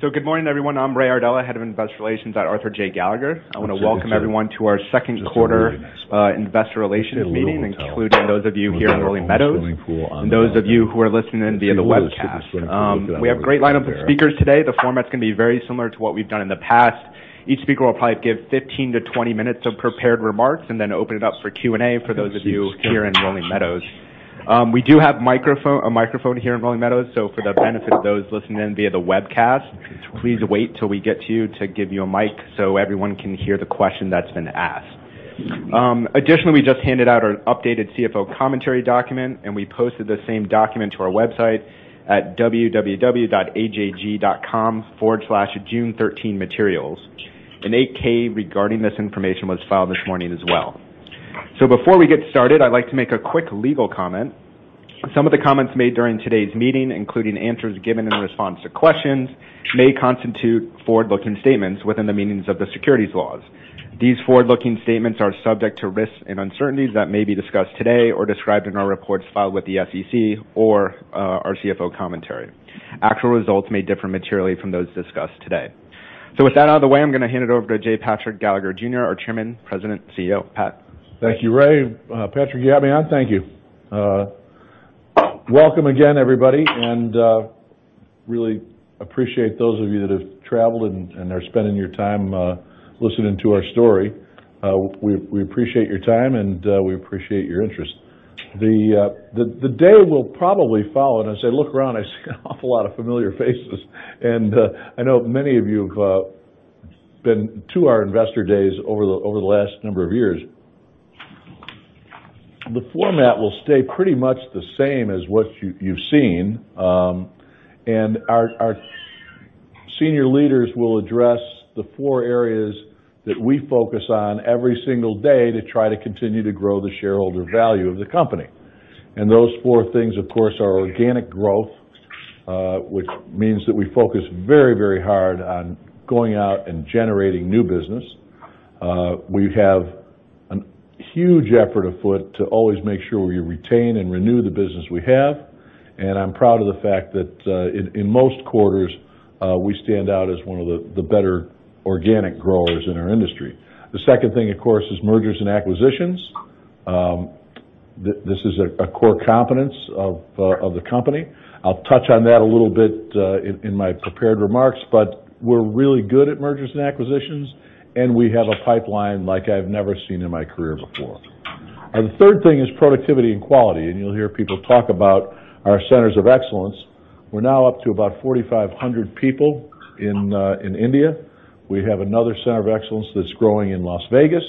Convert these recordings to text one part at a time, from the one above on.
Good morning, everyone. I'm Ray Iardella, Head of Investor Relations at Arthur J. Gallagher. I want to welcome everyone to our second quarter. I'm sure this is. Investor Relations meeting, including those of you here in Rolling Meadows, and those of you who are listening in via the webcast. We have a great lineup of speakers today. The format's going to be very similar to what we've done in the past. Each speaker will probably give 15 to 20 minutes of prepared remarks, and then open it up for Q&A for those of you here in Rolling Meadows. We do have a microphone here in Rolling Meadows, so for the benefit of those listening in via the webcast, please wait till we get to you to give you a mic so everyone can hear the question that's been asked. Additionally, we just handed out our updated CFO Commentary document, and we posted the same document to our website at www.ajg.com/june13materials. An 8-K regarding this information was filed this morning as well. Before we get started, I'd like to make a quick legal comment. Some of the comments made during today's meeting, including answers given in response to questions, may constitute forward-looking statements within the meanings of the securities laws. These forward-looking statements are subject to risks and uncertainties that may be discussed today or described in our reports filed with the SEC or our CFO Commentary. Actual results may differ materially from those discussed today. With that out of the way, I'm going to hand it over to J. Patrick Gallagher, Jr., our Chairman, President, CEO. Pat. Thank you, Ray. Patrick, you have me on? Thank you. Welcome again, everybody, really appreciate those of you that have traveled and are spending your time listening to our story. We appreciate your time, and we appreciate your interest. The day will probably follow, as I look around, I see an awful lot of familiar faces. I know many of you have been to our investor days over the last number of years. The format will stay pretty much the same as what you've seen. Our senior leaders will address the four areas that we focus on every single day to try to continue to grow the shareholder value of the company. Those four things, of course, are organic growth, which means that we focus very hard on going out and generating new business. We have a huge effort afoot to always make sure we retain and renew the business we have. I'm proud of the fact that in most quarters, we stand out as one of the better organic growers in our industry. The second thing, of course, is mergers and acquisitions. This is a core competence of the company. I'll touch on that a little bit in my prepared remarks, but we're really good at mergers and acquisitions, and we have a pipeline like I've never seen in my career before. The third thing is productivity and quality, and you'll hear people talk about our Centers of Excellence. We're now up to about 4,500 people in India. We have another Center of Excellence that's growing in Las Vegas,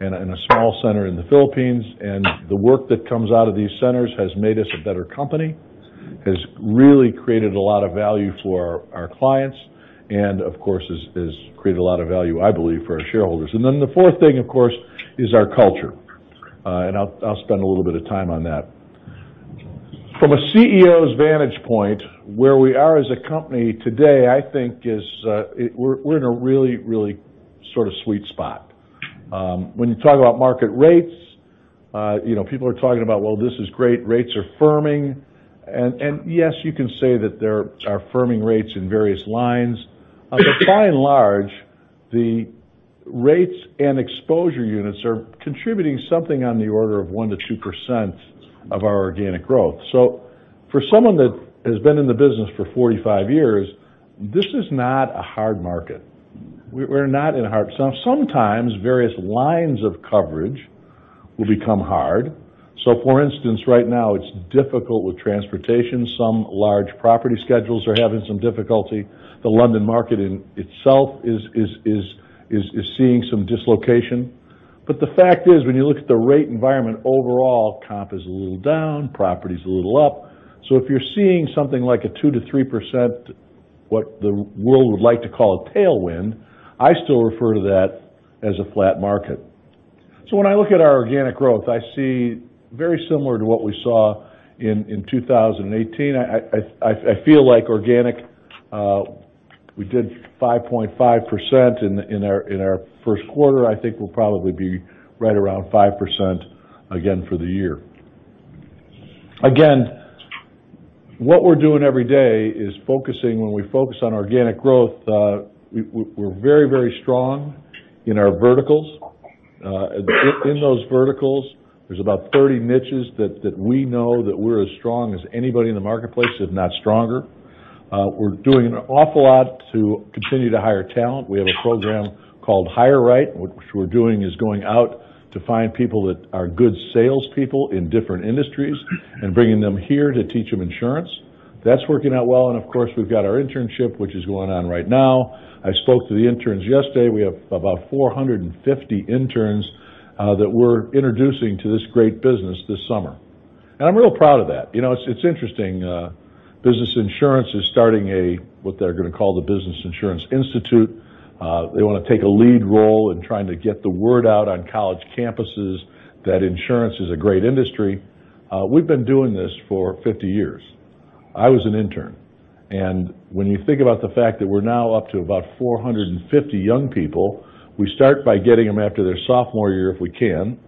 and a small center in the Philippines. The work that comes out of these centers has made us a better company, has really created a lot of value for our clients, and of course, has created a lot of value, I believe, for our shareholders. The fourth thing, of course, is our culture. I'll spend a little bit of time on that. From a CEO's vantage point, where we are as a company today, I think we're in a really sweet spot. When you talk about market rates, people are talking about, well, this is great. Rates are firming. Yes, you can say that there are firming rates in various lines. By and large, the rates and exposure units are contributing something on the order of 1%-2% of our organic growth. For someone that has been in the business for 45 years, this is not a hard market. Sometimes various lines of coverage will become hard. For instance, right now it's difficult with transportation. Some large property schedules are having some difficulty. The London market in itself is seeing some dislocation. The fact is, when you look at the rate environment overall, comp is a little down, property's a little up. If you're seeing something like a 2%-3%, what the world would like to call a tailwind, I still refer to that as a flat market. When I look at our organic growth, I see very similar to what we saw in 2018. I feel like organic, we did 5.5% in our first quarter. I think we'll probably be right around 5% again for the year. Again, what we're doing every day is focusing. When we focus on organic growth, we're very strong in our verticals. In those verticals, there's about 30 niches that we know that we're as strong as anybody in the marketplace, if not stronger. We're doing an awful lot to continue to hire talent. We have a program called HireRight, which is going out to find people that are good salespeople in different industries and bringing them here to teach them insurance. That's working out well, and of course, we've got our internship, which is going on right now. I spoke to the interns yesterday. We have about 450 interns that we're introducing to this great business this summer. I'm real proud of that. It's interesting. Business Insurance is starting what they're going to call the Business Insurance Institute. They want to take a lead role in trying to get the word out on college campuses that insurance is a great industry. We've been doing this for 50 years. I was an intern. When you think about the fact that we're now up to about 450 young people, we start by getting them after their sophomore year, if we can,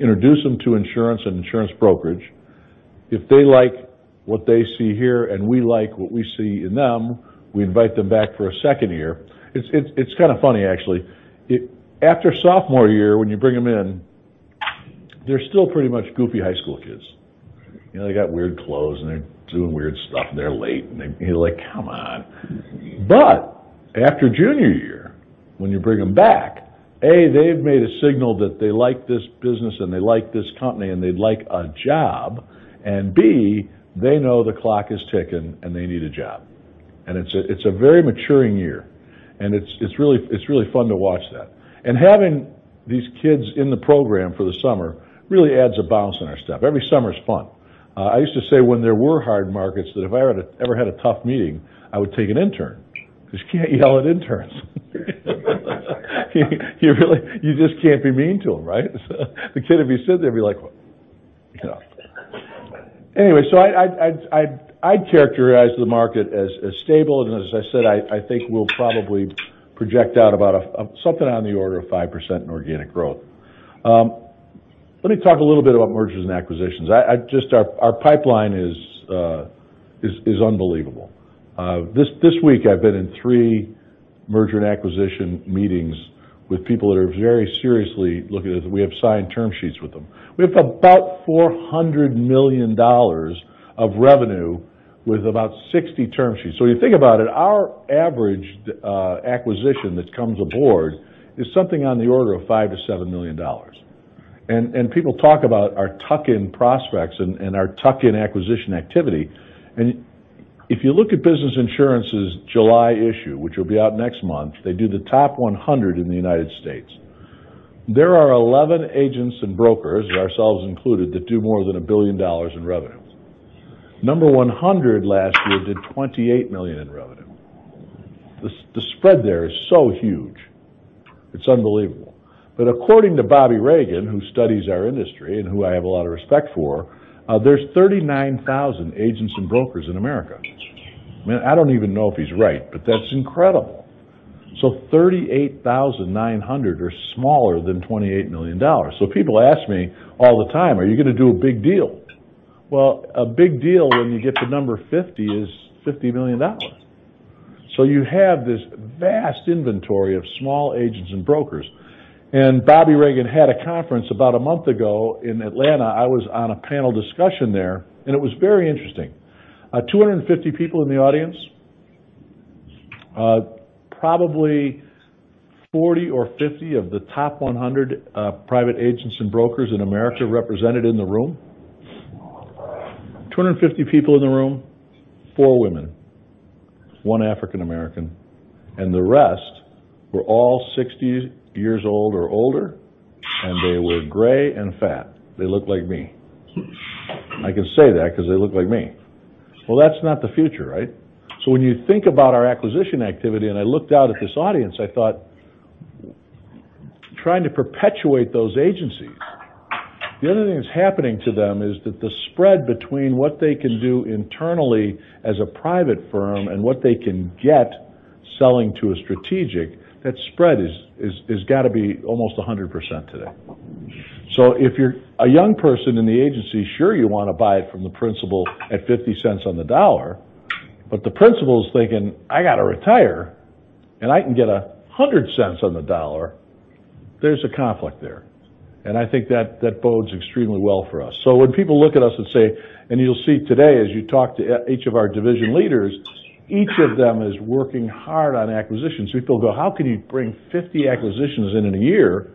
introduce them to insurance and insurance brokerage. If they like what they see here and we like what we see in them, we invite them back for a second year. It's kind of funny, actually. After sophomore year, when you bring them in, they're still pretty much goofy high school kids. They got weird clothes and they're doing weird stuff, and they're late, and you're like, "Come on." After junior year, when you bring them back, A, they've made a signal that they like this business and they like this company and they'd like a job. B, they know the clock is ticking, and they need a job. It's a very maturing year, and it's really fun to watch that. Having these kids in the program for the summer really adds a bounce in our step. Every summer is fun. I used to say when there were hard markets, that if I ever had a tough meeting, I would take an intern because you can't yell at interns. You just can't be mean to them, right? I'd characterize the market as stable and as I said, I think we'll probably project out about something on the order of 5% in organic growth. Let me talk a little bit about mergers and acquisitions. Our pipeline is unbelievable. This week I've been in three merger and acquisition meetings with people that are very seriously looking at it. We have signed term sheets with them. We have about $400 million of revenue with about 60 term sheets. You think about it, our average acquisition that comes aboard is something on the order of $5 million to $7 million. People talk about our tuck-in prospects and our tuck-in acquisition activity. If you look at Business Insurance's July issue, which will be out next month, they do the top 100 in the U.S. There are 11 agents and brokers, ourselves included, that do more than a billion dollars in revenue. Number 100 last year did $28 million in revenue. The spread there is so huge. It's unbelievable. According to Bobby Reagan, who studies our industry and who I have a lot of respect for, there's 39,000 agents and brokers in America. Man, I don't even know if he's right, but that's incredible. 38,900 are smaller than $28 million. People ask me all the time, "Are you going to do a big deal?" A big deal when you get to number 50 is $50 million. You have this vast inventory of small agents and brokers. Bobby Reagan had a conference about a month ago in Atlanta. I was on a panel discussion there, and it was very interesting. 250 people in the audience. Probably 40 or 50 of the top 100 private agents and brokers in America represented in the room. 250 people in the room, four women, one African American, and the rest were all 60 years old or older, and they were gray and fat. They looked like me. I can say that because they looked like me. That's not the future, right? When you think about our acquisition activity, I looked out at this audience, I thought, trying to perpetuate those agencies. The other thing that's happening to them is that the spread between what they can do internally as a private firm and what they can get selling to a strategic, that spread has got to be almost 100% today. If you're a young person in the agency, sure you want to buy it from the principal at $0.50 on the dollar, but the principal's thinking, "I got to retire, and I can get $1.00 on the dollar." There's a conflict there. I think that bodes extremely well for us. When people look at us, you'll see today as you talk to each of our division leaders, each of them is working hard on acquisitions. People go, "How can you bring 50 acquisitions in in a year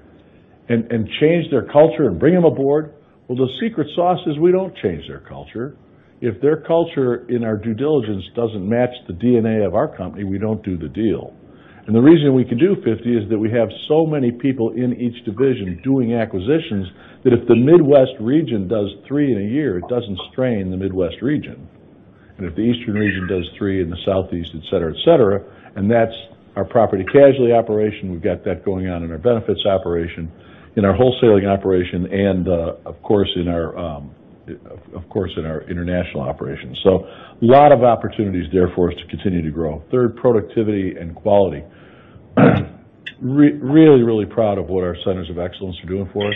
and change their culture and bring them aboard?" The secret sauce is we don't change their culture. If their culture in our due diligence doesn't match the DNA of our company, we don't do the deal. The reason we can do 50 is that we have so many people in each division doing acquisitions, that if the Midwest region does three in a year, it doesn't strain the Midwest region. If the Eastern region does three, and the Southeast, et cetera. That's our P&C operation. We've got that going on in our benefits operation, in our wholesaling operation, and of course, in our international operations. A lot of opportunities there for us to continue to grow. Third, productivity and quality. Really, really proud of what our Gallagher Centers of Excellence are doing for us.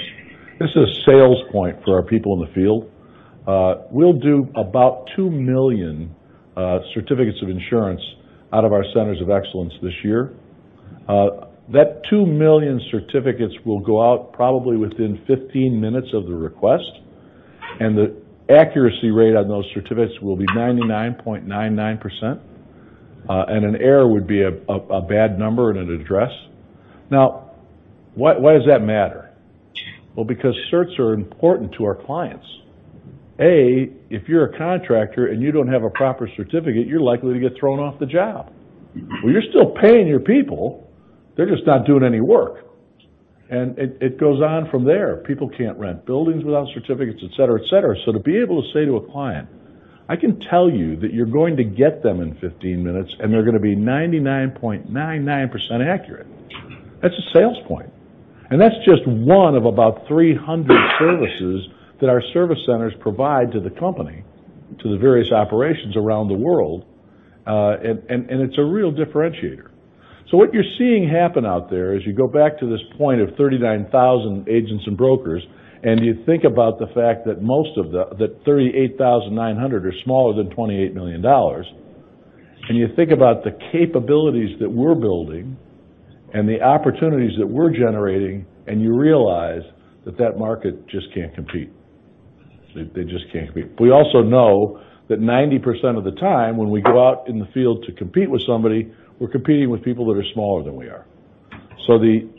This is a sales point for our people in the field. We'll do about 2 million certificates of insurance out of our Gallagher Centers of Excellence this year. That 2 million certificates will go out probably within 15 minutes of the request, and the accuracy rate on those certificates will be 99.99%, and an error would be a bad number and an address. Why does that matter? Because certs are important to our clients. A, if you're a contractor and you don't have a proper certificate, you're likely to get thrown off the job. You're still paying your people, they're just not doing any work. It goes on from there. People can't rent buildings without certificates, et cetera. To be able to say to a client, "I can tell you that you're going to get them in 15 minutes, and they're going to be 99.99% accurate," that's a sales point. That's just one of about 300 services that our service centers provide to the company, to the various operations around the world, and it's a real differentiator. What you're seeing happen out there is you go back to this point of 39,000 agents and brokers, and you think about the fact that 38,900 are smaller than $28 million. You think about the capabilities that we're building and the opportunities that we're generating, and you realize that that market just can't compete. They just can't compete. We also know that 90% of the time when we go out in the field to compete with somebody, we're competing with people that are smaller than we are. The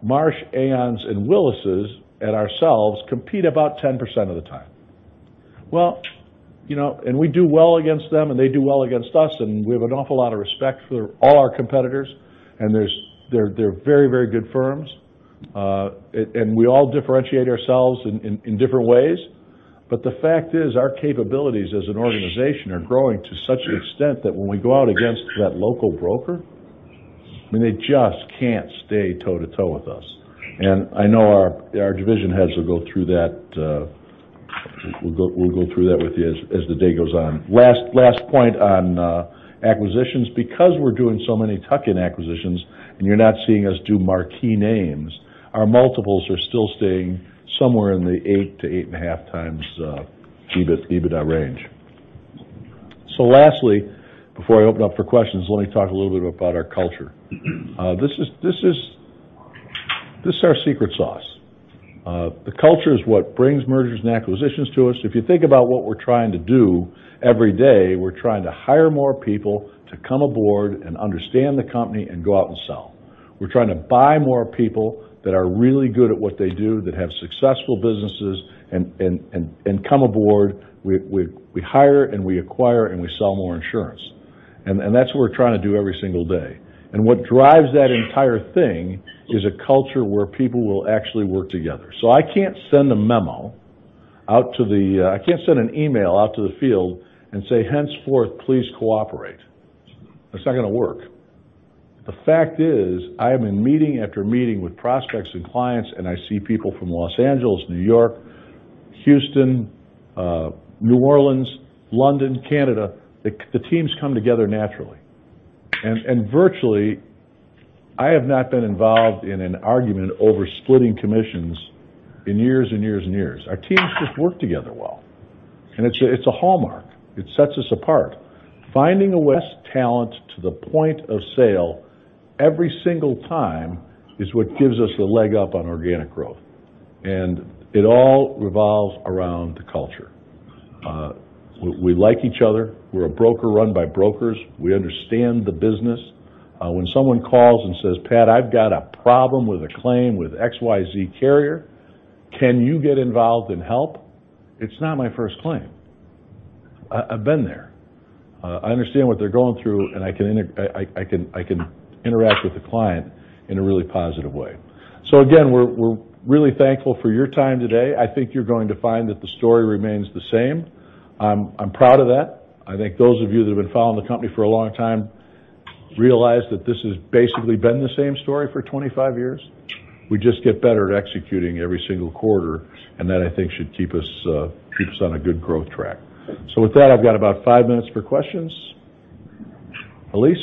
Marsh, Aons, and Willises and ourselves compete about 10% of the time. We do well against them, and they do well against us, and we have an awful lot of respect for all our competitors. They're very good firms. We all differentiate ourselves in different ways. The fact is, our capabilities as an organization are growing to such an extent that when we go out against that local broker, they just can't stay toe to toe with us. I know our division heads will go through that with you as the day goes on. Last point on acquisitions. Because we're doing so many tuck-in acquisitions and you're not seeing us do marquee names, our multiples are still staying somewhere in the eight to eight and a half times EBITDA range. Lastly, before I open up for questions, let me talk a little bit about our culture. This is our secret sauce. The culture is what brings mergers and acquisitions to us. If you think about what we're trying to do every day, we're trying to hire more people to come aboard and understand the company and go out and sell. We're trying to buy more people that are really good at what they do, that have successful businesses, and come aboard. We hire, and we acquire, and we sell more insurance. That's what we're trying to do every single day. What drives that entire thing is a culture where people will actually work together. I can't send a memo, I can't send an email out to the field and say, "Henceforth, please cooperate." That's not going to work. The fact is, I am in meeting after meeting with prospects and clients, and I see people from L.A., N.Y., Houston, New Orleans, London, Canada. The teams come together naturally. Virtually, I have not been involved in an argument over splitting commissions in years and years. Our teams just work together well, and it's a hallmark. It sets us apart. Finding the best talent to the point of sale every single time is what gives us the leg up on organic growth, and it all revolves around the culture. We like each other. We're a broker run by brokers. We understand the business. When someone calls and says, "Pat, I've got a problem with a claim with XYZ carrier. Can you get involved and help?" It's not my first claim. I've been there. I understand what they're going through, I can interact with the client in a really positive way. Again, we're really thankful for your time today. I think you're going to find that the story remains the same. I'm proud of that. I think those of you that have been following the company for a long time realize that this has basically been the same story for 25 years. We just get better at executing every single quarter, that, I think, should keep us on a good growth track. With that, I've got about five minutes for questions. Elyse?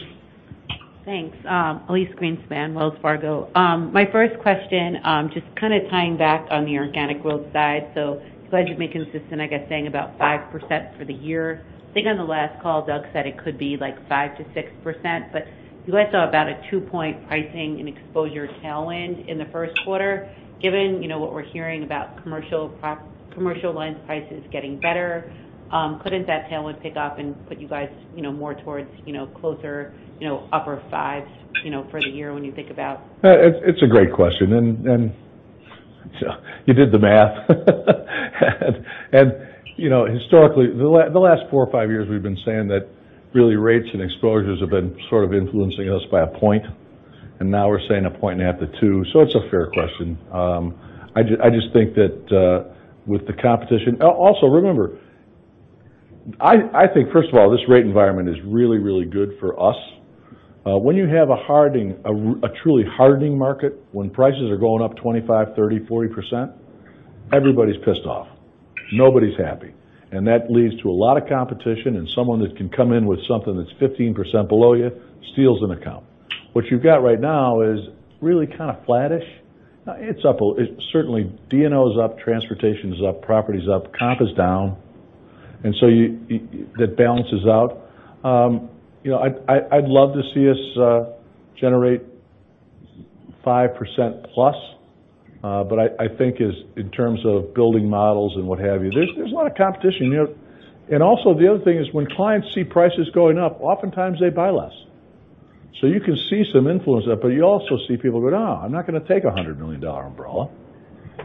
Thanks. Elyse Greenspan, Wells Fargo. My first question, just tying back on the organic growth side. Glad you've been consistent, I guess, saying about 5% for the year. I think on the last call, Doug said it could be 5%-6%, but you guys saw about a two-point pricing and exposure tailwind in the first quarter. Given what we're hearing about commercial lines prices getting better, couldn't that tailwind pick up and put you guys more towards closer upper 5s for the year when you think about- It's a great question, you did the math. Historically, the last four or five years, we've been saying that really rates and exposures have been sort of influencing us by a point, now we're saying 1.5 to 2. It's a fair question. I just think that with the competition. Remember, I think, first of all, this rate environment is really good for us. When you have a truly hardening market, when prices are going up 25%, 30%, 40%, everybody's pissed off. Nobody's happy. That leads to a lot of competition, someone that can come in with something that's 15% below you steals an account. What you've got right now is really kind of flattish. It's up. Certainly D&O's up, transportation's up, property's up, comp is down. That balances out. I'd love to see us generate 5%+. I think in terms of building models and what have you, there's a lot of competition. The other thing is when clients see prices going up, oftentimes they buy less. You can see some influence there, but you also see people go, "Ah, I'm not going to take $100 million umbrella.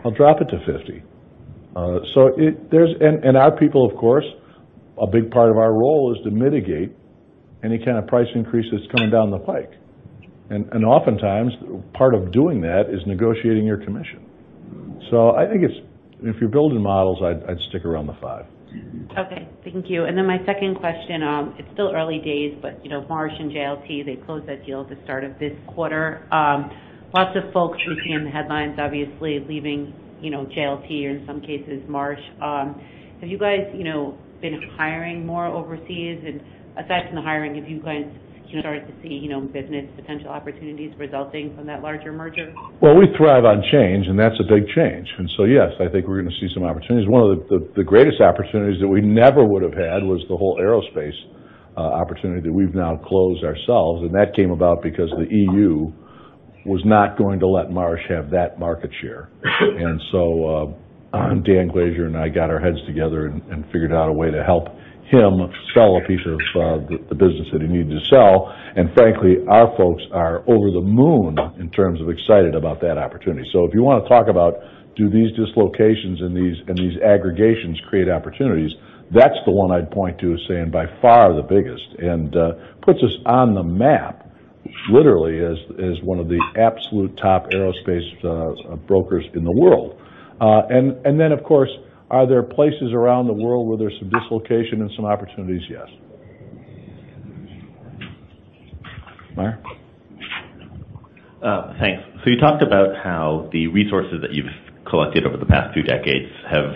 I'll drop it to $50 million." Our people, of course, a big part of our role is to mitigate any kind of price increase that's coming down the pike. Oftentimes, part of doing that is negotiating your commission. I think if you're building models, I'd stick around the 5. Okay. Thank you. My second question, it's still early days. Marsh and JLT closed that deal at the start of this quarter. Lots of folks we've seen in the headlines, obviously, leaving JLT or in some cases, Marsh. Have you guys been hiring more overseas? Aside from the hiring, have you guys started to see business potential opportunities resulting from that larger merger? Well, we thrive on change. That's a big change. Yes, I think we're going to see some opportunities. One of the greatest opportunities that we never would have had was the whole aerospace opportunity that we've now closed ourselves. That came about because the EU was not going to let Marsh have that market share. Dan Glaser and I got our heads together and figured out a way to help him sell a piece of the business that he needed to sell. Frankly, our folks are over the moon in terms of excited about that opportunity. If you want to talk about, do these dislocations and these aggregations create opportunities, that's the one I'd point to as saying by far the biggest, and puts us on the map literally as one of the absolute top aerospace brokers in the world. Of course, are there places around the world where there's some dislocation and some opportunities? Yes. Meyer? Thanks. You talked about how the resources that you've collected over the past few decades have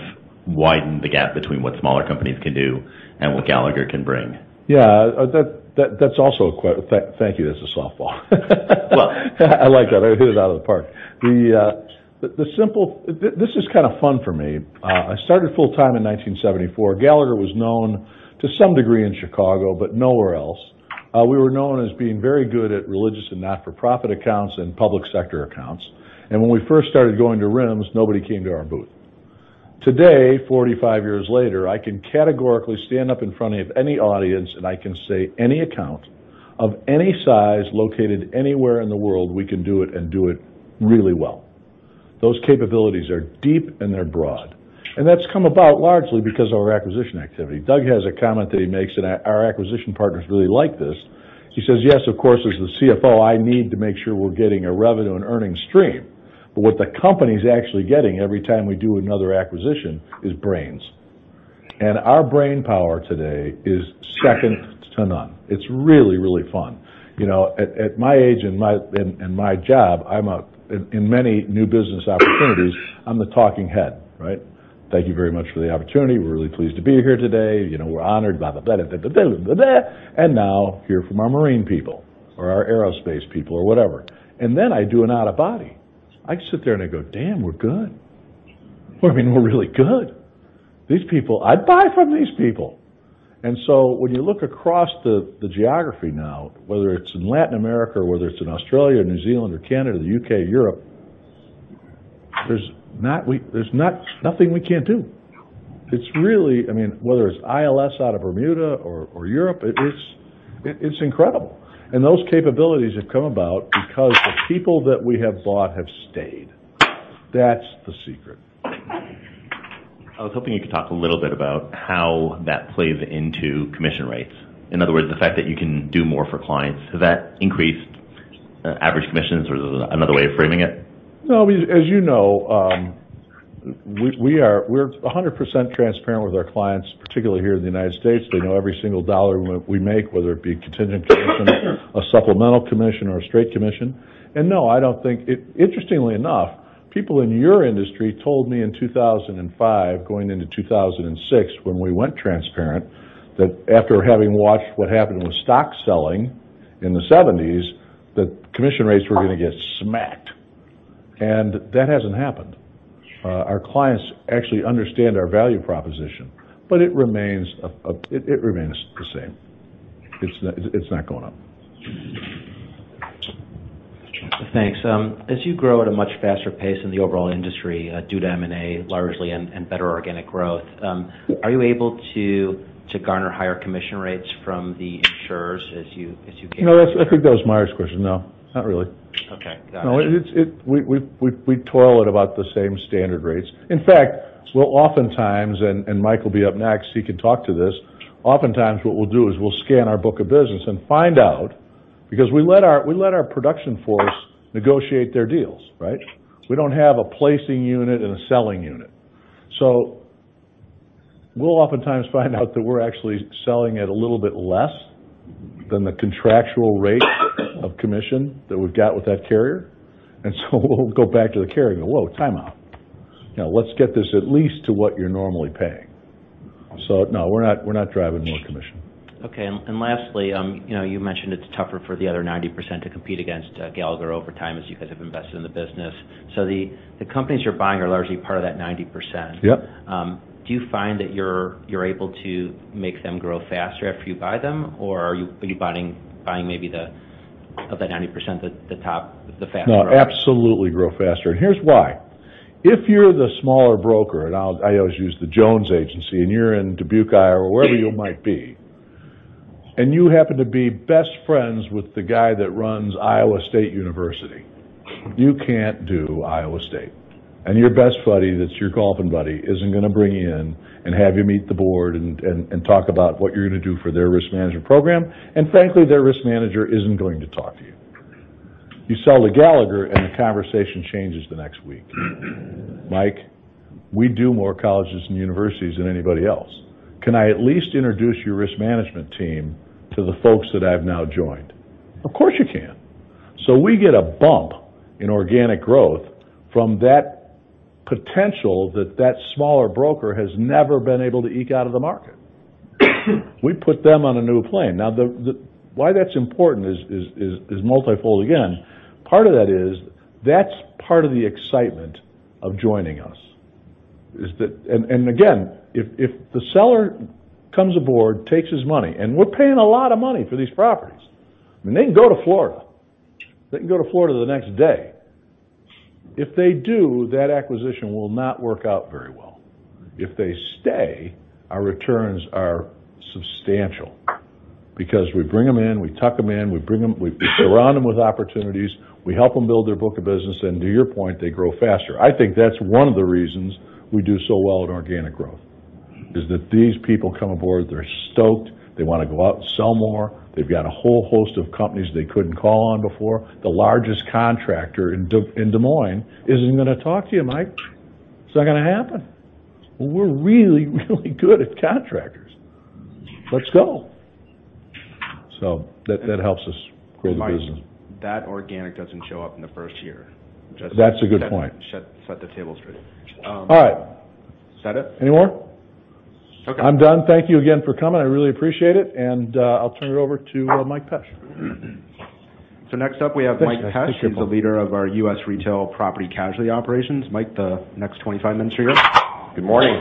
widened the gap between what smaller companies can do and what Gallagher can bring. Yeah. Thank you. That's a softball. Well I like that. I'll hit it out of the park. This is kind of fun for me. I started full time in 1974. Gallagher was known to some degree in Chicago, but nowhere else. We were known as being very good at religious and not-for-profit accounts and public sector accounts. When we first started going to RIMS, nobody came to our booth. Today, 45 years later, I can categorically stand up in front of any audience, and I can say any account of any size located anywhere in the world, we can do it and do it really well. Those capabilities are deep, and they're broad. That's come about largely because of our acquisition activity. Doug has a comment that he makes, and our acquisition partners really like this. He says, "Yes, of course, as the CFO, I need to make sure we're getting a revenue and earnings stream. What the company's actually getting every time we do another acquisition is brains." Our brainpower today is second to none. It's really fun. At my age and my job, in many new business opportunities, I'm the talking head. Right? "Thank you very much for the opportunity. We're really pleased to be here today. We're honored, blah, blah, blah, blah. Now hear from our marine people," or our aerospace people or whatever. Then I do an out-of-body. I just sit there, and I go, "Damn, we're good." I mean, we're really good. These people, I'd buy from these people. When you look across the geography now, whether it's in Latin America or whether it's in Australia, New Zealand or Canada, the U.K., Europe, there's nothing we can't do. Whether it's ILS out of Bermuda or Europe, it's incredible. Those capabilities have come about because the people that we have bought have stayed. That's the secret. I was hoping you could talk a little bit about how that plays into commission rates. In other words, the fact that you can do more for clients, has that increased average commissions, or is there another way of framing it? No, as you know, we're 100% transparent with our clients, particularly here in the United States. They know every single dollar we make, whether it be contingent commission, a supplemental commission, or a straight commission. No, I don't think. Interestingly enough, people in your industry told me in 2005, going into 2006, when we went transparent, that after having watched what happened with stock selling in the '70s, that commission rates were going to get smacked. That hasn't happened. Our clients actually understand our value proposition, but it remains the same. It's not going up. Thanks. As you grow at a much faster pace than the overall industry, due to M&A largely and better organic growth, are you able to garner higher commission rates from the insurers as you gain-? No, I think that was Meyer's question. No, not really. Okay. Got it. No. We toil at about the same standard rates. In fact, we'll oftentimes, and Mike will be up next, he can talk to this. Oftentimes, what we'll do is we'll scan our book of business and find out, because we let our production force negotiate their deals, right? We don't have a placing unit and a selling unit. We'll oftentimes find out that we're actually selling at a little bit less than the contractual rate of commission that we've got with that carrier. We'll go back to the carrier and go, "Whoa, time out. Now let's get this at least to what you're normally paying." No, we're not driving more commission. Okay. Lastly, you mentioned it's tougher for the other 90% to compete against Gallagher over time as you guys have invested in the business. The companies you're buying are largely part of that 90%. Yep. Do you find that you're able to make them grow faster after you buy them, or are you buying maybe of that 90% the top, the faster growers? No, absolutely grow faster. Here's why. If you're the smaller broker, and I always use the Jones Agency, and you're in Dubuque, Iowa, or wherever you might be. You happen to be best friends with the guy that runs Iowa State University. You can't do Iowa State. Your best buddy, that's your golfing buddy, isn't going to bring you in and have you meet the board and talk about what you're going to do for their risk management program. Frankly, their risk manager isn't going to talk to you. You sell to Gallagher and the conversation changes the next week. "Mike, we do more colleges and universities than anybody else. Can I at least introduce your risk management team to the folks that I've now joined?" Of course you can. We get a bump in organic growth from that potential that that smaller broker has never been able to eke out of the market. We put them on a new plane. Why that's important is multifold. Again, part of that is, that's part of the excitement of joining us. Again, if the seller comes aboard, takes his money, and we're paying a lot of money for these properties, and they can go to Florida. They can go to Florida the next day. If they do, that acquisition will not work out very well. If they stay, our returns are substantial because we bring them in, we tuck them in, we surround them with opportunities, we help them build their book of business, and to your point, they grow faster. I think that's one of the reasons we do so well in organic growth, is that these people come aboard, they're stoked, they want to go out and sell more. They've got a whole host of companies they couldn't call on before. The largest contractor in Des Moines isn't going to talk to you, Mike. It's not going to happen. We're really, really good at contractors. Let's go. That helps us grow the business. Mike, that organic doesn't show up in the first year. That's a good point. Just to set the table straight. All right. Is that it? Any more? Okay. I'm done. Thank you again for coming. I really appreciate it. I'll turn it over to Mike Pesch. Next up we have Mike Pesch. Thanks, Jim. He's the leader of our U.S. Retail Property/Casualty Operations. Mike, the next 25 minutes are yours. Good morning.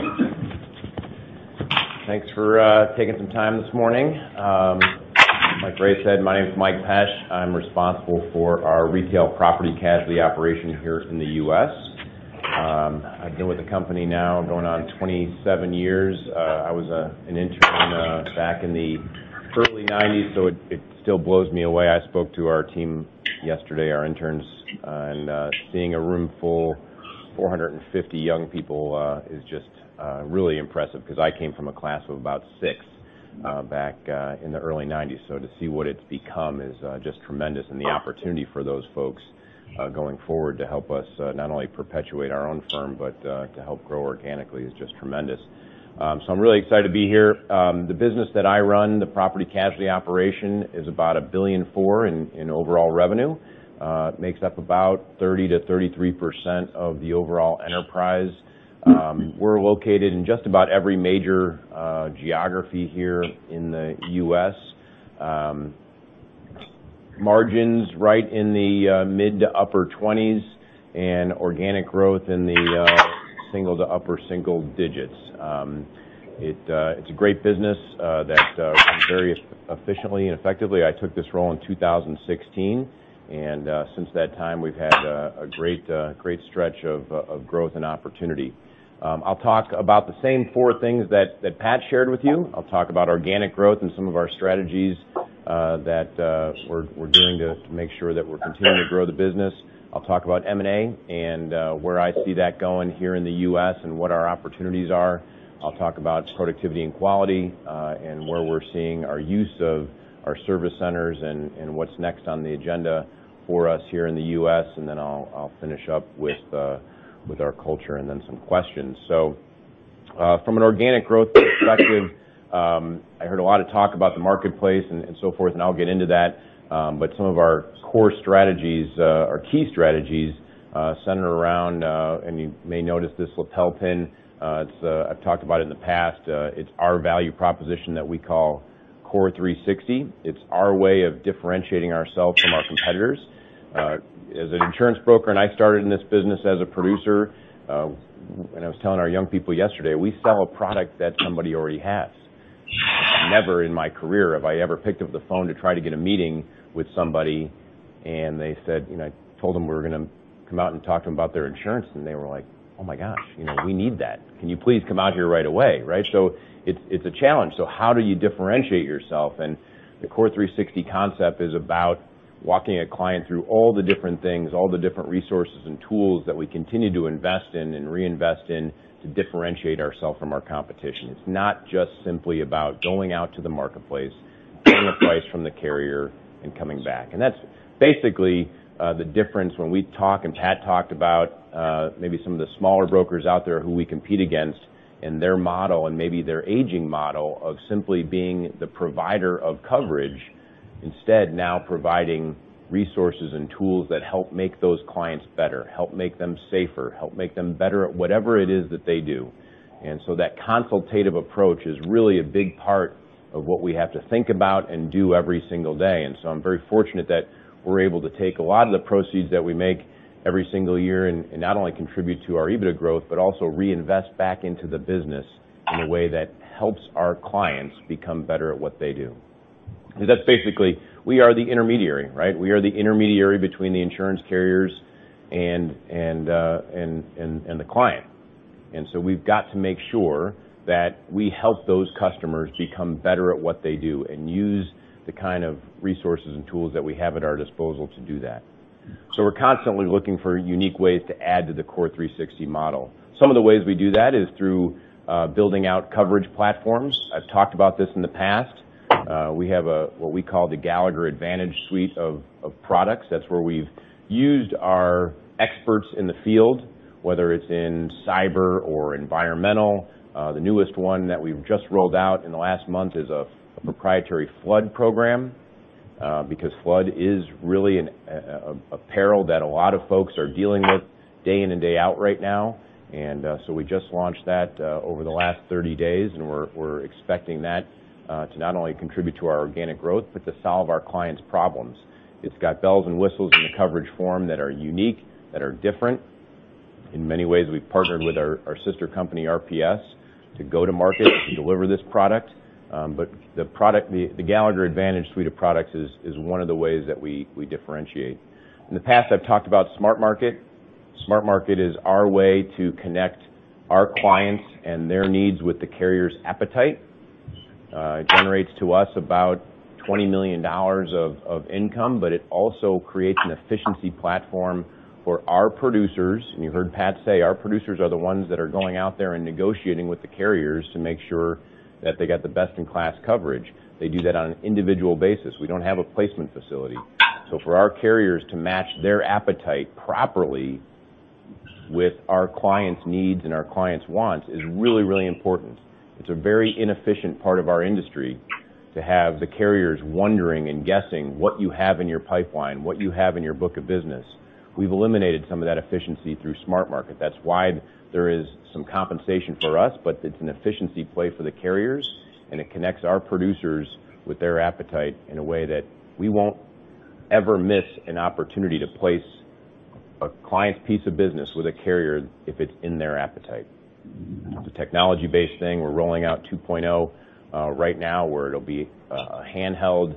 Thanks for taking some time this morning. Like Ray said, my name's Mike Pesch. I'm responsible for our retail Property/Casualty operation here in the U.S. I've been with the company now going on 27 years. I was an intern back in the early 1990s, so it still blows me away. I spoke to our team yesterday, our interns, and seeing a room full of 450 young people is just really impressive because I came from a class of about six back in the early 1990s. To see what it's become is just tremendous, and the opportunity for those folks going forward to help us not only perpetuate our own firm, but to help grow organically is just tremendous. I'm really excited to be here. The business that I run, the Property/Casualty operation, is about $1.4 billion in overall revenue. It makes up about 30%-33% of the overall enterprise. We're located in just about every major geography here in the U.S. Margins right in the mid to upper 20s, and organic growth in the single to upper single digits. It's a great business that runs very efficiently and effectively. I took this role in 2016, since that time, we've had a great stretch of growth and opportunity. I'll talk about the same four things that Pat shared with you. I'll talk about organic growth and some of our strategies that we're doing to make sure that we're continuing to grow the business. I'll talk about M&A and where I see that going here in the U.S. and what our opportunities are. I'll talk about productivity and quality, and where we're seeing our use of our service centers and what's next on the agenda for us here in the U.S. I'll finish up with our culture, and then some questions. From an organic growth perspective, I heard a lot of talk about the marketplace and so forth, and I'll get into that. Some of our core strategies, our key strategies, center around, and you may notice this lapel pin. I've talked about it in the past. It's our value proposition that we call CORE360. It's our way of differentiating ourselves from our competitors. As an insurance broker, and I started in this business as a producer, and I was telling our young people yesterday, we sell a product that somebody already has. Never in my career have I ever picked up the phone to try to get a meeting with somebody, I told them we were going to come out and talk to them about their insurance, and they were like, "Oh, my gosh, we need that. Can you please come out here right away?" Right? It's a challenge. How do you differentiate yourself? The CORE360 concept is about walking a client through all the different things, all the different resources and tools that we continue to invest in and reinvest in to differentiate ourselves from our competition. It's not just simply about going out to the marketplace, getting a price from the carrier, and coming back. That's basically the difference when we talk and Pat talked about maybe some of the smaller brokers out there who we compete against and their model and maybe their aging model of simply being the provider of coverage. Instead, now providing resources and tools that help make those clients better, help make them safer, help make them better at whatever it is that they do. That consultative approach is really a big part of what we have to think about and do every single day. I'm very fortunate that we're able to take a lot of the proceeds that we make every single year and not only contribute to our EBITDA growth, but also reinvest back into the business in a way that helps our clients become better at what they do. That's basically, we are the intermediary, right? We are the intermediary between the insurance carriers and the client. We've got to make sure that we help those customers become better at what they do and use the kind of resources and tools that we have at our disposal to do that. We're constantly looking for unique ways to add to the CORE360 model. Some of the ways we do that is through building out coverage platforms. I've talked about this in the past. We have what we call the Gallagher Advantage Suite of products. That's where we've used our experts in the field, whether it's in cyber or environmental. The newest one that we've just rolled out in the last month is a proprietary flood program, because flood is really a peril that a lot of folks are dealing with day in and day out right now. We just launched that over the last 30 days, and we're expecting that to not only contribute to our organic growth, but to solve our clients' problems. It's got bells and whistles in the coverage form that are unique, that are different. In many ways, we've partnered with our sister company, RPS, to go to market to deliver this product. The Gallagher Advantage Suite of products is one of the ways that we differentiate. In the past, I've talked about SmartMarket. SmartMarket is our way to connect our clients and their needs with the carrier's appetite. It generates to us about $20 million of income, it also creates an efficiency platform for our producers. You heard Pat say, our producers are the ones that are going out there and negotiating with the carriers to make sure that they got the best-in-class coverage. They do that on an individual basis. We don't have a placement facility. For our carriers to match their appetite properly with our clients' needs and our clients' wants is really, really important. It's a very inefficient part of our industry to have the carriers wondering and guessing what you have in your pipeline, what you have in your book of business. We've eliminated some of that efficiency through SmartMarket. That's why there is some compensation for us, but it's an efficiency play for the carriers, and it connects our producers with their appetite in a way that we won't ever miss an opportunity to place a client's piece of business with a carrier if it's in their appetite. It's a technology-based thing. We're rolling out 2.0 right now where it'll be a handheld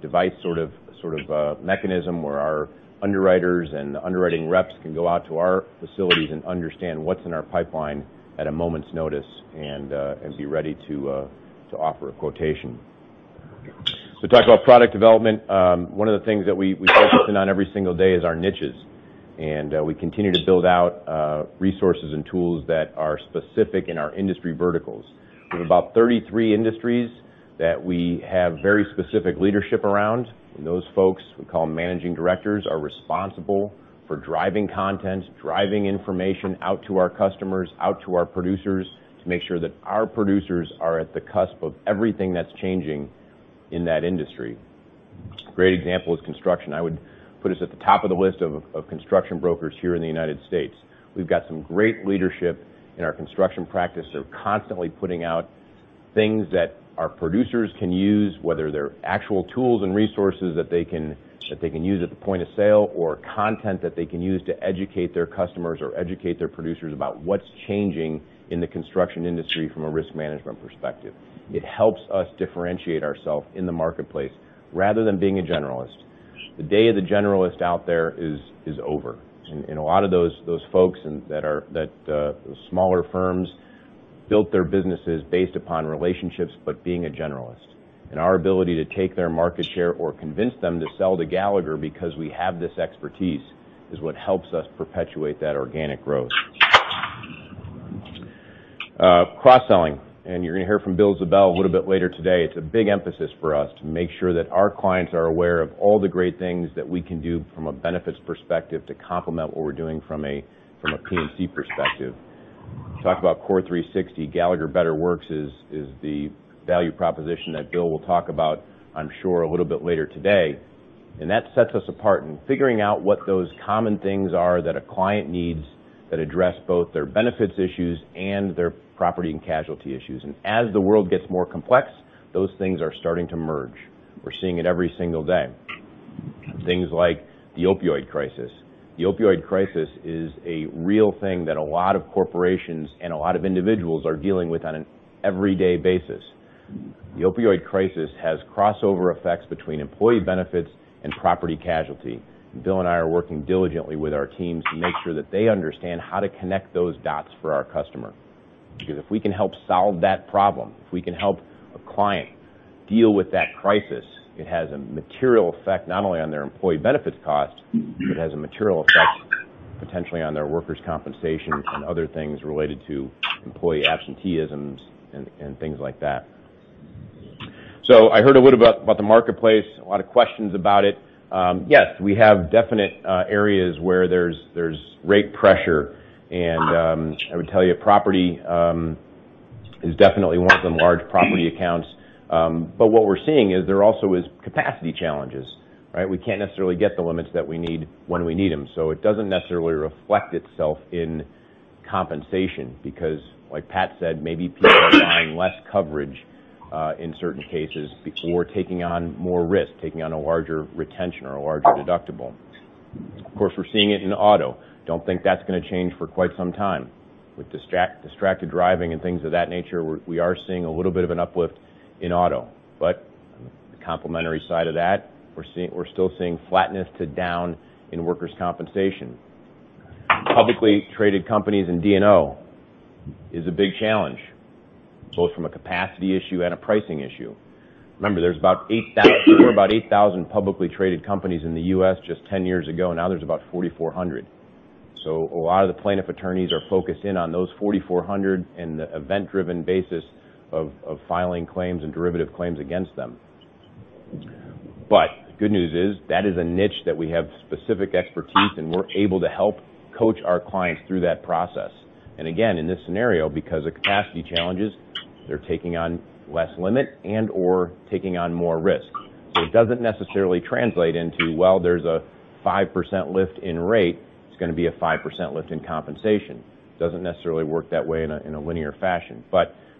device sort of mechanism where our underwriters and the underwriting reps can go out to our facilities and understand what's in our pipeline at a moment's notice and be ready to offer a quotation. Talk about product development. One of the things that we focus in on every single day is our niches, and we continue to build out resources and tools that are specific in our industry verticals. We have about 33 industries that we have very specific leadership around, and those folks, we call them managing directors, are responsible for driving content, driving information out to our customers, out to our producers to make sure that our producers are at the cusp of everything that's changing in that industry. Great example is construction. I would put us at the top of the list of construction brokers here in the United States. We've got some great leadership in our construction practice. They're constantly putting out things that our producers can use, whether they're actual tools and resources that they can use at the point of sale or content that they can use to educate their customers or educate their producers about what's changing in the construction industry from a risk management perspective. It helps us differentiate ourselves in the marketplace rather than being a generalist. The day of the generalist out there is over. A lot of those folks that are smaller firms built their businesses based upon relationships, but being a generalist. Our ability to take their market share or convince them to sell to Gallagher because we have this expertise is what helps us perpetuate that organic growth. Cross-selling, you're going to hear from Bill Zabel a little bit later today. It's a big emphasis for us to make sure that our clients are aware of all the great things that we can do from a benefits perspective to complement what we're doing from a P&C perspective. Talk about CORE360, Gallagher Better Works is the value proposition that Bill will talk about, I'm sure, a little bit later today. That sets us apart in figuring out what those common things are that a client needs that address both their benefits issues and their property and casualty issues. As the world gets more complex, those things are starting to merge. We're seeing it every single day. Things like the opioid crisis. The opioid crisis is a real thing that a lot of corporations and a lot of individuals are dealing with on an everyday basis. The opioid crisis has crossover effects between employee benefits and property casualty. Bill and I are working diligently with our teams to make sure that they understand how to connect those dots for our customer. Because if we can help solve that problem, if we can help a client deal with that crisis, it has a material effect, not only on their employee benefits cost, but it has a material effect potentially on their workers' compensation and other things related to employee absenteeism and things like that. I heard a little about the marketplace, a lot of questions about it. Yes, we have definite areas where there's rate pressure, and I would tell you property is definitely one of them, large property accounts. What we're seeing is there also is capacity challenges, right? We can't necessarily get the limits that we need when we need them. It doesn't necessarily reflect itself in compensation because, like Pat said, maybe people are buying less coverage, in certain cases, or taking on more risk, taking on a larger retention or a larger deductible. Of course, we're seeing it in auto. Don't think that's going to change for quite some time. With distracted driving and things of that nature, we are seeing a little bit of an uplift in auto. The complementary side of that, we're still seeing flatness to down in workers' compensation. Publicly traded companies and D&O is a big challenge, both from a capacity issue and a pricing issue. Remember, there were about 8,000 publicly traded companies in the U.S. just 10 years ago, now there's about 4,400. A lot of the plaintiff attorneys are focused in on those 4,400 and the event-driven basis of filing claims and derivative claims against them. The good news is, that is a niche that we have specific expertise in. We're able to help coach our clients through that process. Again, in this scenario, because of capacity challenges, they're taking on less limit and/or taking on more risk. It doesn't necessarily translate into, well, there's a 5% lift in rate, it's going to be a 5% lift in compensation. Doesn't necessarily work that way in a linear fashion.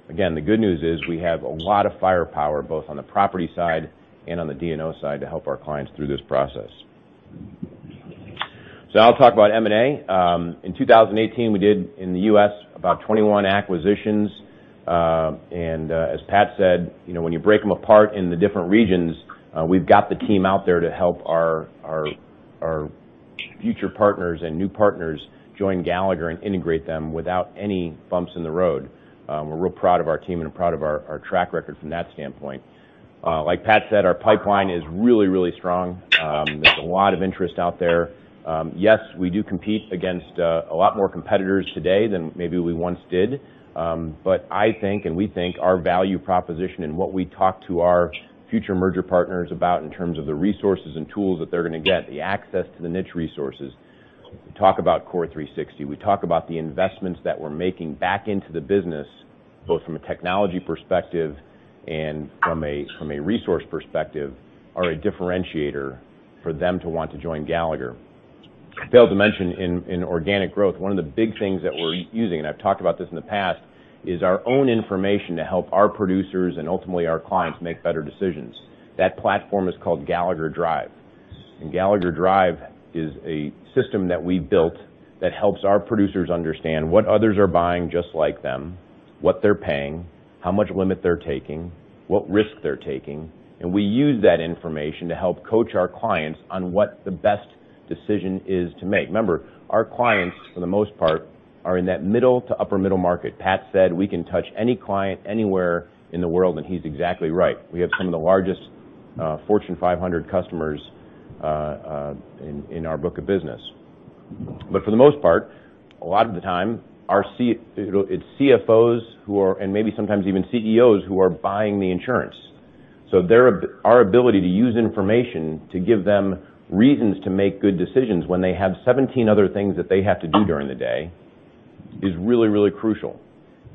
Again, the good news is we have a lot of firepower, both on the property side and on the D&O side, to help our clients through this process. Now I'll talk about M&A. In 2018, we did, in the U.S., about 21 acquisitions. As Pat said, when you break them apart in the different regions, we've got the team out there to help our future partners and new partners join Gallagher and integrate them without any bumps in the road. We're real proud of our team and proud of our track record from that standpoint. Like Pat said, our pipeline is really strong. There's a lot of interest out there. Yes, we do compete against a lot more competitors today than maybe we once did. I think, and we think, our value proposition and what we talk to our future merger partners about in terms of the resources and tools that they're going to get, the access to the niche resources. We talk about CORE360, we talk about the investments that we're making back into the business, both from a technology perspective and from a resource perspective, are a differentiator for them to want to join Gallagher. Failed to mention in organic growth, one of the big things that we're using, and I've talked about this in the past, is our own information to help our producers and ultimately our clients make better decisions. That platform is called Gallagher Drive. Gallagher Drive is a system that we built that helps our producers understand what others are buying just like them, what they're paying, how much limit they're taking, what risk they're taking. We use that information to help coach our clients on what the best decision is to make. Remember, our clients, for the most part, are in that middle to upper middle market. Pat said we can touch any client anywhere in the world, and he's exactly right. We have some of the largest Fortune 500 customers in our book of business. For the most part, a lot of the time, it's CFOs and maybe sometimes even CEOs who are buying the insurance. Our ability to use information to give them reasons to make good decisions when they have 17 other things that they have to do during the day is really, really crucial.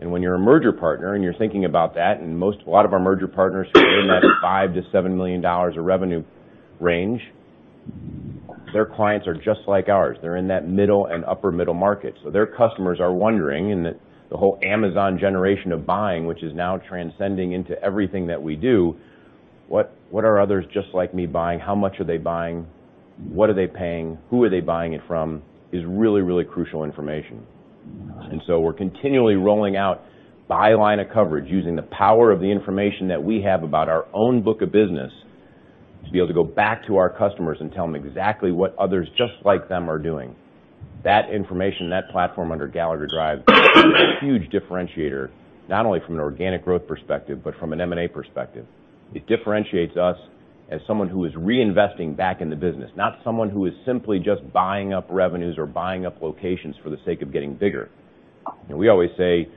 When you're a merger partner and you're thinking about that, a lot of our merger partners are in that $5 million-$7 million of revenue range, their clients are just like ours. They're in that middle and upper middle market. Their customers are wondering in the whole Amazon generation of buying, which is now transcending into everything that we do, what are others just like me buying? How much are they buying? What are they paying? Who are they buying it from? Is really, really crucial information. We're continually rolling out by line of coverage, using the power of the information that we have about our own book of business to be able to go back to our customers and tell them exactly what others just like them are doing. That information, that platform under Gallagher Drive is a huge differentiator, not only from an organic growth perspective, but from an M&A perspective. It differentiates us as someone who is reinvesting back in the business, not someone who is simply just buying up revenues or buying up locations for the sake of getting bigger. We always say,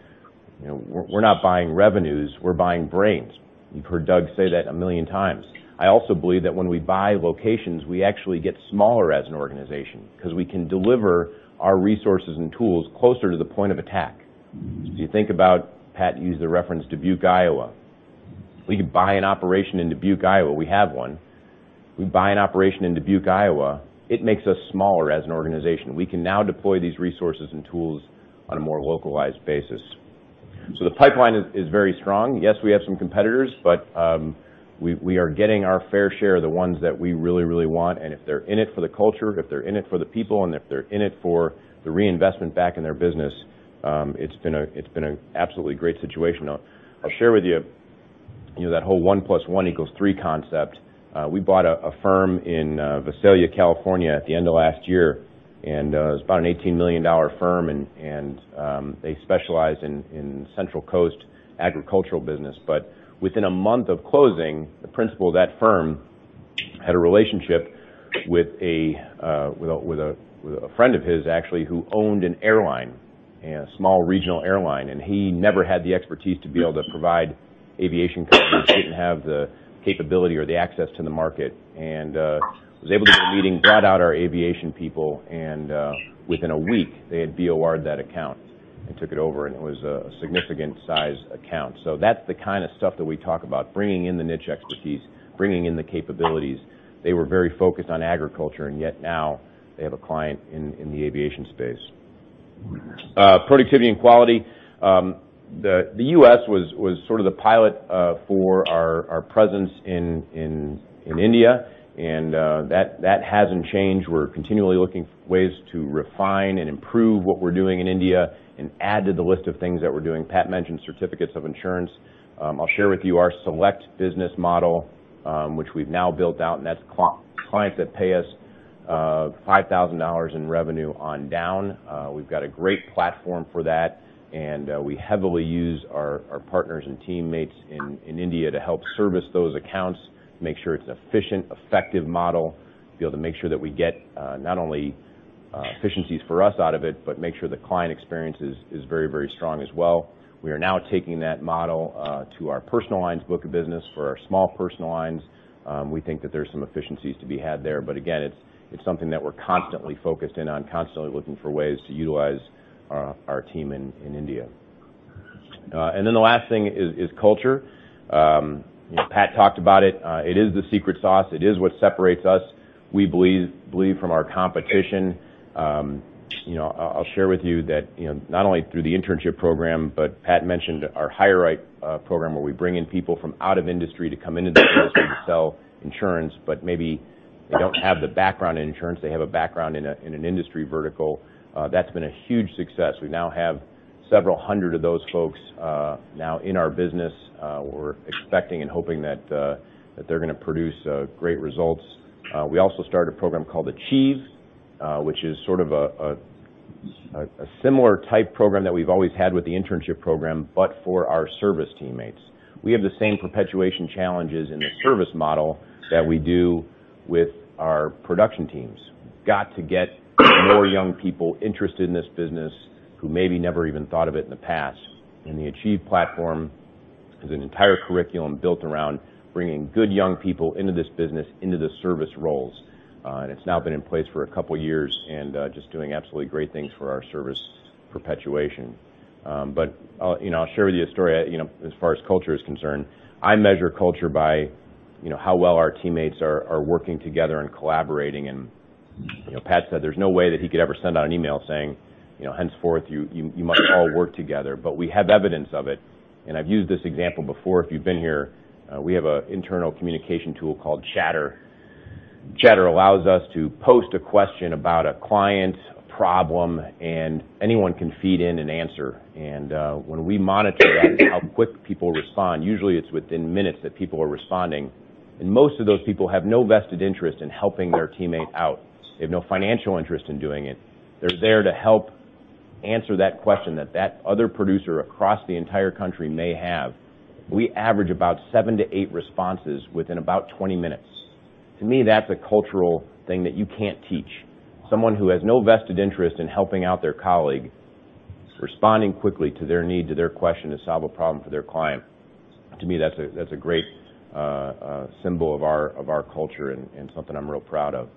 we're not buying revenues, we're buying brains. You've heard Doug say that a million times. I also believe that when we buy locations, we actually get smaller as an organization because we can deliver our resources and tools closer to the point of attack. You think about, Pat used the reference Dubuque, Iowa. We could buy an operation in Dubuque, Iowa. We have one. We buy an operation in Dubuque, Iowa, it makes us smaller as an organization. We can now deploy these resources and tools on a more localized basis. The pipeline is very strong. Yes, we have some competitors, but we are getting our fair share, the ones that we really, really want, and if they're in it for the culture, if they're in it for the people, and if they're in it for the reinvestment back in their business, it's been an absolutely great situation. I'll share with you that whole one plus one equals three concept. We bought a firm in Visalia, California at the end of last year, and it was about an $18 million firm, and they specialize in Central Coast agricultural business. Within a month of closing, the principal of that firm had a relationship with a friend of his, actually, who owned an airline, a small regional airline. He never had the expertise to be able to provide aviation coverage, didn't have the capability or the access to the market, and was able to go to a meeting, brought out our aviation people, and within a week, they had BOR'd that account and took it over, and it was a significant size account. That's the kind of stuff that we talk about, bringing in the niche expertise, bringing in the capabilities. They were very focused on agriculture, and yet now they have a client in the aviation space. Productivity and quality. The U.S. was sort of the pilot for our presence in India, and that hasn't changed. We're continually looking for ways to refine and improve what we're doing in India and add to the list of things that we're doing. Pat mentioned certificates of insurance. I'll share with you our select business model, which we've now built out, and that's clients that pay us $5,000 in revenue on down. We've got a great platform for that, and we heavily use our partners and teammates in India to help service those accounts, make sure it's an efficient, effective model. Be able to make sure that we get not only efficiencies for us out of it, but make sure the client experience is very, very strong as well. We are now taking that model to our personal lines book of business for our small personal lines. We think that there's some efficiencies to be had there. Again, it's something that we're constantly focused in on, constantly looking for ways to utilize our team in India. The last thing is culture. Pat talked about it. It is the secret sauce. It is what separates us, we believe, from our competition. I'll share with you that, not only through the internship program, but Pat mentioned our HireRight program, where we bring in people from out of industry to come into the business to sell insurance, but maybe they don't have the background in insurance. They have a background in an industry vertical. That's been a huge success. We now have several hundred of those folks now in our business. We're expecting and hoping that they're going to produce great results. We also started a program called Achieve, which is sort of a similar type program that we've always had with the internship program, but for our service teammates. We have the same perpetuation challenges in the service model that we do with our production teams. We have got to get more young people interested in this business who maybe never even thought of it in the past. The Achieve Program is an entire curriculum built around bringing good young people into this business, into the service roles. It's now been in place for a couple of years and just doing absolutely great things for our service perpetuation. I'll share with you a story as far as culture is concerned. I measure culture by how well our teammates are working together and collaborating, and Pat said there's no way that he could ever send out an email saying, "Henceforth, you must all work together." We have evidence of it, and I've used this example before, if you've been here. We have an internal communication tool called Chatter. Chatter allows us to post a question about a client, a problem. Anyone can feed in an answer. When we monitor that and how quick people respond, usually it's within minutes that people are responding. Most of those people have no vested interest in helping their teammate out. They have no financial interest in doing it. They're there to help answer that question that that other producer across the entire country may have. We average about seven to eight responses within about 20 minutes. To me, that's a cultural thing that you can't teach. Someone who has no vested interest in helping out their colleague, responding quickly to their need, to their question, to solve a problem for their client. To me, that's a great symbol of our culture and something I'm real proud of.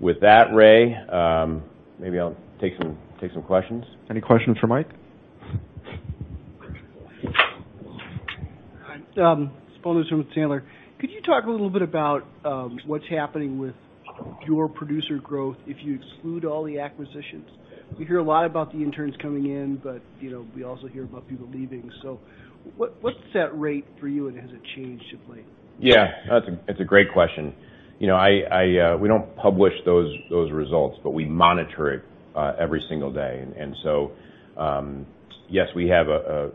With that, Ray, maybe I'll take some questions. Any questions for Mike? Hi. Spencer Lewis with Taylor. Could you talk a little bit about what's happening with your producer growth if you exclude all the acquisitions? We hear a lot about the interns coming in. We also hear about people leaving. What's that rate for you, and has it changed of late? Yeah. That's a great question. We don't publish those results, but we monitor it every single day. Yes, we have an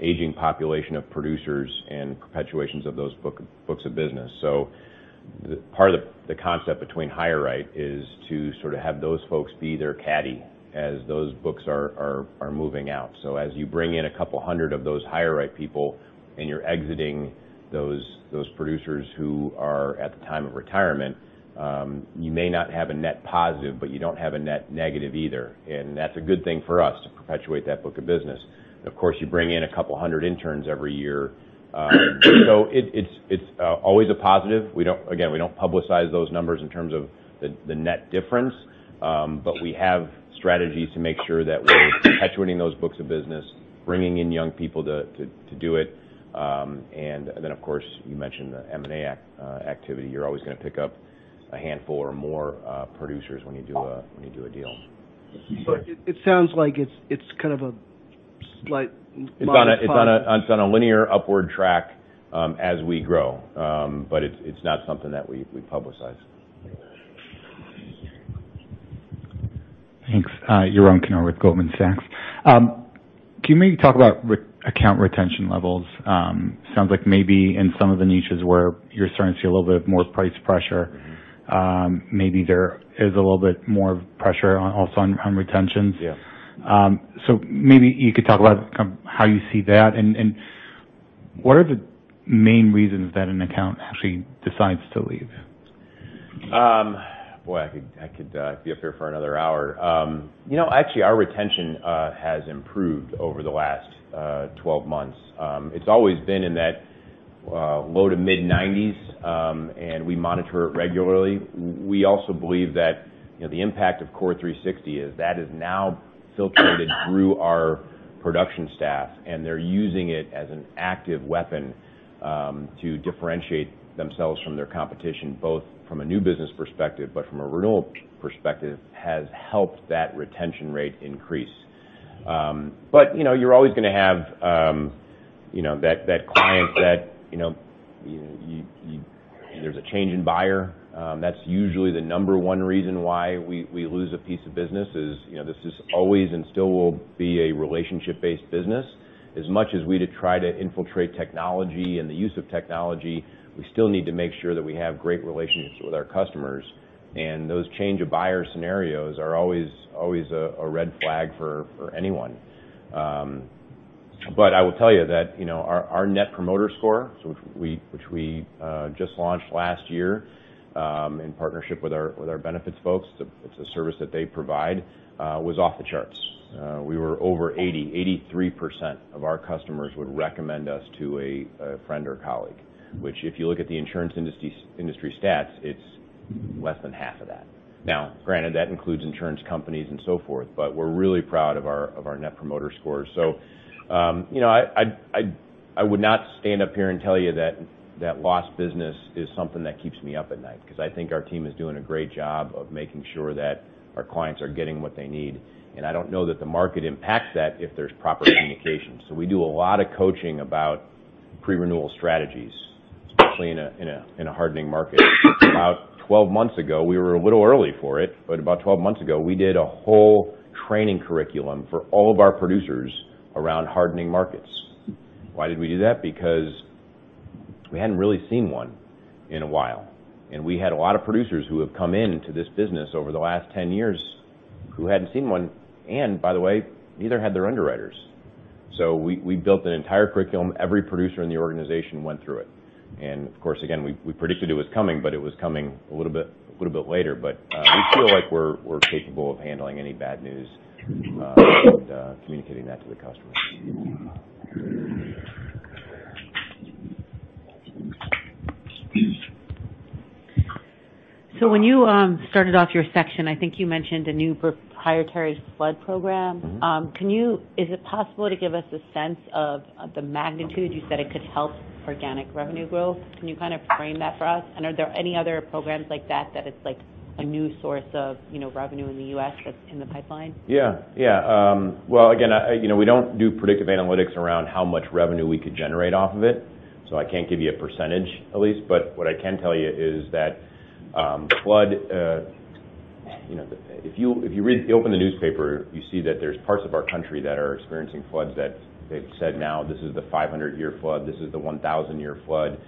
aging population of producers and perpetuations of those books of business. Part of the concept between HireRight is to sort of have those folks be their caddy as those books are moving out. As you bring in a couple of 100 of those HireRight people, and you're exiting those producers who are at the time of retirement, you may not have a net positive, but you don't have a net negative either. That's a good thing for us to perpetuate that book of business. Of course, you bring in a couple of 100 interns every year. It's always a positive. Again, we don't publicize those numbers in terms of the net difference. We have strategies to make sure that we're perpetuating those books of business, bringing in young people to do it. Of course, you mentioned the M&A activity. You're always going to pick up a handful or more producers when you do a deal. It sounds like it's kind of a slight modified. It's on a linear upward track as we grow. It's not something that we publicize. Thanks. Yaron Kinar with Goldman Sachs. Can you maybe talk about account retention levels? Sounds like maybe in some of the niches where you're starting to see a little bit more price pressure, maybe there is a little bit more pressure also on retentions. Yeah. Maybe you could talk about how you see that, what are the main reasons that an account actually decides to leave? Boy, I could be up here for another hour. Actually, our retention has improved over the last 12 months. It's always been in that low to mid-90s, we monitor it regularly. We also believe that the impact of CORE360 is that has now filtered through our production staff, they're using it as an active weapon to differentiate themselves from their competition, both from a new business perspective, from a renewal perspective, has helped that retention rate increase. You're always going to have that client that There's a change in buyer. That's usually the number 1 reason why we lose a piece of business is, this is always and still will be a relationship-based business. As much as we try to infiltrate technology and the use of technology, we still need to make sure that we have great relationships with our customers. Those change of buyer scenarios are always a red flag for anyone. I will tell you that our Net Promoter Score, which we just launched last year, in partnership with our benefits folks, it's a service that they provide, was off the charts. We were over 80, 83% of our customers would recommend us to a friend or colleague, which if you look at the insurance industry stats, it's less than half of that. Now, granted, that includes insurance companies and so forth, we're really proud of our Net Promoter Scores. I would not stand up here and tell you that lost business is something that keeps me up at night, because I think our team is doing a great job of making sure that our clients are getting what they need. I don't know that the market impacts that if there's proper communication. We do a lot of coaching about pre-renewal strategies, especially in a hardening market. About 12 months ago, we were a little early for it, but about 12 months ago, we did a whole training curriculum for all of our producers around hardening markets. Why did we do that? Because we hadn't really seen one in a while, and we had a lot of producers who have come into this business over the last 10 years who hadn't seen one, and by the way, neither had their underwriters. We built an entire curriculum. Every producer in the organization went through it. Of course, again, we predicted it was coming, but it was coming a little bit later. We feel like we're capable of handling any bad news and communicating that to the customer. When you started off your section, I think you mentioned a new proprietary flood program. Is it possible to give us a sense of the magnitude? You said it could help organic revenue growth. Can you kind of frame that for us? Are there any other programs like that it's a new source of revenue in the U.S. that's in the pipeline? Well, again, we don't do predictive analytics around how much revenue we could generate off of it, so I can't give you a percentage, Elyse, but what I can tell you is that flood, if you open the newspaper, you see that there's parts of our country that are experiencing floods that they've said now this is the 500-year flood. This is the 1,000-year flood.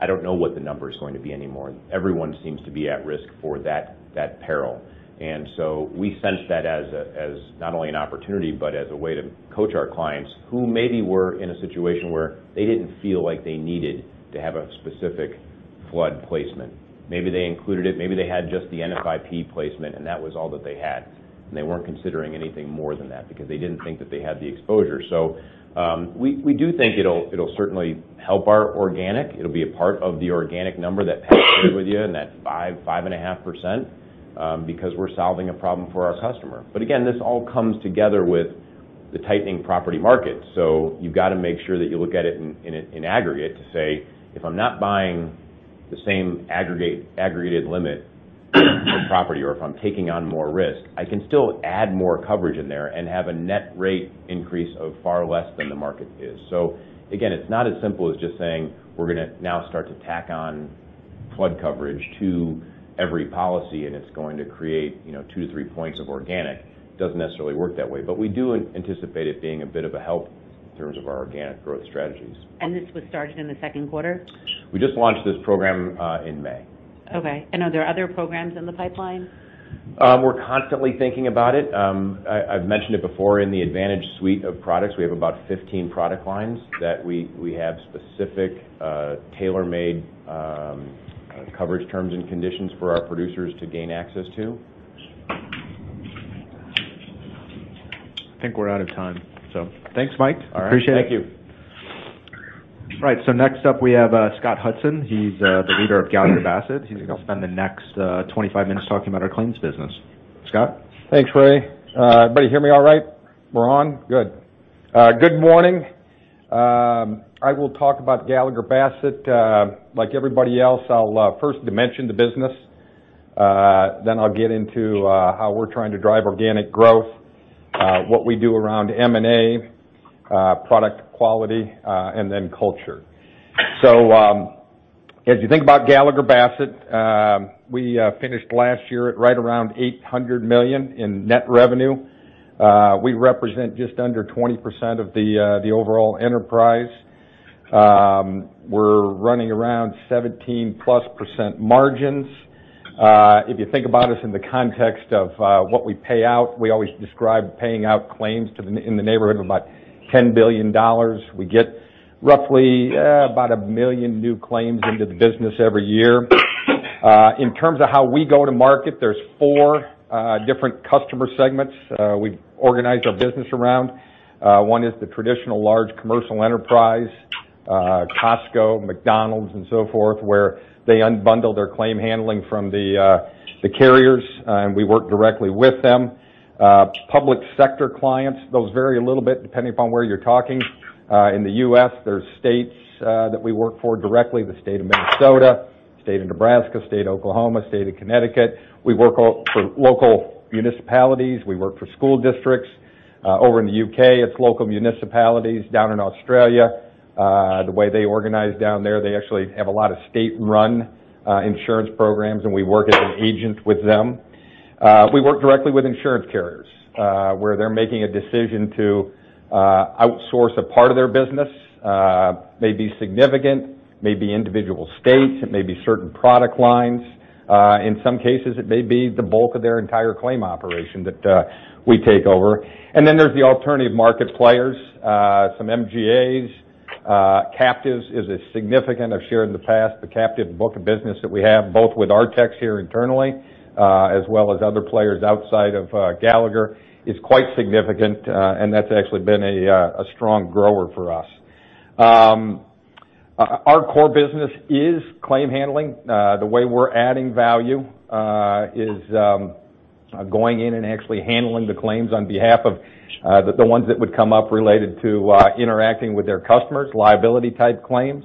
I don't know what the number's going to be anymore. Everyone seems to be at risk for that peril. We sensed that as not only an opportunity, but as a way to coach our clients who maybe were in a situation where they didn't feel like they needed to have a specific flood placement. Maybe they included it, maybe they had just the NFIP placement and that was all that they had. They weren't considering anything more than that because they didn't think that they had the exposure. We do think it'll certainly help our organic. It'll be a part of the organic number that Pat shared with you and that 5.5%, because we're solving a problem for our customer. Again, this all comes together with the tightening property market. You've got to make sure that you look at it in aggregate to say, "If I'm not buying the same aggregated limit for property, or if I'm taking on more risk, I can still add more coverage in there and have a net rate increase of far less than the market is." Again, it's not as simple as just saying we're going to now start to tack on flood coverage to every policy and it's going to create two to three points of organic. Doesn't necessarily work that way. We do anticipate it being a bit of a help in terms of our organic growth strategies. This was started in the second quarter? We just launched this program in May. Okay. Are there other programs in the pipeline? We're constantly thinking about it. I've mentioned it before in the Gallagher Advantage Suite of products. We have about 15 product lines that we have specific tailor-made coverage terms and conditions for our producers to gain access to. I think we're out of time. Thanks, Mike. All right. Appreciate it. Thank you. Next up we have Scott Hudson. He's the leader of Gallagher Bassett. He's going to spend the next 25 minutes talking about our claims business. Scott? Thanks, Ray. Everybody hear me all right? We're on? Good. Good morning. I will talk about Gallagher Bassett. Like everybody else, I'll first dimension the business. I'll get into how we're trying to drive organic growth, what we do around M&A, product quality, and culture. As you think about Gallagher Bassett, we finished last year at right around $800 million in net revenue. We represent just under 20% of the overall enterprise. We're running around 17-plus % margins. If you think about us in the context of what we pay out, we always describe paying out claims in the neighborhood of about $10 billion. We get roughly about 1 million new claims into the business every year. In terms of how we go to market, there's four different customer segments we organize our business around. One is the traditional large commercial enterprise, Costco, McDonald's and so forth, where they unbundle their claim handling from the carriers, and we work directly with them. Public sector clients, those vary a little bit depending upon where you're talking. In the U.S., there's states that we work for directly, the State of Minnesota, State of Nebraska, State of Oklahoma, State of Connecticut. We work for local municipalities. We work for school districts. Over in the U.K., it's local municipalities. Down in Australia, the way they organize down there, they actually have a lot of state-run insurance programs, and we work as an agent with them. We work directly with insurance carriers, where they're making a decision to outsource a part of their business. May be significant, may be individual states, it may be certain product lines. In some cases, it may be the bulk of their entire claim operation that we take over. There's the alternative market players, some MGAs. Captives is a significant, I've shared in the past, the captive book of business that we have, both with our techs here internally, as well as other players outside of Gallagher, is quite significant, and that's actually been a strong grower for us. Our core business is claim handling. The way we're adding value is going in and actually handling the claims on behalf of the ones that would come up related to interacting with their customers, liability type claims.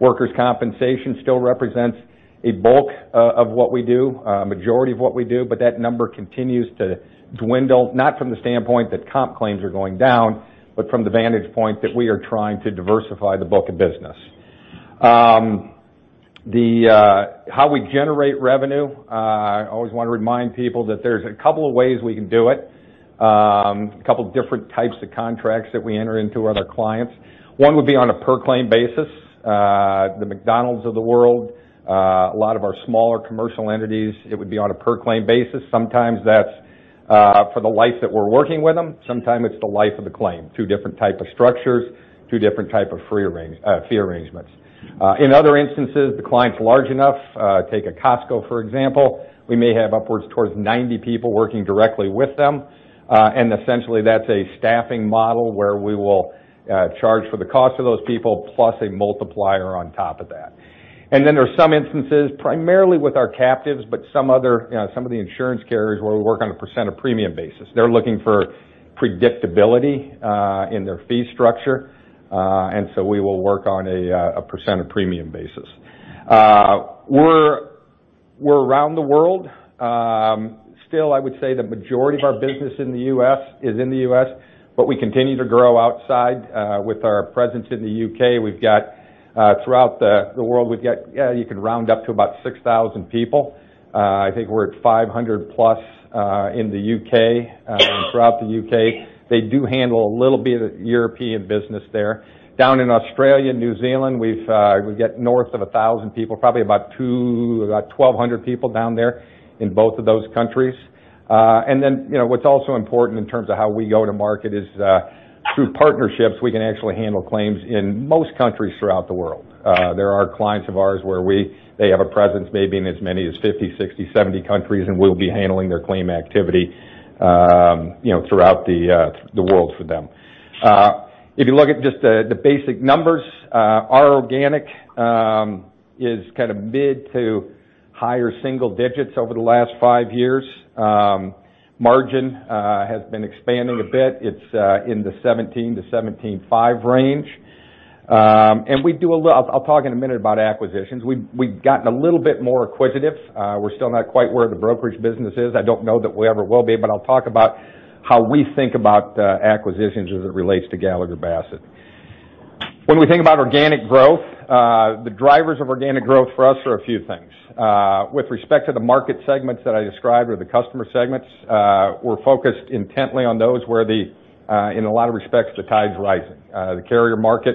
Workers' compensation still represents a bulk of what we do, a majority of what we do, that number continues to dwindle, not from the standpoint that comp claims are going down, but from the vantage point that we are trying to diversify the book of business. How we generate revenue, always want to remind people that there's a couple of ways we can do it. A couple different types of contracts that we enter into with our clients. One would be on a per claim basis. The McDonald's of the world. A lot of our smaller commercial entities, it would be on a per claim basis. Sometimes that's for the life that we're working with them, sometime it's the life of the claim. Two different type of structures, two different type of fee arrangements. In other instances, the client's large enough, take a Costco, for example, we may have upwards towards 90 people working directly with them. Essentially that's a staffing model where we will charge for the cost of those people, plus a multiplier on top of that. There's some instances, primarily with our captives, but some of the insurance carriers where we work on a % of premium basis. They're looking for predictability, in their fee structure. We will work on a % of premium basis. We're around the world. Still, I would say the majority of our business is in the U.S., but we continue to grow outside, with our presence in the U.K. Throughout the world, we've got, you could round up to about 6,000 people. I think we're at 500 plus in the U.K., throughout the U.K. They do handle a little bit of European business there. Down in Australia, New Zealand, we've got north of 1,000 people, probably about 1,200 people down there in both of those countries. What's also important in terms of how we go to market is, through partnerships, we can actually handle claims in most countries throughout the world. There are clients of ours where they have a presence maybe in as many as 50, 60, 70 countries, and we'll be handling their claim activity throughout the world for them. If you look at just the basic numbers, our organic is mid to higher single digits over the last five years. Margin has been expanding a bit. It's in the 17 to 17.5 range. I'll talk in a minute about acquisitions. We've gotten a little bit more acquisitive. We're still not quite where the brokerage business is. I don't know that we ever will be, I'll talk about how we think about acquisitions as it relates to Gallagher Bassett. When we think about organic growth, the drivers of organic growth for us are a few things. With respect to the market segments that I described or the customer segments, we're focused intently on those where the, in a lot of respects, the tide's rising. The carrier market,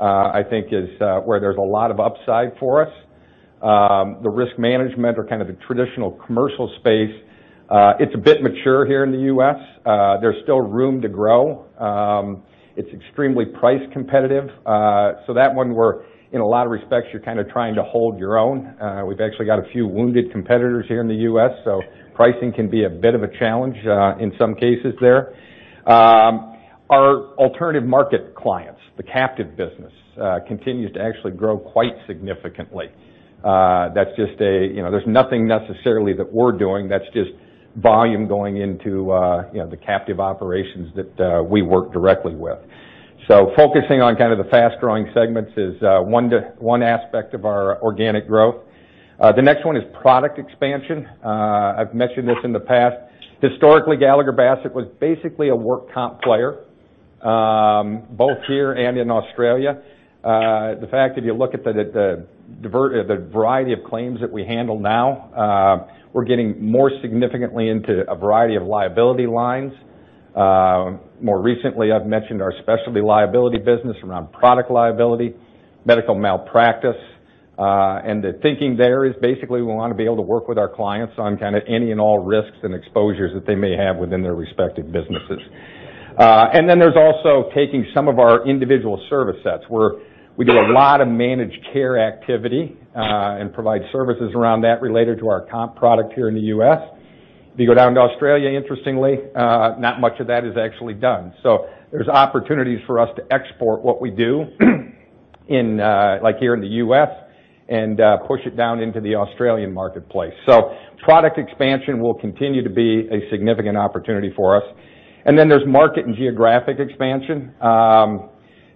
I think is where there's a lot of upside for us. The risk management or kind of the traditional commercial space, it's a bit mature here in the U.S. There's still room to grow. It's extremely price competitive. That one where, in a lot of respects, you're kind of trying to hold your own. We've actually got a few wounded competitors here in the U.S., pricing can be a bit of a challenge, in some cases there. Our alternative market clients, the captive business, continues to actually grow quite significantly. There's nothing necessarily that we're doing, that's just volume going into the captive operations that we work directly with. Focusing on the fast-growing segments is one aspect of our organic growth. The next one is product expansion. I've mentioned this in the past. Historically, Gallagher Bassett was basically a work comp player, both here and in Australia. The fact if you look at the variety of claims that we handle now, we're getting more significantly into a variety of liability lines. More recently, I've mentioned our specialty liability business around product liability, medical malpractice. The thinking there is basically we want to be able to work with our clients on any and all risks and exposures that they may have within their respective businesses. There's also taking some of our individual service sets, where we do a lot of managed care activity, and provide services around that related to our comp product here in the U.S. If you go down to Australia, interestingly, not much of that is actually done. There's opportunities for us to export what we do here in the U.S. and push it down into the Australian marketplace. Product expansion will continue to be a significant opportunity for us. There's market and geographic expansion.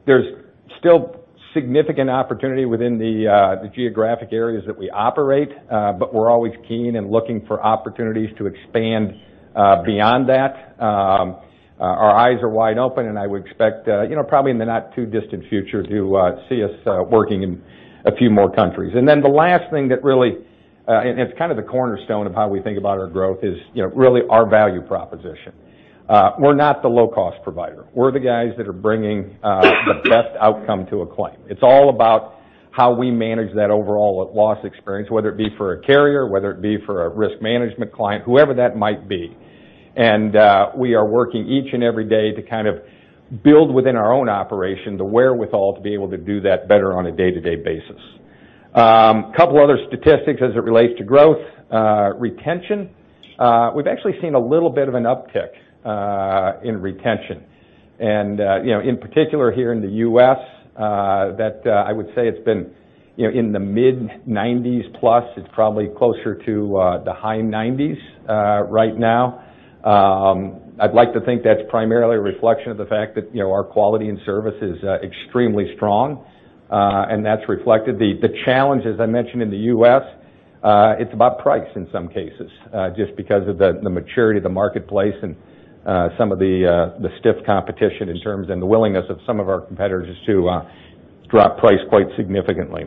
There's still significant opportunity within the geographic areas that we operate. We're always keen and looking for opportunities to expand beyond that, our eyes are wide open, and I would expect, probably in the not-too-distant future, to see us working in a few more countries. The last thing that really, and it's kind of the cornerstone of how we think about our growth, is really our value proposition. We're not the low-cost provider. We're the guys that are bringing the best outcome to a claim. It's all about how we manage that overall loss experience, whether it be for a carrier, whether it be for a risk management client, whoever that might be. We are working each and every day to build within our own operation the wherewithal to be able to do that better on a day-to-day basis. Couple other statistics as it relates to growth. Retention. We've actually seen a little bit of an uptick in retention. In particular here in the U.S., that I would say it's been in the mid-90s plus. It's probably closer to the high-90s right now. I'd like to think that's primarily a reflection of the fact that our quality and service is extremely strong, and that's reflected. The challenge, as I mentioned in the U.S., it's about price in some cases, just because of the maturity of the marketplace and some of the stiff competition in terms of the willingness of some of our competitors to drop price quite significantly.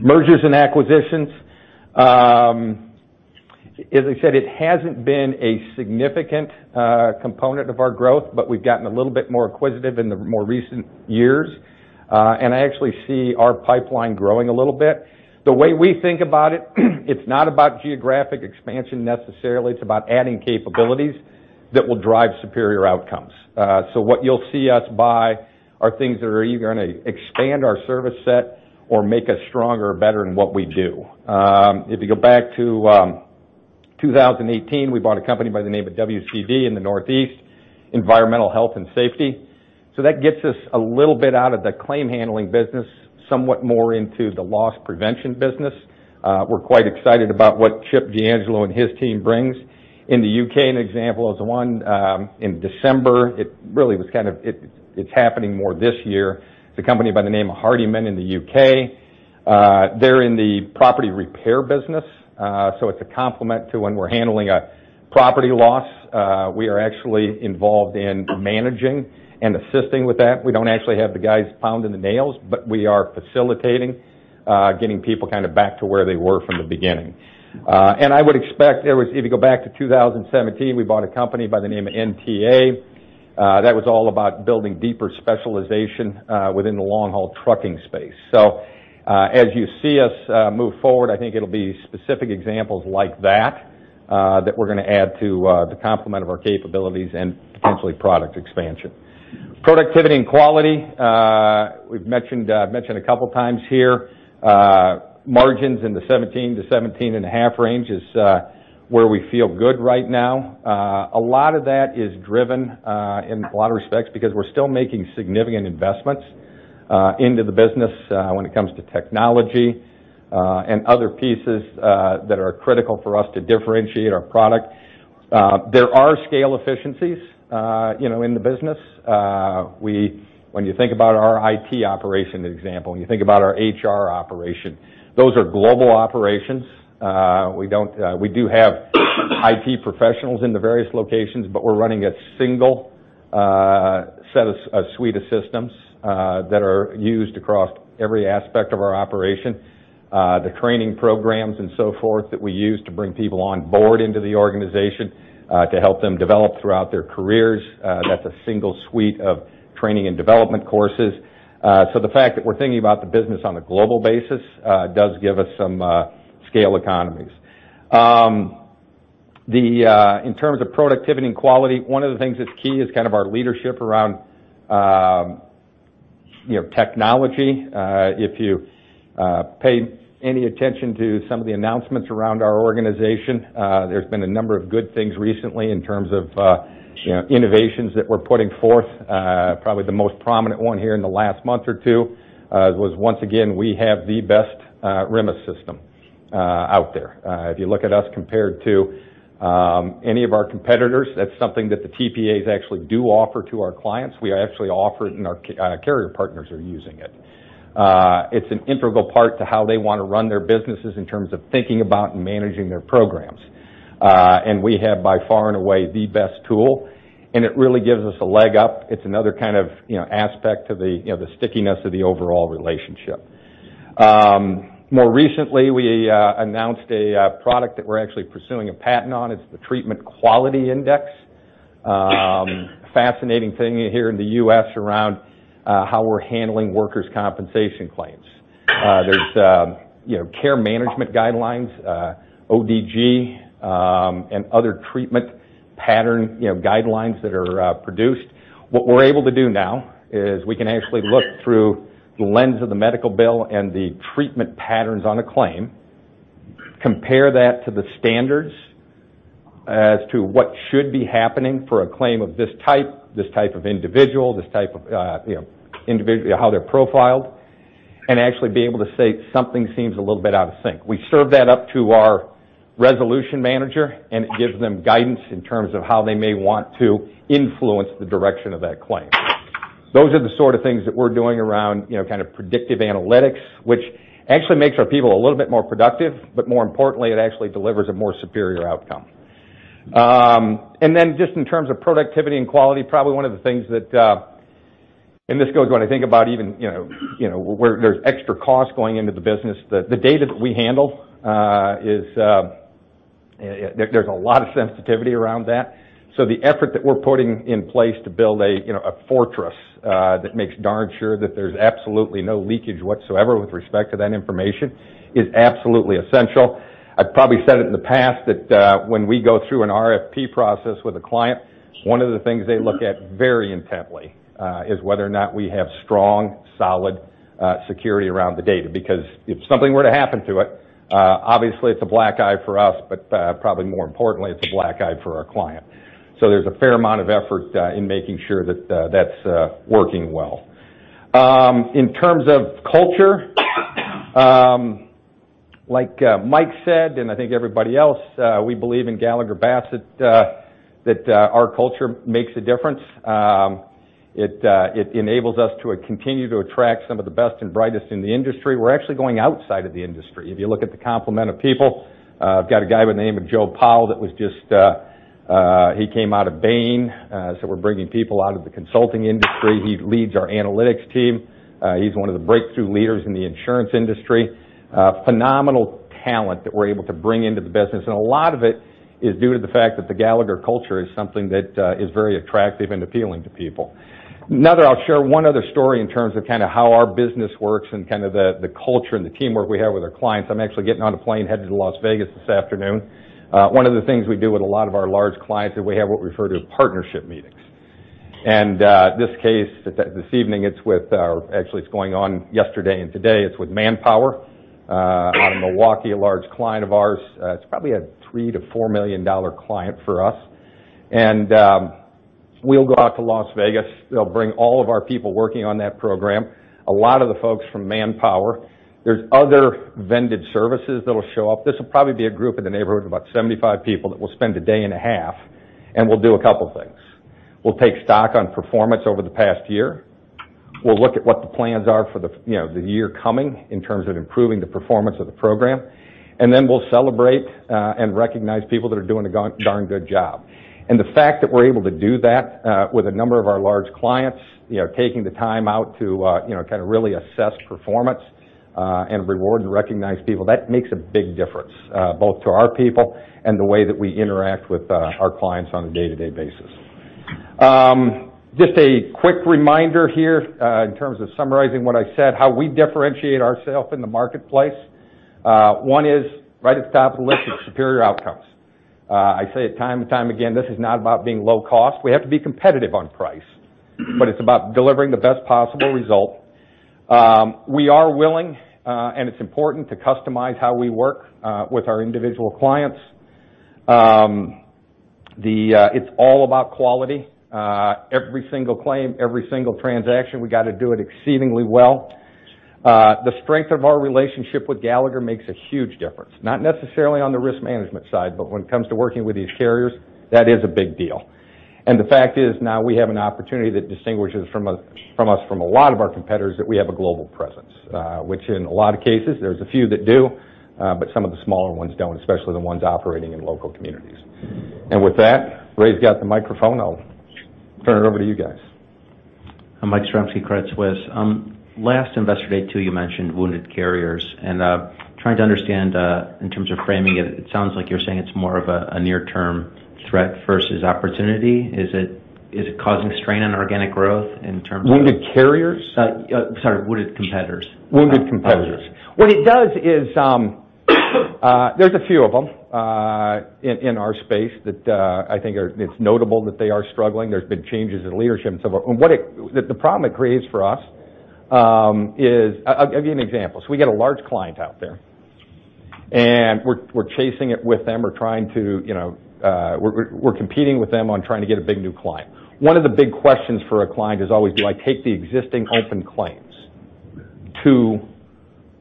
Mergers and acquisitions. As I said, it hasn't been a significant component of our growth, but we've gotten a little bit more acquisitive in the more recent years. I actually see our pipeline growing a little bit. The way we think about it's not about geographic expansion necessarily, it's about adding capabilities that will drive superior outcomes. What you'll see us buy are things that are either going to expand our service set or make us stronger or better in what we do. If you go back to 2018, we bought a company by the name of WCD in the Northeast, environmental health and safety. That gets us a little bit out of the claim handling business, somewhat more into the loss prevention business. We're quite excited about what Chip D'Angelo and his team brings. In the U.K., an example is one in December. It's happening more this year. It's a company by the name of Hardiman in the U.K. They're in the property repair business, so it's a complement to when we're handling a property loss. We are actually involved in managing and assisting with that. We don't actually have the guys pounding the nails, but we are facilitating, getting people back to where they were from the beginning. If you go back to 2017, we bought a company by the name of NTA. That was all about building deeper specialization within the long-haul trucking space. As you see us move forward, I think it'll be specific examples like that that we're going to add to complement our capabilities and potentially product expansion. Productivity and quality. We've mentioned a couple of times here. Margins in the 17%-17.5% range is where we feel good right now. A lot of that is driven in a lot of respects because we're still making significant investments into the business when it comes to technology and other pieces that are critical for us to differentiate our product. There are scale efficiencies in the business. When you think about our IT operation, as an example, when you think about our HR operation, those are global operations. We do have IT professionals in the various locations, but we're running a single suite of systems that are used across every aspect of our operation. The training programs and so forth that we use to bring people on board into the organization, to help them develop throughout their careers, that's a single suite of training and development courses. The fact that we're thinking about the business on a global basis does give us some scale economies. In terms of productivity and quality, one of the things that's key is our leadership around technology. If you paid any attention to some of the announcements around our organization, there's been a number of good things recently in terms of innovations that we're putting forth. Probably the most prominent one here in the last month or two was once again, we have the best RMIS system out there. If you look at us compared to any of our competitors, that's something that the TPAs actually do offer to our clients. We actually offer it, and our carrier partners are using it. It's an integral part to how they want to run their businesses in terms of thinking about and managing their programs. We have by far and away the best tool, and it really gives us a leg up. It's another kind of aspect to the stickiness of the overall relationship. More recently, we announced a product that we're actually pursuing a patent on. It's the Treatment Quality Index. Fascinating thing here in the U.S. around how we're handling workers' compensation claims. There's care management guidelines, ODG, and other treatment pattern guidelines that are produced. What we're able to do now is we can actually look through the lens of the medical bill and the treatment patterns on a claim, compare that to the standards as to what should be happening for a claim of this type, this type of individual, how they're profiled, and actually be able to say something seems a little bit out of sync. We serve that up to our resolution manager, and it gives them guidance in terms of how they may want to influence the direction of that claim. Those are the sort of things that we're doing around predictive analytics, which actually makes our people a little bit more productive, but more importantly, it actually delivers a more superior outcome. Just in terms of productivity and quality, probably one of the things that, and this goes when I think about even where there's extra cost going into the business, the data that we handle, there's a lot of sensitivity around that. The effort that we're putting in place to build a fortress that makes darn sure that there's absolutely no leakage whatsoever with respect to that information is absolutely essential. I've probably said it in the past, that when we go through an RFP process with a client, one of the things they look at very intently is whether or not we have strong, solid security around the data, because if something were to happen to it, obviously it's a black eye for us, but probably more importantly, it's a black eye for our client. There's a fair amount of effort in making sure that's working well. In terms of culture, like Mike said, and I think everybody else, we believe in Gallagher Bassett that our culture makes a difference. It enables us to continue to attract some of the best and brightest in the industry. We're actually going outside of the industry. If you look at the complement of people, I've got a guy by the name of Joe Powell, he came out of Bain. We're bringing people out of the consulting industry. He leads our analytics team. He's one of the breakthrough leaders in the insurance industry. Phenomenal talent that we're able to bring into the business, and a lot of it is due to the fact that the Gallagher culture is something that is very attractive and appealing to people. Another, I'll share one other story in terms of how our business works and the culture and the teamwork we have with our clients. I'm actually getting on a plane headed to Las Vegas this afternoon. One of the things we do with a lot of our large clients is we have what we refer to as partnership meetings. This case, this evening, actually it's going on yesterday and today, it's with Manpower out of Milwaukee, a large client of ours. It's probably a $3 million to $4 million client for us. We'll go out to Las Vegas. They'll bring all of our people working on that program. A lot of the folks from Manpower. There's other vended services that'll show up. This will probably be a group in the neighborhood of about 75 people that will spend a day and a half, and we'll do a couple things. We'll take stock on performance over the past year. We'll look at what the plans are for the year coming, in terms of improving the performance of the program. Then we'll celebrate and recognize people that are doing a darn good job. The fact that we're able to do that with a number of our large clients, taking the time out to really assess performance, and reward and recognize people, that makes a big difference, both to our people and the way that we interact with our clients on a day-to-day basis. Just a quick reminder here, in terms of summarizing what I said, how we differentiate ourself in the marketplace. One is, right at the top of the list is superior outcomes. I say it time and time again, this is not about being low cost. We have to be competitive on price, but it's about delivering the best possible result. We are willing, and it's important to customize how we work with our individual clients. It's all about quality. Every single claim, every single transaction, we got to do it exceedingly well. The strength of our relationship with Gallagher makes a huge difference, not necessarily on the risk management side, but when it comes to working with these carriers, that is a big deal. The fact is, now we have an opportunity that distinguishes us from a lot of our competitors that we have a global presence, which in a lot of cases, there's a few that do, but some of the smaller ones don't, especially the ones operating in local communities. With that, Ray's got the microphone. I'll turn it over to you guys. Mike Zaremski, Credit Suisse. Last Investor Day, too, you mentioned wounded carriers, trying to understand, in terms of framing it sounds like you're saying it's more of a near term threat versus opportunity. Is it causing strain on organic growth in terms of- Wounded carriers? Sorry, wounded competitors. Wounded competitors. What it does is, there's a few of them in our space that I think it's notable that they are struggling. There's been changes in leadership and so forth. The problem it creates for us is I'll give you an example. We get a large client out there, and we're chasing it with them. We're competing with them on trying to get a big new client. One of the big questions for a client is always, do I take the existing open claims to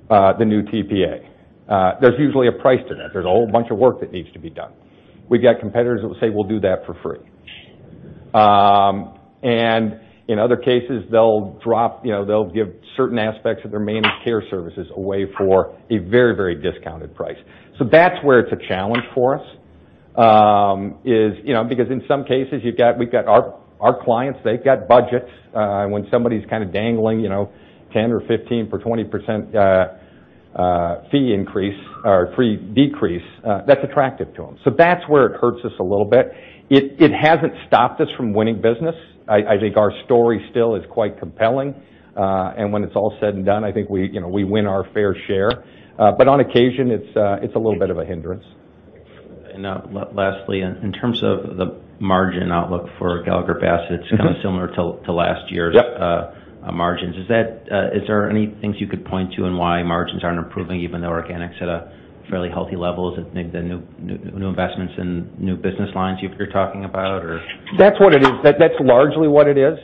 the new TPA? There's usually a price to that. There's a whole bunch of work that needs to be done. We've got competitors that will say, "We'll do that for free." In other cases, they'll give certain aspects of their managed care services away for a very, very discounted price. That's where it's a challenge for us, because in some cases, our clients, they've got budgets. When somebody's kind of dangling 10 or 15 or 20% fee decrease, that's attractive to them. That's where it hurts us a little bit. It hasn't stopped us from winning business. I think our story still is quite compelling. When it's all said and done, I think we win our fair share. On occasion, it's a little bit of a hindrance. Lastly, in terms of the margin outlook for Gallagher Bassett, it's kind of similar to last year's- Yep margins. Is there any things you could point to on why margins aren't improving even though organic's at a fairly healthy level? Is it maybe the new investments in new business lines you're talking about or? That's what it is. That's largely what it is.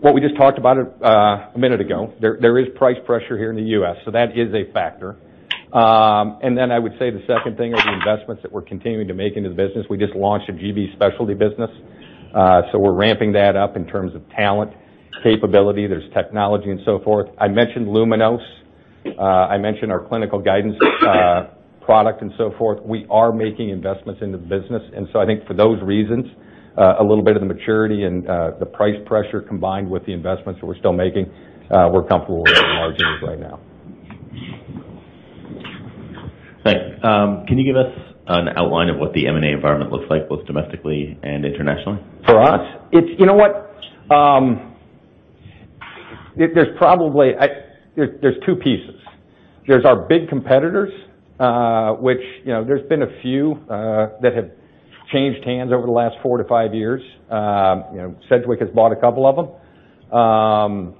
What we just talked about a minute ago, there is price pressure here in the U.S. That is a factor. I would say the second thing are the investments that we're continuing to make into the business. We just launched a GB Specialty business. We're ramping that up in terms of talent, capability, there's technology and so forth. I mentioned Luminos. I mentioned our clinical guidance product and so forth. We are making investments into the business. I think for those reasons, a little bit of the maturity and the price pressure combined with the investments that we're still making, we're comfortable with our margins right now. Thanks. Can you give us an outline of what the M&A environment looks like, both domestically and internationally? For us? You know what? There's two pieces. There's our big competitors, which there's been a few that have changed hands over the last four to five years. Sedgwick has bought a couple of them.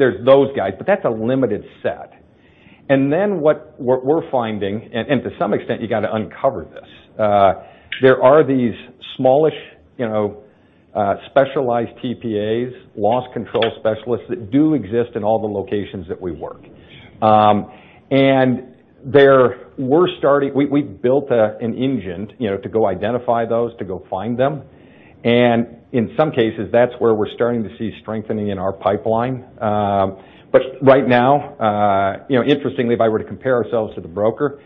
There's those guys, but that's a limited set. What we're finding, and to some extent you got to uncover this, there are these smallish specialized TPAs, loss control specialists that do exist in all the locations that we work. We've built an engine to go identify those, to go find them. In some cases, that's where we're starting to see strengthening in our pipeline. Right now, interestingly, if I were to compare ourselves to the broker,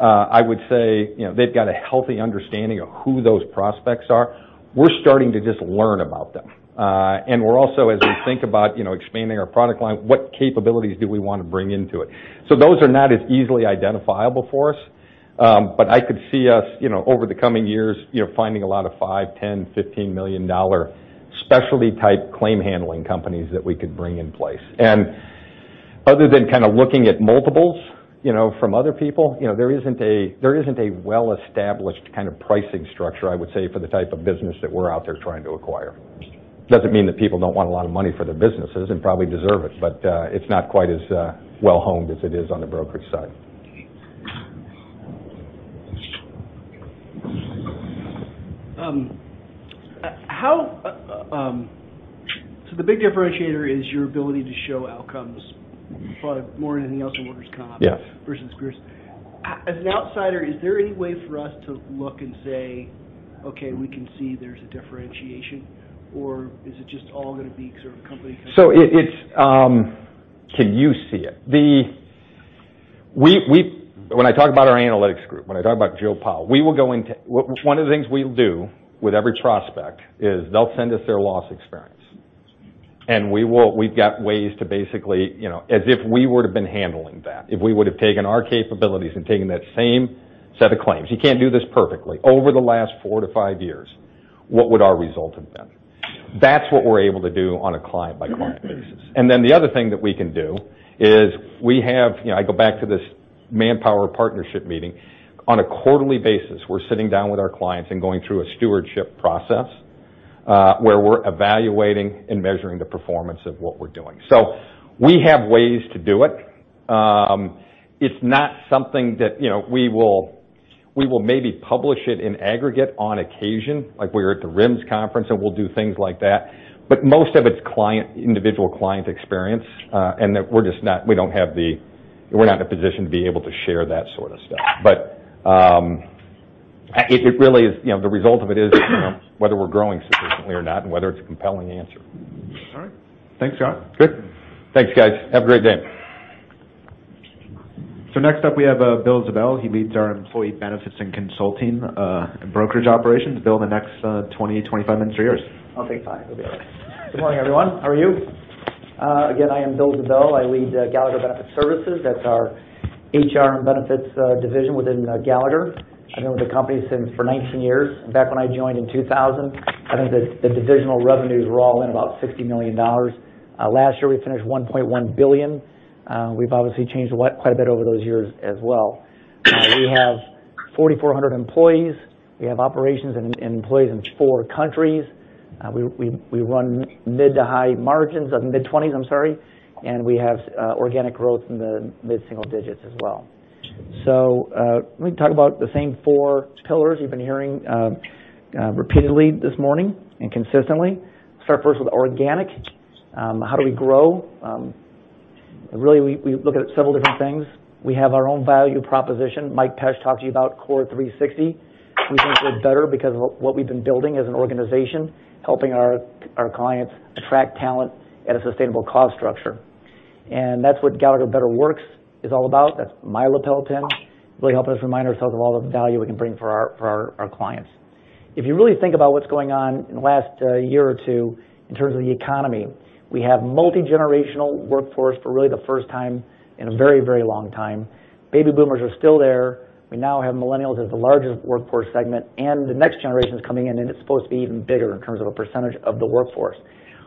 I would say they've got a healthy understanding of who those prospects are. We're starting to just learn about them. We're also, as we think about expanding our product line, what capabilities do we want to bring into it? Those are not as easily identifiable for us. I could see us over the coming years finding a lot of $5 million, $10 million, $15 million specialty type claim handling companies that we could bring in place. Other than kind of looking at multiples from other people, there isn't a well-established kind of pricing structure, I would say, for the type of business that we're out there trying to acquire. Doesn't mean that people don't want a lot of money for their businesses, and probably deserve it's not quite as well honed as it is on the brokerage side. The big differentiator is your ability to show outcomes, probably more than anything else in workers' comp. Yes versus peers. As an outsider, is there any way for us to look and say, "Okay, we can see there's a differentiation," or is it just all going to be sort of company kind of. It's can you see it? When I talk about our analytics group, when I talk about Jill Pahl, one of the things we'll do with every prospect is they'll send us their loss experience. We've got ways to basically, as if we would've been handling that, if we would've taken our capabilities and taken that same set of claims, you can't do this perfectly. Over the last four to five years, what would our result have been? That's what we're able to do on a client-by-client basis. The other thing that we can do is we have, I go back to this Manpower partnership meeting. On a quarterly basis, we're sitting down with our clients and going through a stewardship process, where we're evaluating and measuring the performance of what we're doing. We have ways to do it. We will maybe publish it in aggregate on occasion, like we are at the RIMS conference, we'll do things like that, most of it's individual client experience. We're not in a position to be able to share that sort of stuff. The result of it is whether we're growing sufficiently or not, and whether it's a compelling answer. All right. Thanks, John. Good. Thanks guys. Have a great day. Next up we have Bill Zabel. He leads our Employee Benefits and Consulting Brokerage Operations. Bill, the next 20, 25 minutes are yours. I'll take five. It'll be all right. Good morning, everyone. How are you? Again, I am Bill Zabel. I lead Gallagher Benefit Services. That's our HR and benefits division within Gallagher. I've been with the company for 19 years. In fact, when I joined in 2000, I think the divisional revenues were all in about $60 million. Last year, we finished $1.1 billion. We've obviously changed quite a bit over those years as well. We have 4,400 employees. We have operations and employees in four countries. We run mid to high margins of mid-20s. I'm sorry. We have organic growth in the mid-single digits as well. Let me talk about the same four pillars you've been hearing repeatedly this morning, and consistently. Start first with organic. How do we grow? Really, we look at several different things. We have our own value proposition. Mike Pesch talked to you about CORE360. We think we're better because of what we've been building as an organization, helping our clients attract talent at a sustainable cost structure. That's what Gallagher Better Works is all about. That's my lapel pin, really helping us remind ourselves of all of the value we can bring for our clients. If you really think about what's going on in the last year or two in terms of the economy, we have multigenerational workforce for really the first time in a very long time. Baby Boomers are still there. We now have Millennials as the largest workforce segment, and the next generation's coming in, and it's supposed to be even bigger in terms of a percentage of the workforce.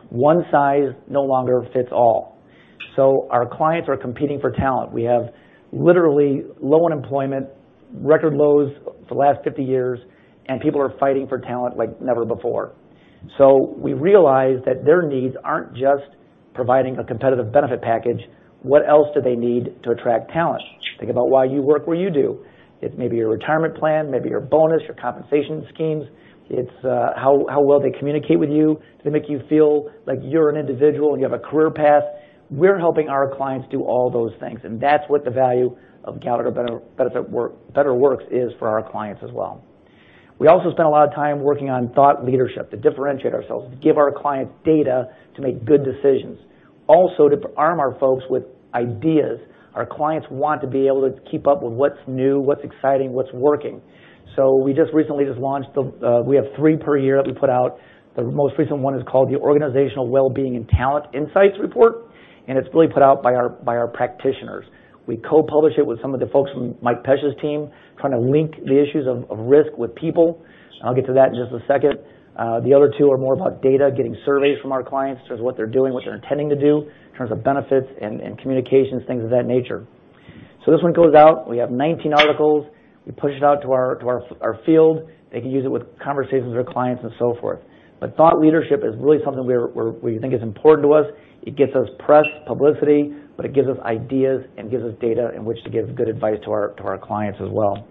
One size no longer fits all. Our clients are competing for talent. We have literally low unemployment, record lows the last 50 years, people are fighting for talent like never before. We realize that their needs aren't just providing a competitive benefit package. What else do they need to attract talent? Think about why you work where you do. It may be your retirement plan, maybe your bonus, your compensation schemes. It's how well they communicate with you. Do they make you feel like you're an individual, and you have a career path? We're helping our clients do all those things, and that's what the value of Gallagher Better Works is for our clients as well. We also spend a lot of time working on thought leadership to differentiate ourselves, to give our clients data to make good decisions. To arm our folks with ideas. Our clients want to be able to keep up with what's new, what's exciting, what's working. We have three per year that we put out. The most recent one is called the Organizational Wellbeing & Talent Insights Report, and it's really put out by our practitioners. We co-publish it with some of the folks from Mike Pesch's team, trying to link the issues of risk with people. I'll get to that in just a second. The other two are more about data, getting surveys from our clients in terms of what they're doing, what they're intending to do, in terms of benefits and communications, things of that nature. This one goes out. We have 19 articles. We push it out to our field. They can use it with conversations with clients and so forth. Thought leadership is really something we think is important to us. It gets us press, publicity, but it gives us ideas and gives us data in which to give good advice to our clients as well.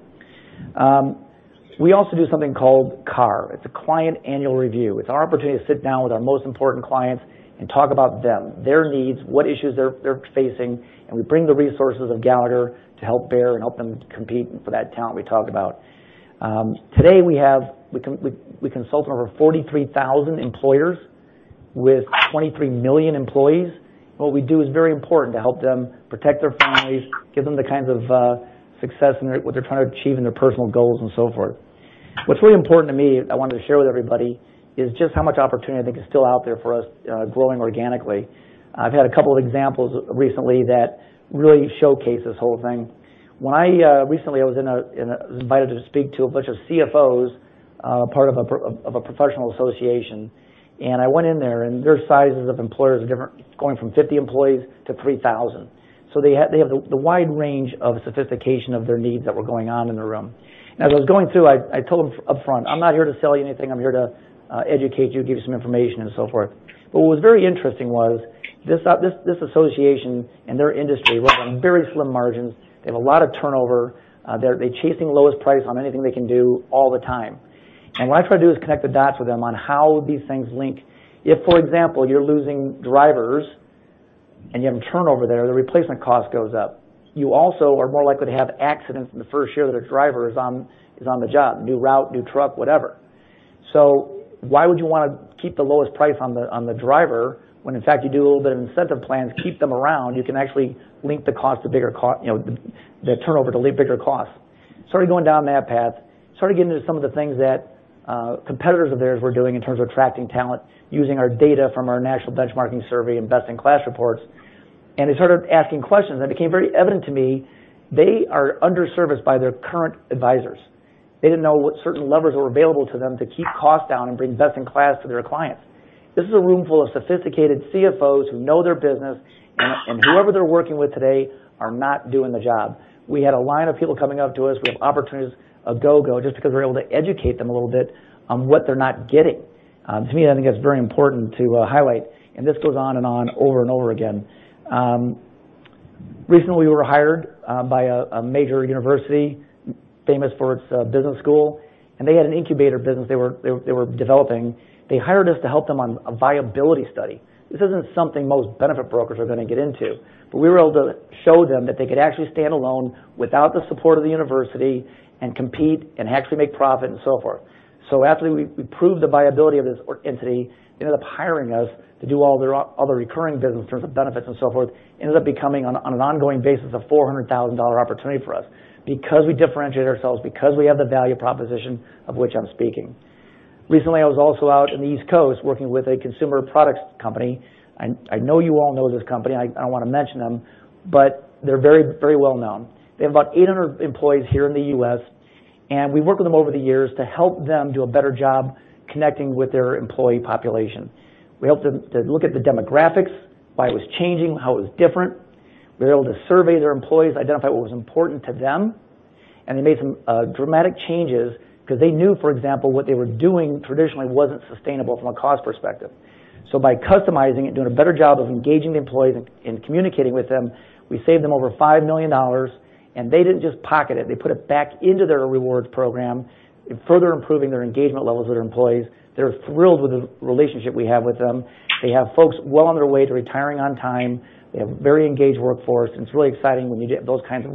We also do something called CAR. It's a Client Annual Review. It's our opportunity to sit down with our most important clients and talk about them, their needs, what issues they're facing, and we bring the resources of Gallagher to help bear and help them compete for that talent we talked about. Today, we consult with over 43,000 employers with 23 million employees. What we do is very important to help them protect their families, give them the kinds of success in what they're trying to achieve in their personal goals and so forth. What's really important to me, I wanted to share with everybody, is just how much opportunity I think is still out there for us growing organically. I've had a couple of examples recently that really showcase this whole thing. Recently, I was invited to speak to a bunch of CFOs, part of a professional association. I went in there, their sizes of employers are different, going from 50 employees to 3,000. They have the wide range of sophistication of their needs that were going on in the room. As I was going through, I told them upfront, "I'm not here to sell you anything. I'm here to educate you, give you some information and so forth." What was very interesting was this association and their industry run on very slim margins. They have a lot of turnover. They're chasing the lowest price on anything they can do all the time. What I try to do is connect the dots with them on how these things link. If, for example, you're losing drivers and you have a turnover there, the replacement cost goes up. You also are more likely to have accidents in the first year that a driver is on the job, new route, new truck, whatever. Why would you want to keep the lowest price on the driver when in fact you do a little bit of incentive plans, keep them around, you can actually link the turnover to bigger costs. Started going down that path, started getting into some of the things that competitors of theirs were doing in terms of attracting talent, using our data from our national benchmarking survey and best-in-class reports. They started asking questions, it became very evident to me they are under-serviced by their current advisors. They didn't know what certain levers were available to them to keep costs down and bring best-in-class to their clients. This is a room full of sophisticated CFOs who know their business, whoever they're working with today are not doing the job. We had a line of people coming up to us with opportunities a go-go just because we were able to educate them a little bit on what they're not getting. To me, I think that's very important to highlight, this goes on and on, over and over again. Recently, we were hired by a major university famous for its business school. They had an incubator business they were developing. They hired us to help them on a viability study. This isn't something most benefit brokers are going to get into. We were able to show them that they could actually stand alone without the support of the university and compete and actually make profit and so forth. After we proved the viability of this entity, they ended up hiring us to do all their other recurring business in terms of benefits and so forth. Ended up becoming, on an ongoing basis, a $400,000 opportunity for us because we differentiate ourselves, because we have the value proposition of which I'm speaking. Recently, I was also out in the East Coast working with a consumer products company. I know you all know this company. I don't want to mention them, but they're very well known. They have about 800 employees here in the U.S., and we've worked with them over the years to help them do a better job connecting with their employee population. We helped them to look at the demographics, why it was changing, how it was different. We were able to survey their employees, identify what was important to them, and they made some dramatic changes because they knew, for example, what they were doing traditionally wasn't sustainable from a cost perspective. By customizing it, doing a better job of engaging the employees and communicating with them, we saved them over $5 million, and they didn't just pocket it. They put it back into their rewards program, further improving their engagement levels with their employees. They're thrilled with the relationship we have with them. They have folks well on their way to retiring on time. They have a very engaged workforce, and it's really exciting when you get those kinds of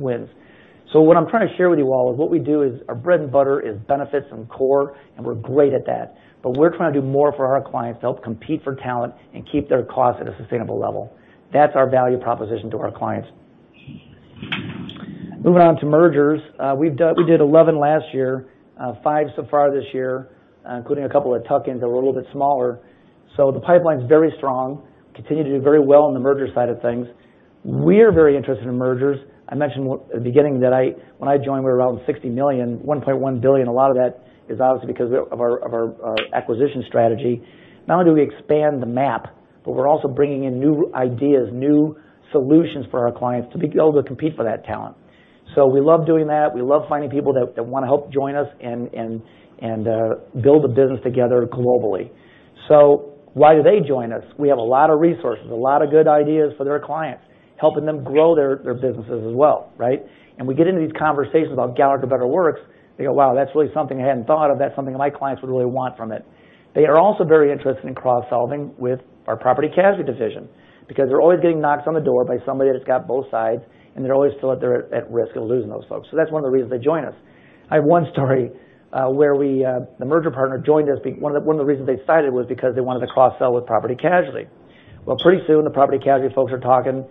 wins. What I'm trying to share with you all is what we do is our bread and butter is benefits and core, and we're great at that. We're trying to do more for our clients to help compete for talent and keep their costs at a sustainable level. That's our value proposition to our clients. Moving on to mergers. We did 11 last year, five so far this year, including a couple of tuck-ins that were a little bit smaller. The pipeline's very strong. Continue to do very well on the merger side of things. We're very interested in mergers. I mentioned at the beginning that when I joined, we were around $60 million, $1.1 billion. A lot of that is obviously because of our acquisition strategy. Not only do we expand the map, but we're also bringing in new ideas, new solutions for our clients to be able to compete for that talent. We love doing that. We love finding people that want to help join us and build a business together globally. Why do they join us? We have a lot of resources, a lot of good ideas for their clients, helping them grow their businesses as well, right? We get into these conversations about Gallagher Better Works. They go, "Wow, that's really something I hadn't thought of. That's something my clients would really want from it." They are also very interested in cross-selling with our property casualty division because they're always getting knocks on the door by somebody that's got both sides, and they always feel that they're at risk of losing those folks. That's one of the reasons they join us. I have one story where the merger partner joined us. One of the reasons they decided was because they wanted to cross-sell with property casualty. Pretty soon, the property casualty folks are talking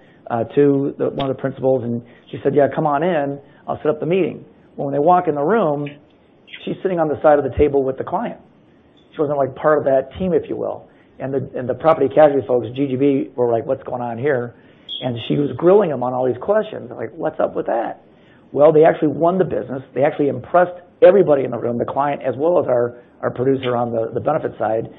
to one of the principals, and she said, "Yeah, come on in, I'll set up the meeting." When they walk in the room, she's sitting on the side of the table with the client. She wasn't part of that team, if you will. The property casualty folks at GGB were like, "What's going on here?" She was grilling them on all these questions. They're like, "What's up with that?" They actually won the business. They actually impressed everybody in the room, the client, as well as our producer on the benefits side.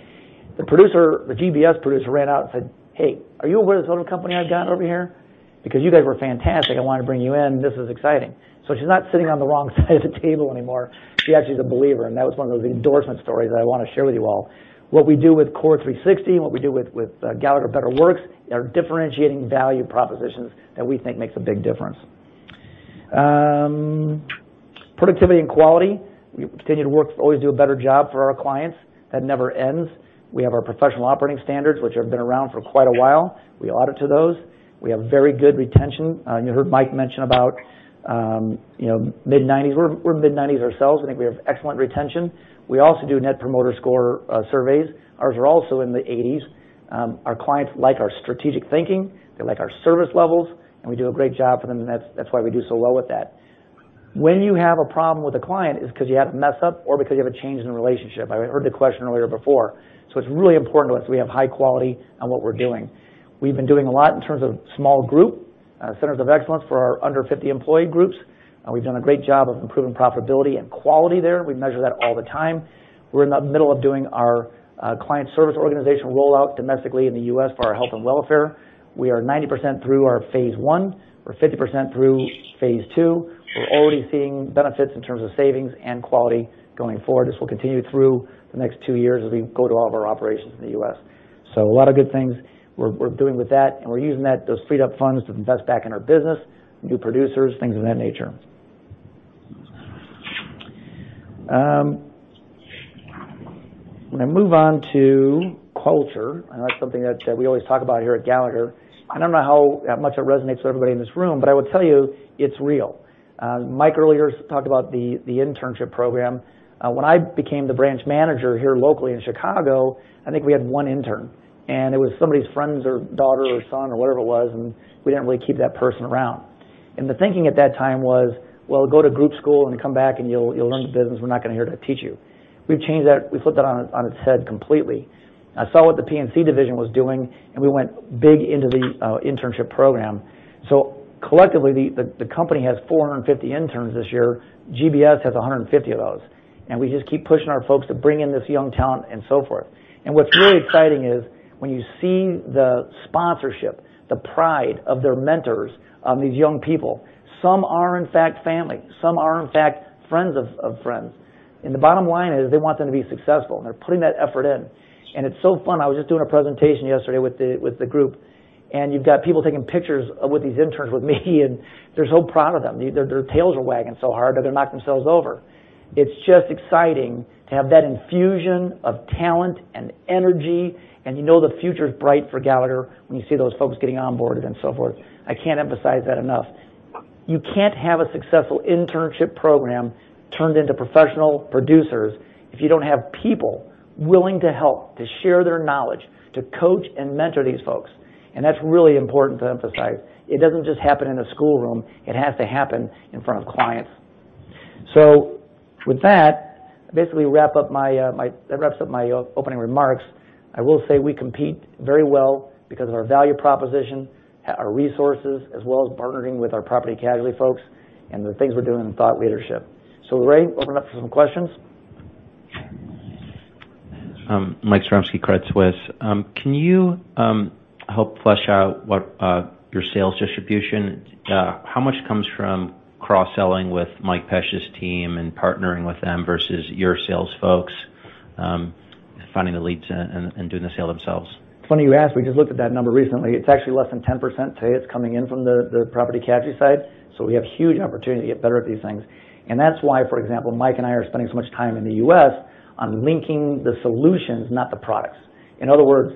The GBS producer ran out and said, "Hey, are you aware of this other company I've got over here? Because you guys were fantastic. I wanted to bring you in. This is exciting." She's not sitting on the wrong side of the table anymore. She actually is a believer, and that was one of those endorsement stories that I want to share with you all. What we do with CORE360 and what we do with Gallagher Better Works are differentiating value propositions that we think makes a big difference. Productivity and quality. We continue to always do a better job for our clients. That never ends. We have our professional operating standards, which have been around for quite a while. We audit to those. We have very good retention. You heard Mike mention about mid-90s%. We're mid-90s% ourselves. I think we have excellent retention. We also do Net Promoter Score surveys. Ours are also in the 80s%. Our clients like our strategic thinking. They like our service levels, and we do a great job for them, and that's why we do so well with that. When you have a problem with a client, it's because you had a mess up or because you have a change in the relationship. I heard the question earlier before. It's really important to us we have high quality on what we're doing. We've been doing a lot in terms of small group centers of excellence for our under 50 employee groups. We've done a great job of improving profitability and quality there. We measure that all the time. We're in the middle of doing our client service organization rollout domestically in the U.S. for our health and welfare. We are 90% through our phase 1. We're 50% through phase 2. We're already seeing benefits in terms of savings and quality going forward. This will continue through the next 2 years as we go to all of our operations in the U.S. A lot of good things we're doing with that, and we're using those freed up funds to invest back in our business, new producers, things of that nature. I'm going to move on to culture. I know that's something that we always talk about here at Gallagher. I don't know how much it resonates with everybody in this room, but I will tell you it's real. Mike earlier talked about the internship program. When I became the branch manager here locally in Chicago, I think we had one intern, and it was somebody's friend's daughter or son or whatever it was, and we didn't really keep that person around. The thinking at that time was, "Well, go to group school and come back, and you'll learn the business. We're not going to here to teach you." We've changed that. We flipped that on its head completely. I saw what the P&C division was doing, and we went big into the internship program. Collectively, the company has 450 interns this year. GBS has 150 of those. We just keep pushing our folks to bring in this young talent and so forth. What's really exciting is when you see the sponsorship, the pride of their mentors of these young people. Some are, in fact, family. Some are, in fact, friends of friends. The bottom line is they want them to be successful, and they're putting that effort in. It's so fun. I was just doing a presentation yesterday with the group, and you've got people taking pictures with these interns with me, and they're so proud of them. Their tails are wagging so hard that they'll knock themselves over. It's just exciting to have that infusion of talent and energy, and you know the future is bright for Gallagher when you see those folks getting onboarded and so forth. I can't emphasize that enough. You can't have a successful internship program turned into professional producers if you don't have people willing to help, to share their knowledge, to coach and mentor these folks. That's really important to emphasize. It doesn't just happen in a schoolroom. It has to happen in front of clients. With that wraps up my opening remarks. I will say we compete very well because of our value proposition, our resources, as well as partnering with our property casualty folks and the things we're doing in thought leadership. Lori, open up for some questions. Mike, Credit Suisse. Can you help flesh out what your sales distribution, how much comes from cross-selling with Mike Pesch's team and partnering with them versus your sales folks finding the leads and doing the sale themselves? It's funny you ask. We just looked at that number recently. It's actually less than 10% today that's coming in from the property casualty side. We have huge opportunity to get better at these things. That's why, for example, Mike and I are spending so much time in the U.S. on linking the solutions, not the products. In other words,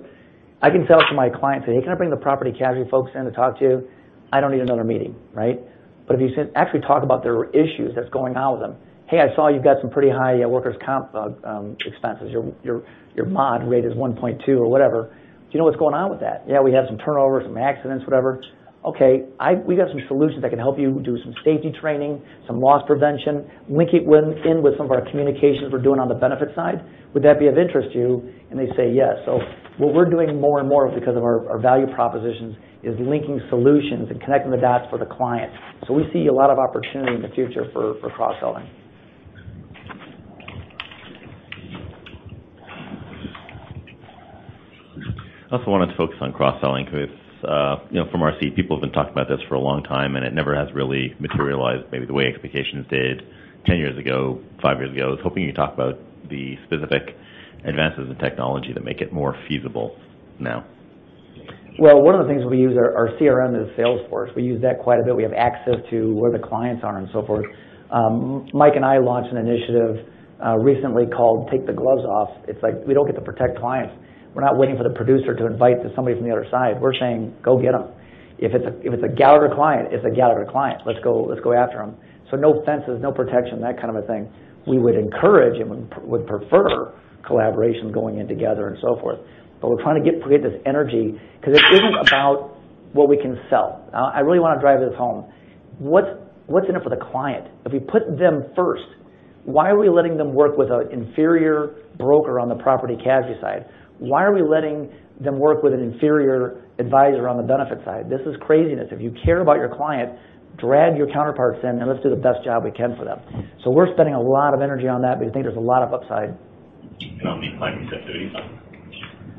I can sell to my client, say, "Hey, can I bring the property casualty folks in to talk to you?" I don't need another meeting, right? But if you actually talk about their issues that's going on with them, "Hey, I saw you've got some pretty high workers' comp expenses. Your mod rate is 1.2 or whatever. Do you know what's going on with that?" "Yeah, we had some turnover, some accidents, whatever." "Okay. We got some solutions that can help you do some safety training, some loss prevention, link it in with some of our communications we're doing on the benefits side. Would that be of interest to you?" And they say, "Yes." What we're doing more and more because of our value propositions is linking solutions and connecting the dots for the client. We see a lot of opportunity in the future for cross-selling. I also wanted to focus on cross-selling because from our seat, people have been talking about this for a long time, and it never has really materialized maybe the way expectations did 10 years ago, 5 years ago. I was hoping you could talk about the specific advances in technology that make it more feasible now. Well, one of the things we use, our CRM is Salesforce. We use that quite a bit. We have access to where the clients are and so forth. Mike and I launched an initiative recently called Take the Gloves Off. It's like we don't get to protect clients. We're not waiting for the producer to invite somebody from the other side. We're saying, "Go get them." If it's a Gallagher client, it's a Gallagher client. Let's go after them. No fences, no protection, that kind of a thing. We would encourage and would prefer collaboration going in together and so forth. We're trying to create this energy because it isn't about what we can sell. I really want to drive this home. What's in it for the client? If we put them first, why are we letting them work with an inferior broker on the Property Casualty side? Why are we letting them work with an inferior advisor on the Benefit side? This is craziness. If you care about your client, drag your counterparts in, and let's do the best job we can for them. We're spending a lot of energy on that. We think there's a lot of upside. On the client receptivity side?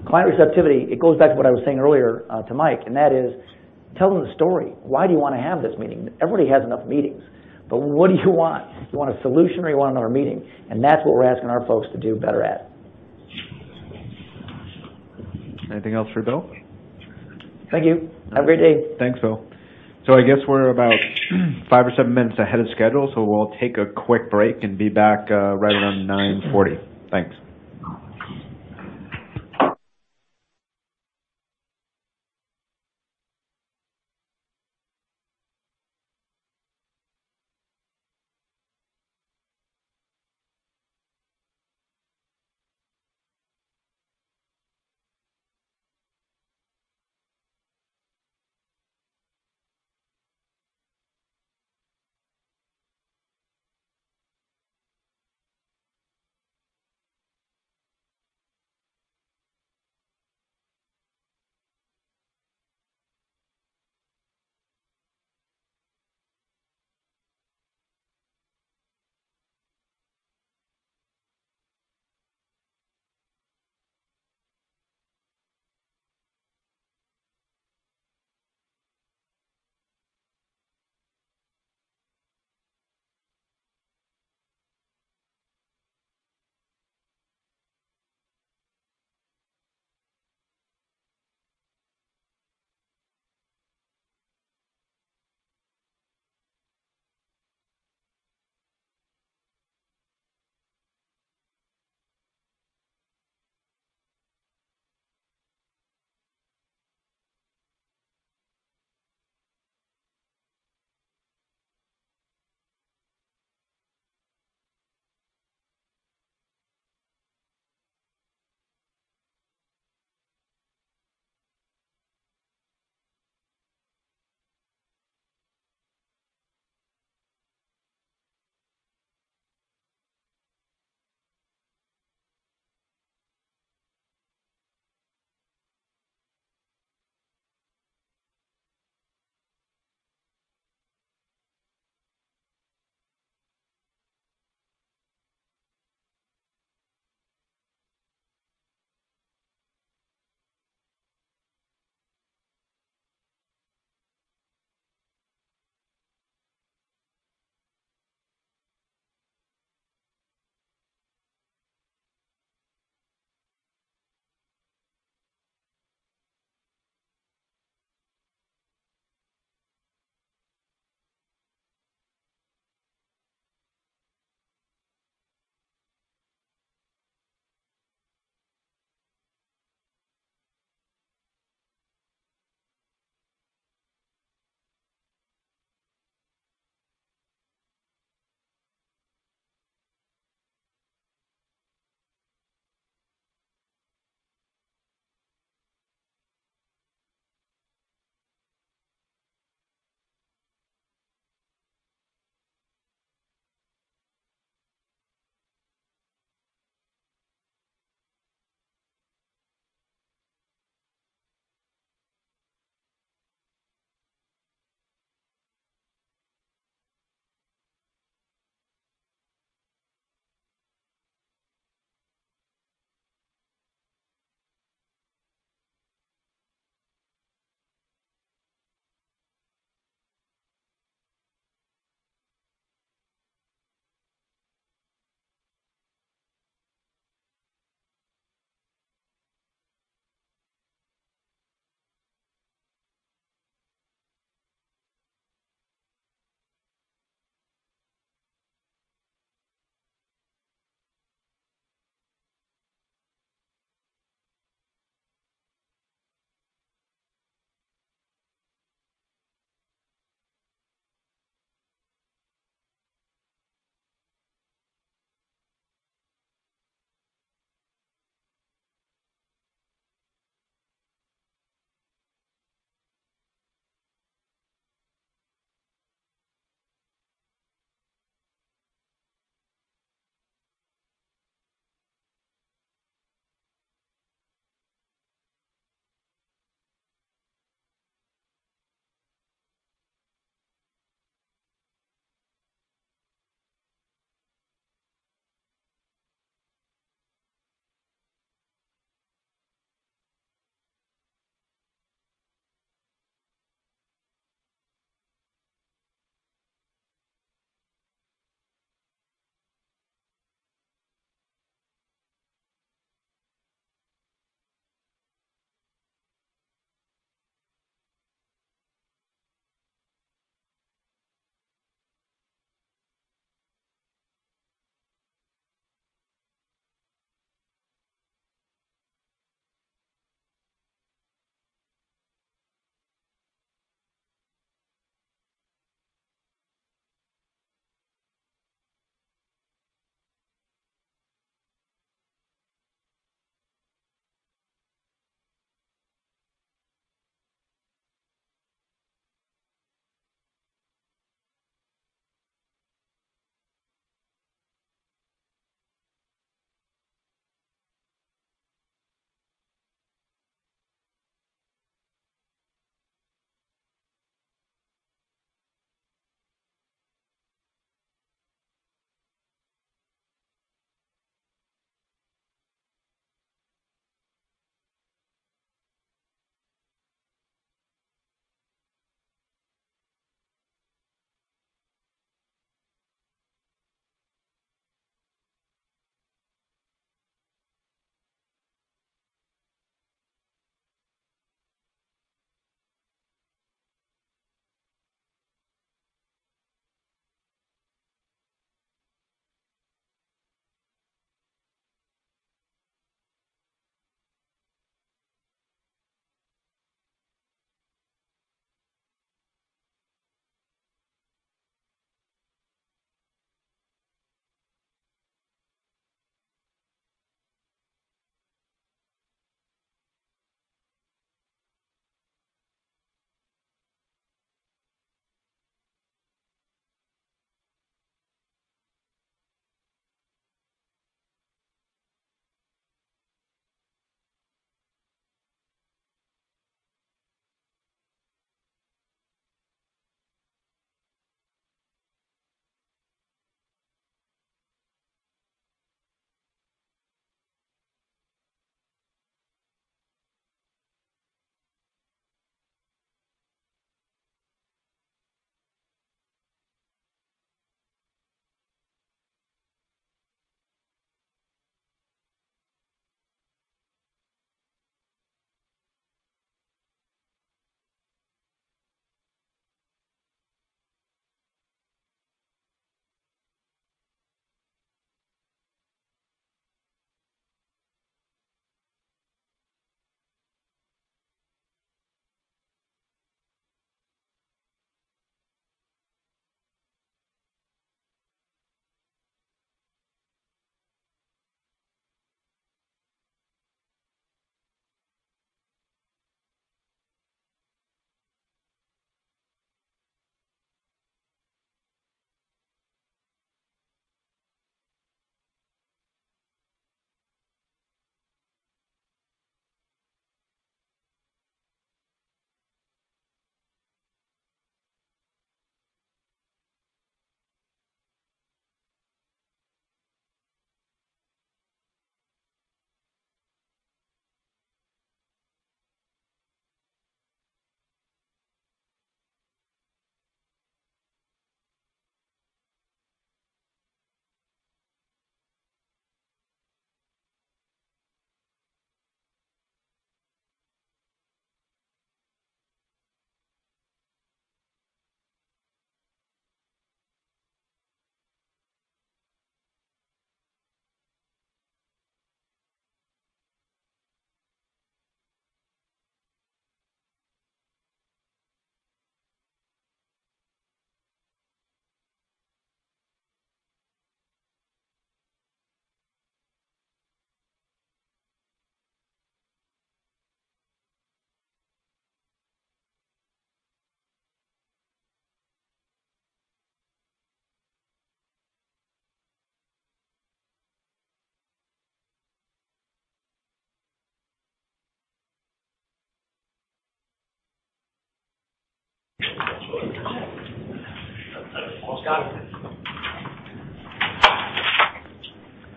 Client receptivity, it goes back to what I was saying earlier to Mike, and that is, tell them the story. Why do you want to have this meeting? Everybody has enough meetings, but what do you want? Do you want a solution, or do you want another meeting? That's what we're asking our folks to do better at. Anything else for Bill? Thank you. Have a great day. Thanks, Bill. I guess we're about five or seven minutes ahead of schedule. We'll take a quick break and be back right around 9:40. Thanks.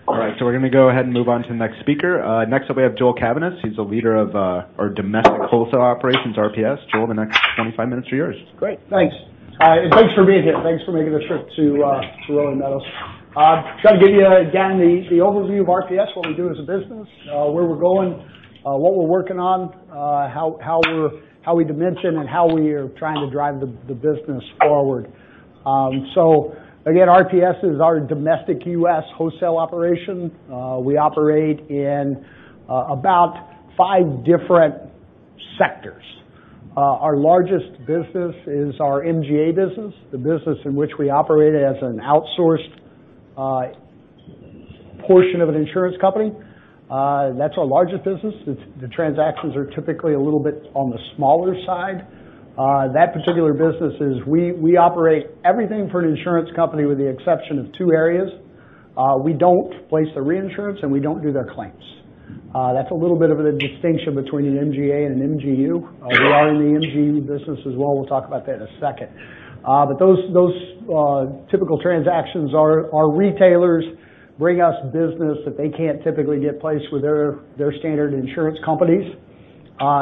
All right. We're going to go ahead and move on to the next speaker. Next up, we have Joel Cavaness. He's the leader of our domestic wholesale operations, RPS. Joel, the next 25 minutes are yours. Great. Thanks. Thanks for being here. Thanks for making the trip to Rolling Meadows. I'm going to give you, again, the overview of RPS, what we do as a business, where we're going, what we're working on, how we dimension, and how we are trying to drive the business forward. Again, RPS is our domestic U.S. wholesale operation. We operate in about five different sectors. Our largest business is our MGA business, the business in which we operate as an outsourced portion of an insurance company. That's our largest business. The transactions are typically a little bit on the smaller side. That particular business is we operate everything for an insurance company with the exception of two areas. We don't place their reinsurance, and we don't do their claims. That's a little bit of a distinction between an MGA and an MGU. We are in the MGU business as well. We'll talk about that in a second. Those typical transactions are retailers bring us business that they can't typically get placed with their standard insurance companies.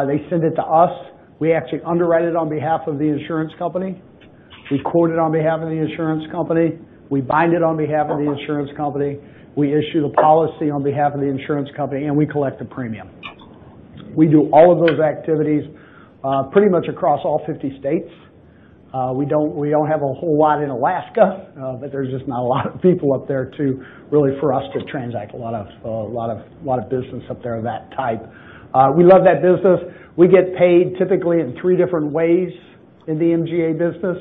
They send it to us. We actually underwrite it on behalf of the insurance company. We quote it on behalf of the insurance company. We bind it on behalf of the insurance company. We issue the policy on behalf of the insurance company, and we collect the premium. We do all of those activities pretty much across all 50 states. We don't have a whole lot in Alaska, but there's just not a lot of people up there to really for us to transact a lot of business up there of that type. We love that business. We get paid typically in three different ways in the MGA business.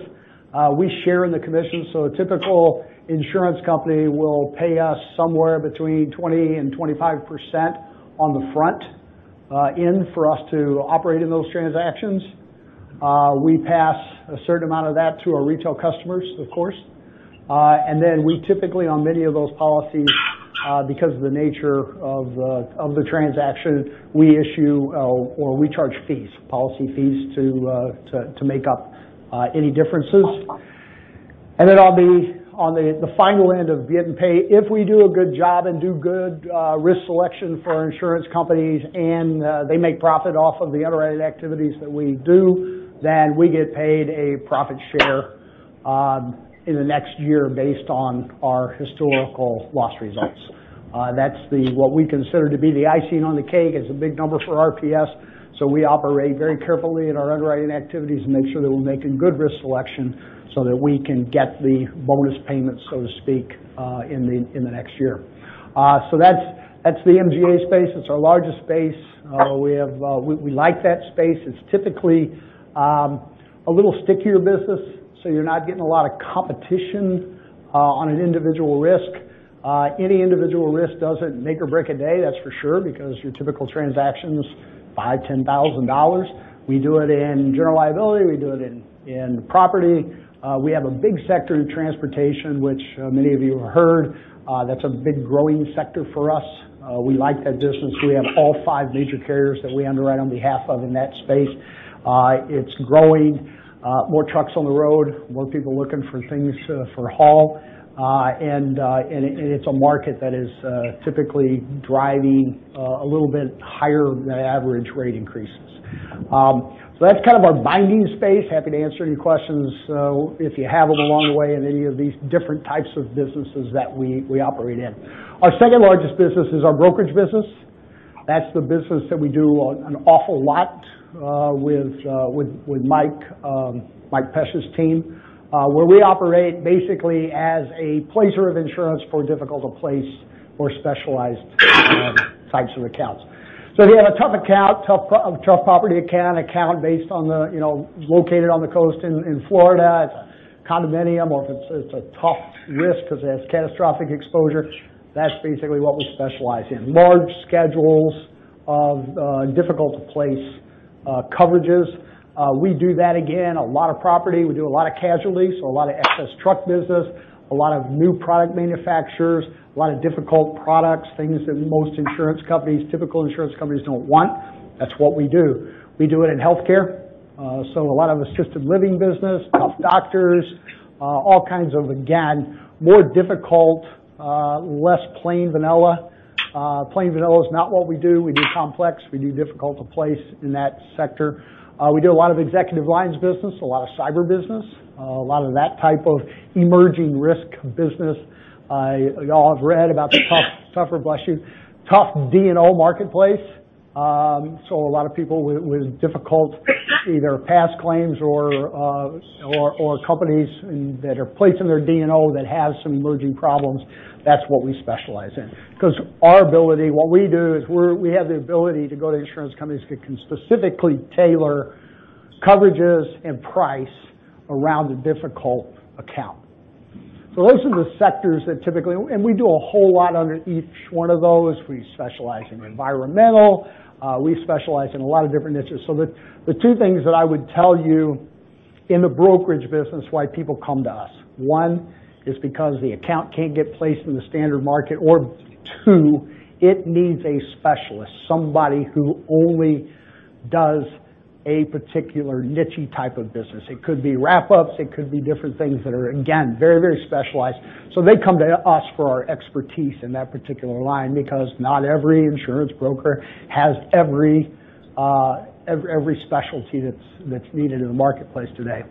We share in the commission. A typical insurance company will pay us somewhere between 20% and 25% on the front end for us to operate in those transactions. We pass a certain amount of that to our retail customers, of course. We typically, on many of those policies, because of the nature of the transaction, we issue or we charge fees, policy fees to make up any differences. I'll be on the final end of getting paid. If we do a good job and do good risk selection for our insurance companies and they make profit off of the underwriting activities that we do, then we get paid a profit share in the next year based on our historical loss results. That's what we consider to be the icing on the cake. It's a big number for RPS. We operate very carefully in our underwriting activities to make sure that we're making good risk selection so that we can get the bonus payment, so to speak, in the next year. That's the MGA space. It's our largest space. We like that space. It's typically a little stickier business, so you're not getting a lot of competition on an individual risk. Any individual risk doesn't make or break a day, that's for sure, because your typical transaction's $5,000, $10,000. We do it in general liability. We do it in property. We have a big sector in transportation, which many of you have heard. That's a big growing sector for us. We like that business. We have all five major carriers that we underwrite on behalf of in that space. It's growing. More trucks on the road, more people looking for things for haul. It's a market that is typically driving a little bit higher than average rate increases. That's our binding space. Happy to answer any questions if you have them along the way in any of these different types of businesses that we operate in. Our second largest business is our brokerage business. That's the business that we do an awful lot with Mike Pesch's team where we operate basically as a placer of insurance for difficult to place or specialized types of accounts. If you have a tough account, tough property account, an account located on the coast in Florida, it's a condominium, or if it's a tough risk because it has catastrophic exposure, that's basically what we specialize in. Large schedules of difficult to place coverages. We do that, again, a lot of property. We do a lot of casualties, so a lot of excess truck business, a lot of new product manufacturers, a lot of difficult products, things that most insurance companies, typical insurance companies don't want. That's what we do. We do it in healthcare, so a lot of assisted living business, tough doctors all kinds of, again, more difficult, less plain vanilla. Plain vanilla is not what we do. We do complex. We do difficult to place in that sector. We do a lot of executive lines business, a lot of cyber business, a lot of that type of emerging risk business. You all have read about the tough, bless you, tough D&O marketplace. A lot of people with difficult either past claims or companies that are placing their D&O that have some emerging problems. That's what we specialize in. Because our ability, what we do is we have the ability to go to insurance companies that can specifically tailor coverages and price around a difficult account. Those are the sectors that typically, and we do a whole lot under each one of those. We specialize in environmental. We specialize in a lot of different niches. The two things that I would tell you in the brokerage business why people come to us. One is because the account can't get placed in the standard market. Two, it needs a specialist, somebody who only does a particular niche-y type of business. It could be wrap-ups. It could be different things that are, again, very, very specialized. They come to us for our expertise in that particular line because not every insurance broker has every specialty that's needed in the marketplace today.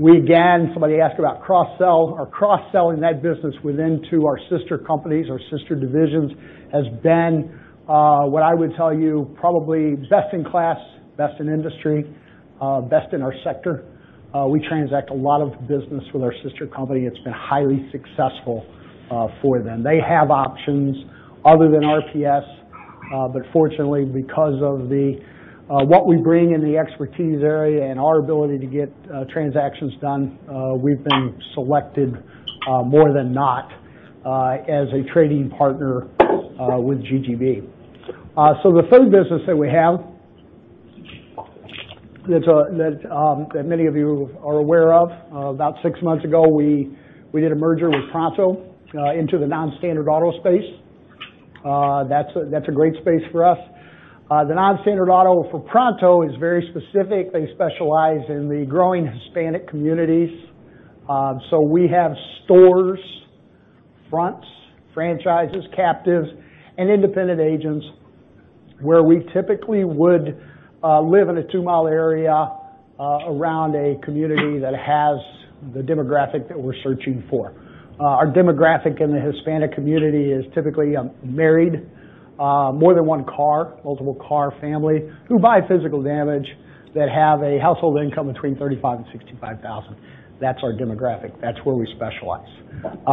We again, somebody asked about cross-sells or cross-selling that business within to our sister companies or sister divisions, has been what I would tell you probably best in class, best in industry, best in our sector. We transact a lot of business with our sister company. It's been highly successful for them. They have options other than RPS. Fortunately, because of what we bring in the expertise area and our ability to get transactions done, we've been selected more than not as a trading partner with GGB. The third business that we have that many of you are aware of. About six months ago, we did a merger with Pronto into the non-standard auto space. That's a great space for us. The non-standard auto for Pronto is very specific. They specialize in the growing Hispanic communities. We have stores, fronts, franchises, captives, and independent agents where we typically would live in a two-mile area around a community that has the demographic that we're searching for. Our demographic in the Hispanic community is typically married, more than one car, multiple car family, who buy physical damage, that have a household income between $35,000 and $65,000. That's our demographic. That's where we specialize.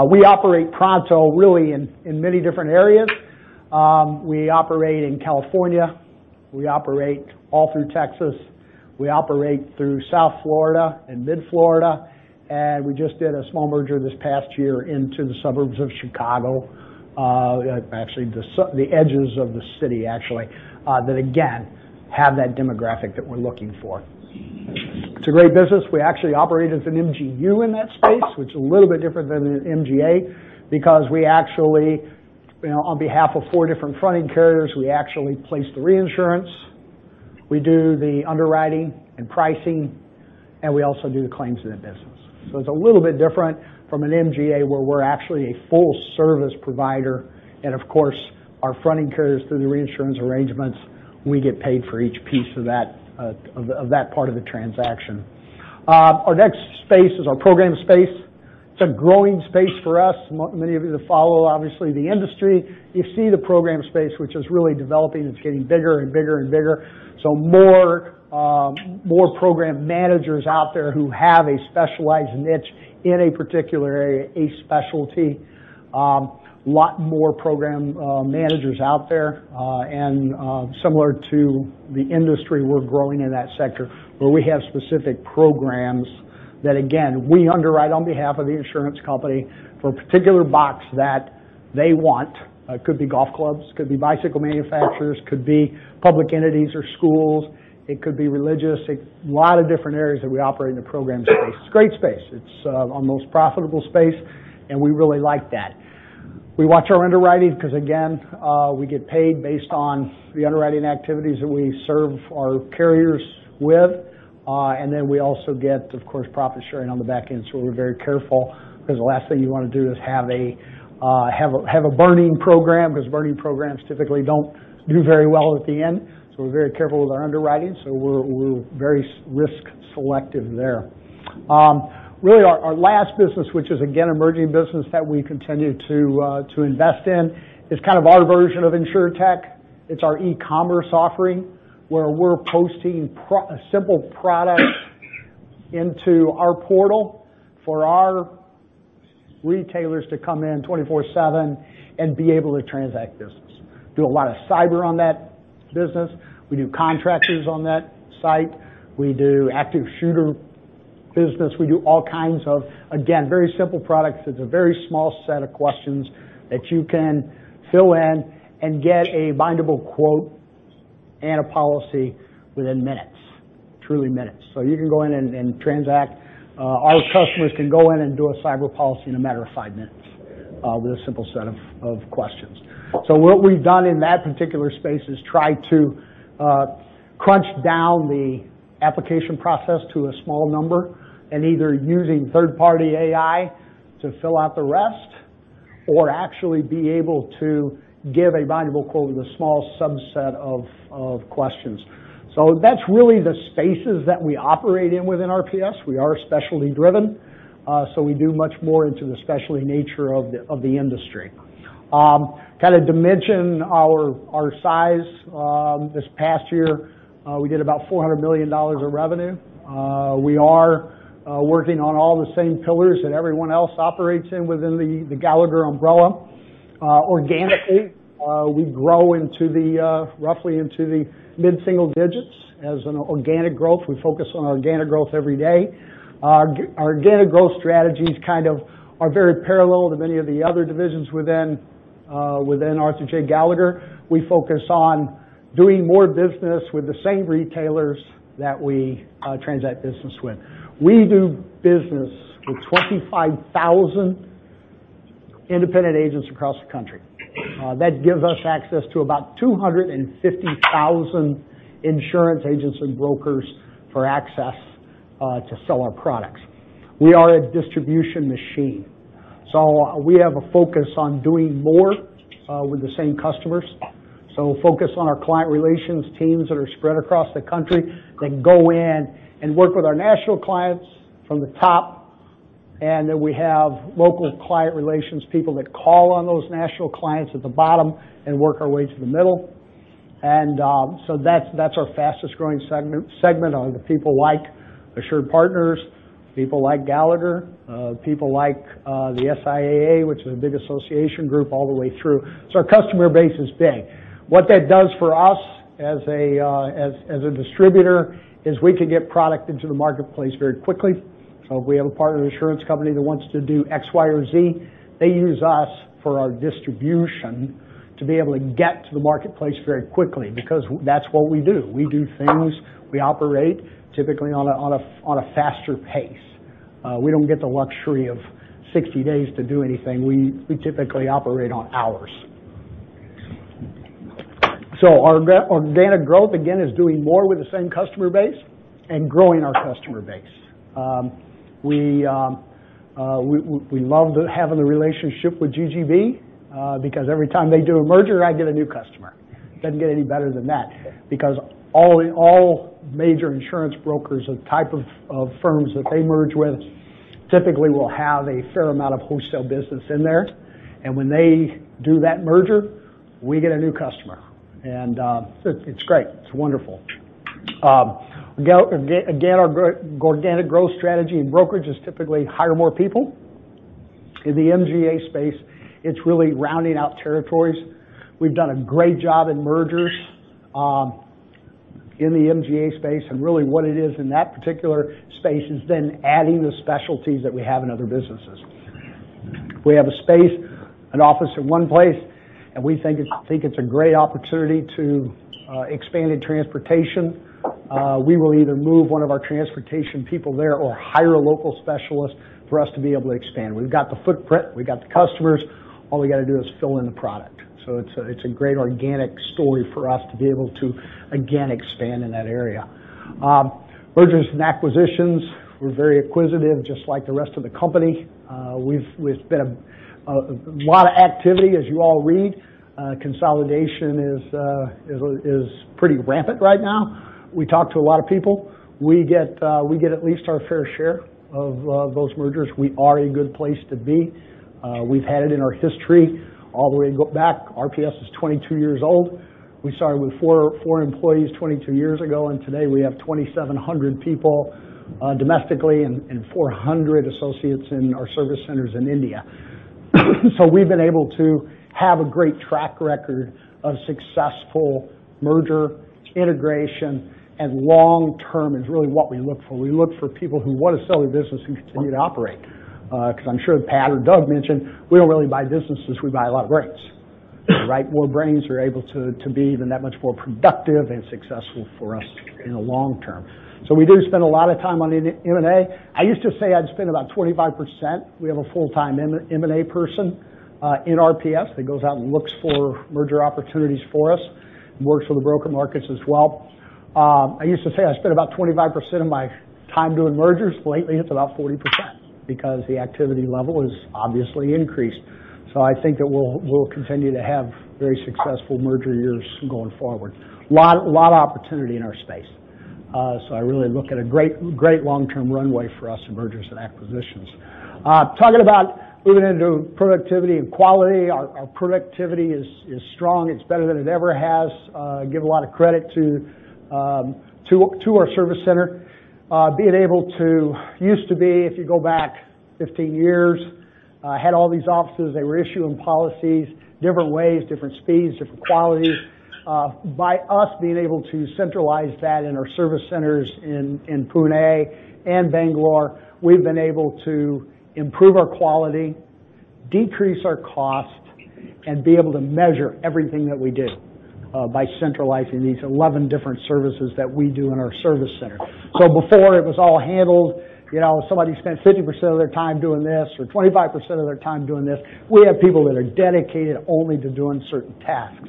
We operate Pronto really in many different areas. We operate in California. We operate all through Texas. We operate through South Florida and Mid-Florida, and we just did a small merger this past year into the suburbs of Chicago. Actually, the edges of the city, that again, have that demographic that we're looking for. It's a great business. We actually operate as an MGU in that space, which is a little bit different than an MGA because we actually, on behalf of four different fronting carriers, we actually place the reinsurance. We do the underwriting and pricing, and we also do the claims in the business. It's a little bit different from an MGA, where we're actually a full-service provider, and of course, our fronting carriers through the reinsurance arrangements, we get paid for each piece of that part of the transaction. Our next space is our program space. It's a growing space for us. Many of you that follow, obviously, the industry, you see the program space, which is really developing. It's getting bigger and bigger and bigger. More program managers out there who have a specialized niche in a particular area, a specialty. A lot more program managers out there. Similar to the industry, we're growing in that sector where we have specific programs that, again, we underwrite on behalf of the insurance company for a particular box that they want. It could be golf clubs, could be bicycle manufacturers, could be public entities or schools. It could be religious. A lot of different areas that we operate in the program space. Great space. It's our most profitable space, and we really like that. We watch our underwriting because, again, we get paid based on the underwriting activities that we serve our carriers with, and then we also get, of course, profit sharing on the back end. We're very careful because the last thing you want to do is have a burning program because burning programs typically don't do very well at the end. We're very careful with our underwriting. We're very risk selective there. Really our last business, which is again, emerging business that we continue to invest in, is kind of our version of InsurTech. It's our e-commerce offering, where we're posting simple products into our portal for our retailers to come in 24/7 and be able to transact business. We do a lot of cyber on that business. We do contractors on that site. We do active shooter business. We do all kinds of, again, very simple products. It's a very small set of questions that you can fill in and get a bindable quote and a policy within minutes. Truly minutes. You can go in and transact. Our customers can go in and do a cyber policy in a matter of 5 minutes with a simple set of questions. What we've done in that particular space is try to crunch down the application process to a small number, and either using third party AI to fill out the rest or actually be able to give a valuable quote with a small subset of questions. That's really the spaces that we operate in within RPS. We are specialty driven, so we do much more into the specialty nature of the industry. Kind of dimension our size. This past year, we did about $400 million of revenue. We are working on all the same pillars that everyone else operates in within the Gallagher umbrella. Organically, we grow roughly into the mid-single digits as an organic growth. We focus on organic growth every day. Our organic growth strategies kind of are very parallel to many of the other divisions within Arthur J. Gallagher. We focus on doing more business with the same retailers that we transact business with. We do business with 25,000 independent agents across the country. That gives us access to about 250,000 insurance agents and brokers for access to sell our products. We are a distribution machine, so we have a focus on doing more with the same customers. Focus on our client relations teams that are spread across the country that go in and work with our national clients from the top, and then we have local client relations people that call on those national clients at the bottom and work our way to the middle. That's our fastest-growing segment are the people like AssuredPartners, people like Gallagher, people like the SIAA, which is a big association group all the way through. Our customer base is big. What that does for us as a distributor is we can get product into the marketplace very quickly. If we have a partner insurance company that wants to do X, Y, or Z, they use us for our distribution to be able to get to the marketplace very quickly because that's what we do. We do things. We operate typically on a faster pace. We don't get the luxury of 60 days to do anything. We typically operate on hours. Our organic growth, again, is doing more with the same customer base and growing our customer base. We love having the relationship with GGB because every time they do a merger, I get a new customer. Doesn't get any better than that because all major insurance brokers, the type of firms that they merge with, typically will have a fair amount of wholesale business in there. When they do that merger, we get a new customer. It's great. It's wonderful. Again, our organic growth strategy in brokerage is typically hire more people. In the MGA space, it's really rounding out territories. We've done a great job in mergers in the MGA space, and really what it is in that particular space is then adding the specialties that we have in other businesses. We have a space, an office in one place, and we think it's a great opportunity to expand in transportation. We will either move one of our transportation people there or hire a local specialist for us to be able to expand. We've got the footprint, we've got the customers, all we've got to do is fill in the product. It's a great organic story for us to be able to, again, expand in that area. Mergers and acquisitions, we're very acquisitive, just like the rest of the company. There's been a lot of activity, as you all read. Consolidation is pretty rampant right now. We talk to a lot of people. We get at least our fair share of those mergers. We are a good place to be. We've had it in our history all the way back. RPS is 22 years old. We started with four employees 22 years ago, and today we have 2,700 people domestically and 400 associates in our service centers in India. We've been able to have a great track record of successful merger integration, and long-term is really what we look for. We look for people who want to sell their business who continue to operate, because I'm sure Pat or Doug mentioned, we don't really buy businesses, we buy a lot of brains. Right? More brains are able to be then that much more productive and successful for us in the long term. We do spend a lot of time on M&A. I used to say I'd spend about 25%. We have a full-time M&A person in RPS that goes out and looks for merger opportunities for us, and works with the broker markets as well. I used to say I spent about 25% of my time doing mergers. Lately, it's about 40% because the activity level has obviously increased. I think that we'll continue to have very successful merger years going forward. Lot of opportunity in our space. I really look at a great long-term runway for us in mergers and acquisitions. Talking about moving into productivity and quality, our productivity is strong. It's better than it ever has. Give a lot of credit to our service center. We had all these offices, they were issuing policies, different ways, different speeds, different qualities. By us being able to centralize that in our service centers in Pune and Bangalore, we've been able to improve our quality, decrease our cost, and be able to measure everything that we do by centralizing these 11 different services that we do in our service center. Before it was all handled, somebody spent 50% of their time doing this, or 25% of their time doing this. We have people that are dedicated only to doing certain tasks.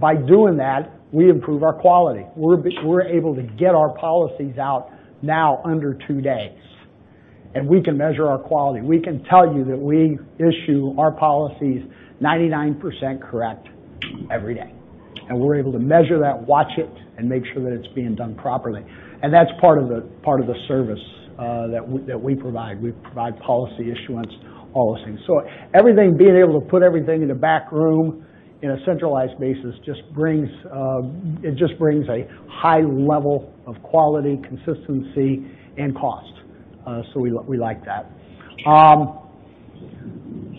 By doing that, we improve our quality. We're able to get our policies out now under two days, and we can measure our quality. We can tell you that we issue our policies 99% correct every day, and we're able to measure that, watch it, and make sure that it's being done properly. That's part of the service that we provide. We provide policy issuance, all those things. Being able to put everything in a back room in a centralized basis, it just brings a high level of quality, consistency, and cost. We like that.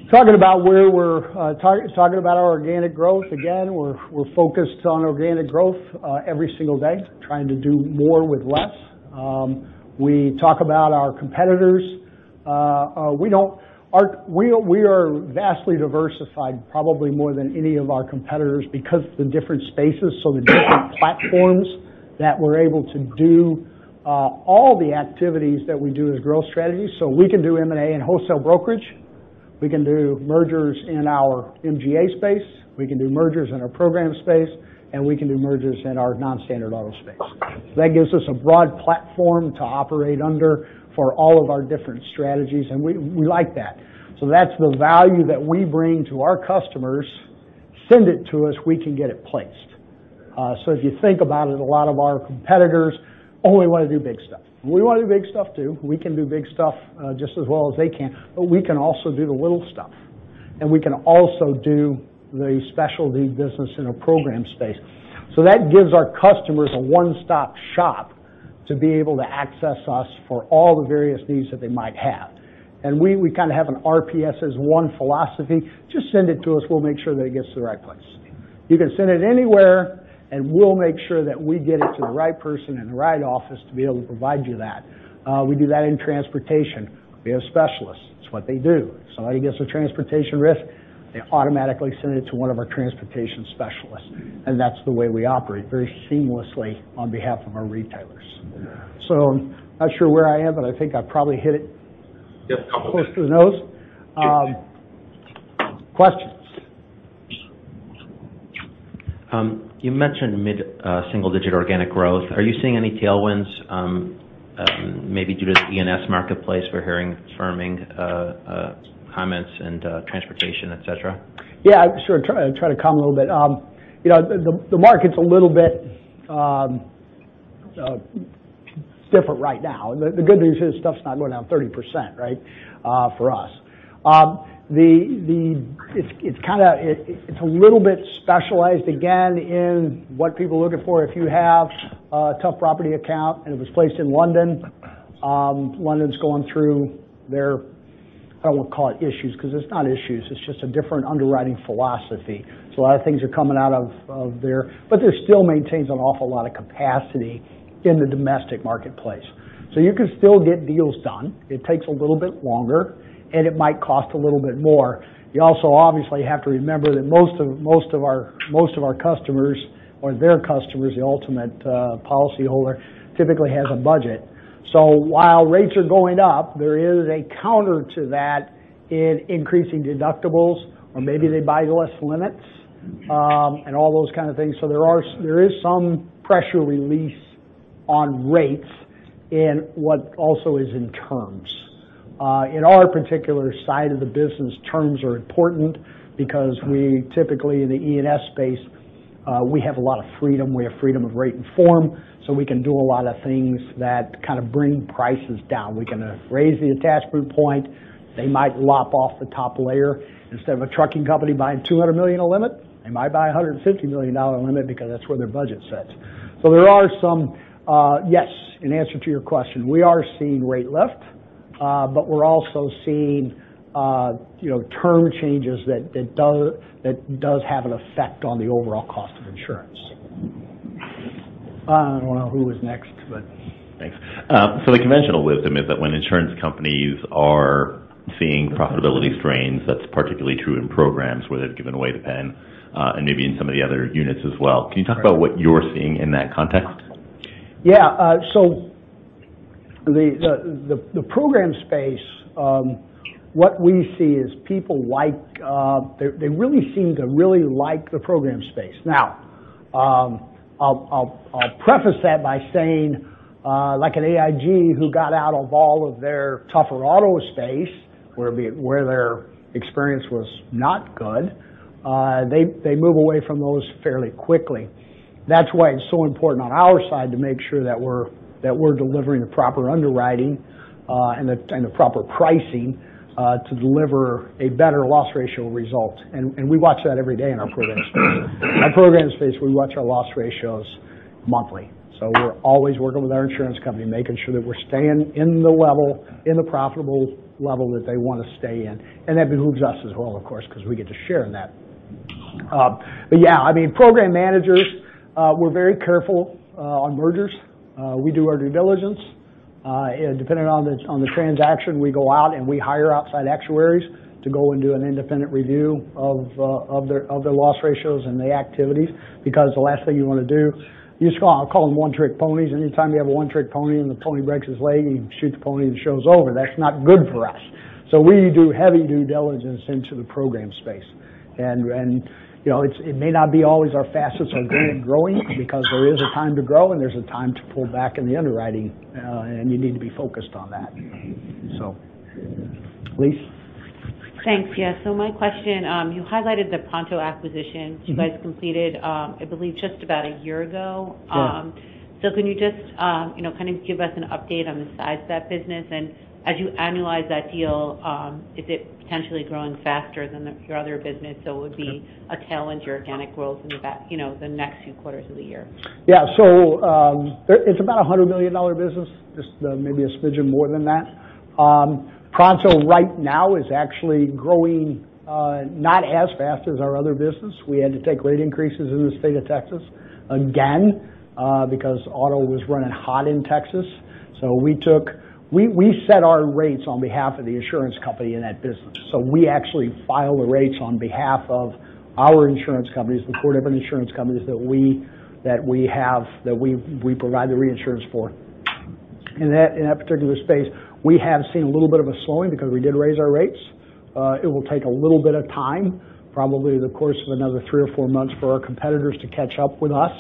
Talking about our organic growth, again, we're focused on organic growth every single day, trying to do more with less. We talk about our competitors. We are vastly diversified, probably more than any of our competitors because of the different spaces, the different platforms that we're able to do all the activities that we do as growth strategies. We can do M&A and wholesale brokerage. We can do mergers in our MGA space. We can do mergers in our program space, and we can do mergers in our non-standard auto space. That gives us a broad platform to operate under for all of our different strategies, and we like that. That's the value that we bring to our customers. Send it to us, we can get it placed. If you think about it, a lot of our competitors only want to do big stuff. We want to do big stuff, too. We can do big stuff just as well as they can. We can also do the little stuff, and we can also do the specialty business in a program space. That gives our customers a one-stop shop to be able to access us for all the various needs that they might have. We have an RPS as one philosophy. Just send it to us. We'll make sure that it gets to the right place. You can send it anywhere, and we'll make sure that we get it to the right person in the right office to be able to provide you that. We do that in transportation. We have specialists. It's what they do. Somebody gets a transportation risk, they automatically send it to one of our transportation specialists, and that's the way we operate, very seamlessly on behalf of our retailers. I'm not sure where I am, but I think I probably hit it close to the nose. Questions? You mentioned mid single-digit organic growth. Are you seeing any tailwinds, maybe due to the E&S marketplace? We're hearing firming comments and transportation, et cetera. Yeah, sure. Try to comment a little bit. The market's a little bit different right now. The good news is stuff's not going down 30%, for us. It's a little bit specialized again in what people are looking for. If you have a tough property account, and it was placed in London's going through their, I don't want to call it issues, because it's not issues, it's just a different underwriting philosophy. A lot of things are coming out of there. There still maintains an awful lot of capacity in the domestic marketplace. You can still get deals done. It takes a little bit longer, and it might cost a little bit more. You also obviously have to remember that most of our customers or their customers, the ultimate policyholder, typically has a budget. While rates are going up, there is a counter to that in increasing deductibles or maybe they buy less limits, and all those kind of things. There is some pressure release on rates in what also is in terms. In our particular side of the business, terms are important because we typically, in the E&S space, we have a lot of freedom. We have freedom of rate and form, so we can do a lot of things that kind of bring prices down. We can raise the attachment point. They might lop off the top layer. Instead of a trucking company buying $200 million of limit, they might buy a $150 million limit because that's where their budget sits. There are some, yes, in answer to your question, we are seeing rate lift. We're also seeing term changes that does have an effect on the overall cost of insurance. I don't know who was next. Thanks. The conventional wisdom is that when insurance companies are seeing profitability strains, that's particularly true in programs where they've given away the pen, and maybe in some of the other units as well. Can you talk about what you're seeing in that context? Yeah. They really seem to like the program space. Now, I'll preface that by saying, like an AIG who got out of all of their tougher auto space, where their experience was not good, they move away from those fairly quickly. That's why it's so important on our side to make sure that we're delivering the proper underwriting, and the proper pricing, to deliver a better loss ratio result. We watch that every day in our program space. In our program space, we watch our loss ratios monthly. We're always working with our insurance company, making sure that we're staying in the profitable level that they want to stay in. That behooves us as well, of course, because we get to share in that. Yeah, program managers, we're very careful, on mergers. We do our due diligence. Depending on the transaction, we go out, and we hire outside actuaries to go and do an independent review of the loss ratios and the activities. The last thing you want to do, I call them one-trick ponies. Anytime you have a one-trick pony, and the pony breaks his leg and you shoot the pony, the show's over. That's not good for us. We do heavy due diligence into the program space. It may not be always our fastest or greatest growing because there is a time to grow, and there's a time to pull back in the underwriting, and you need to be focused on that. Elyse? Thanks. Yeah. My question, you highlighted the Pronto acquisition that you guys completed, I believe just about a year ago. Sure. Can you just give us an update on the size of that business, and as you annualize that deal, is it potentially growing faster than your other business, so it would be a tailwind to organic growth in the next few quarters of the year? Yeah. It's about $100 million business, just maybe a smidgen more than that. Pronto right now is actually growing not as fast as our other business. We had to take rate increases in the state of Texas again because auto was running hot in Texas. We set our rates on behalf of the insurance company in that business. We actually file the rates on behalf of our insurance companies, the core different insurance companies that we provide the reinsurance for. In that particular space, we have seen a little bit of a slowing because we did raise our rates. It will take a little bit of time, probably the course of another three or four months for our competitors to catch up with us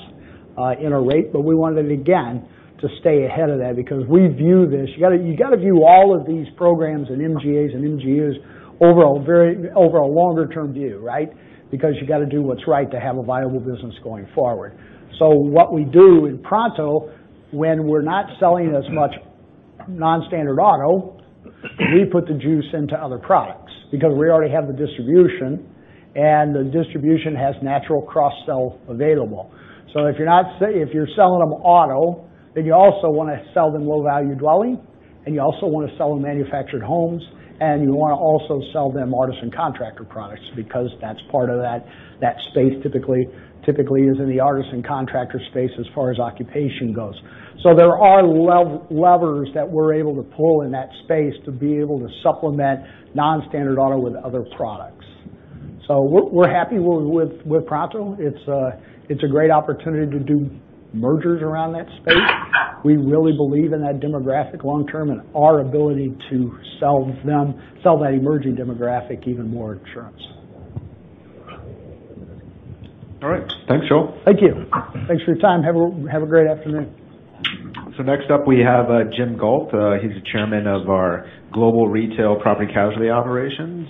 in our rate. We wanted it, again, to stay ahead of that because we view this, you got to view all of these programs and MGAs and MGUs over a longer-term view, right? Because you got to do what's right to have a viable business going forward. What we do in Pronto, when we're not selling as much non-standard auto, we put the juice into other products because we already have the distribution, and the distribution has natural cross-sell available. If you're selling them auto, then you also want to sell them low-value dwelling, and you also want to sell them manufactured homes, and you want to also sell them artisan contractor products because that's part of that space typically is in the artisan contractor space as far as occupation goes. There are levers that we're able to pull in that space to be able to supplement non-standard auto with other products. We're happy with Pronto. It's a great opportunity to do mergers around that space. We really believe in that demographic long term and our ability to sell that emerging demographic even more insurance. All right. Thanks, Joel. Thank you. Thanks for your time. Have a great afternoon. Next up, we have Jim Gault. He's the Chairman of our Global Retail Property/Casualty Operations.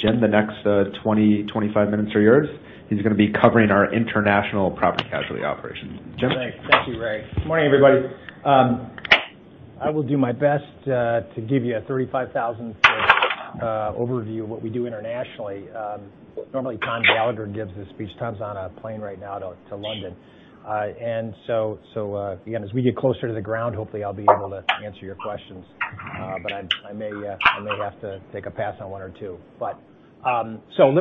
Jim, the next 20, 25 minutes are yours. He's going to be covering our international Property/Casualty operations. Jim? Thanks. Thank you, Ray. Good morning, everybody. I will do my best to give you a 35,000-foot overview of what we do internationally. Normally, Tom Gallagher gives this speech. Tom's on a plane right now to London. Again, as we get closer to the ground, hopefully, I'll be able to answer your questions. I may have to take a pass on one or two. Let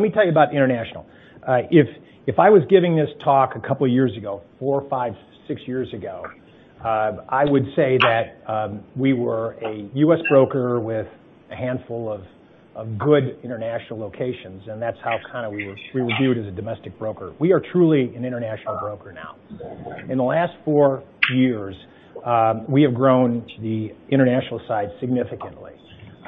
me tell you about international. If I was giving this talk a couple of years ago, four, five, six years ago, I would say that we were a U.S. broker with a handful of good international locations, and that's how we were viewed as a domestic broker. We are truly an international broker now. In the last four years, we have grown the international side significantly.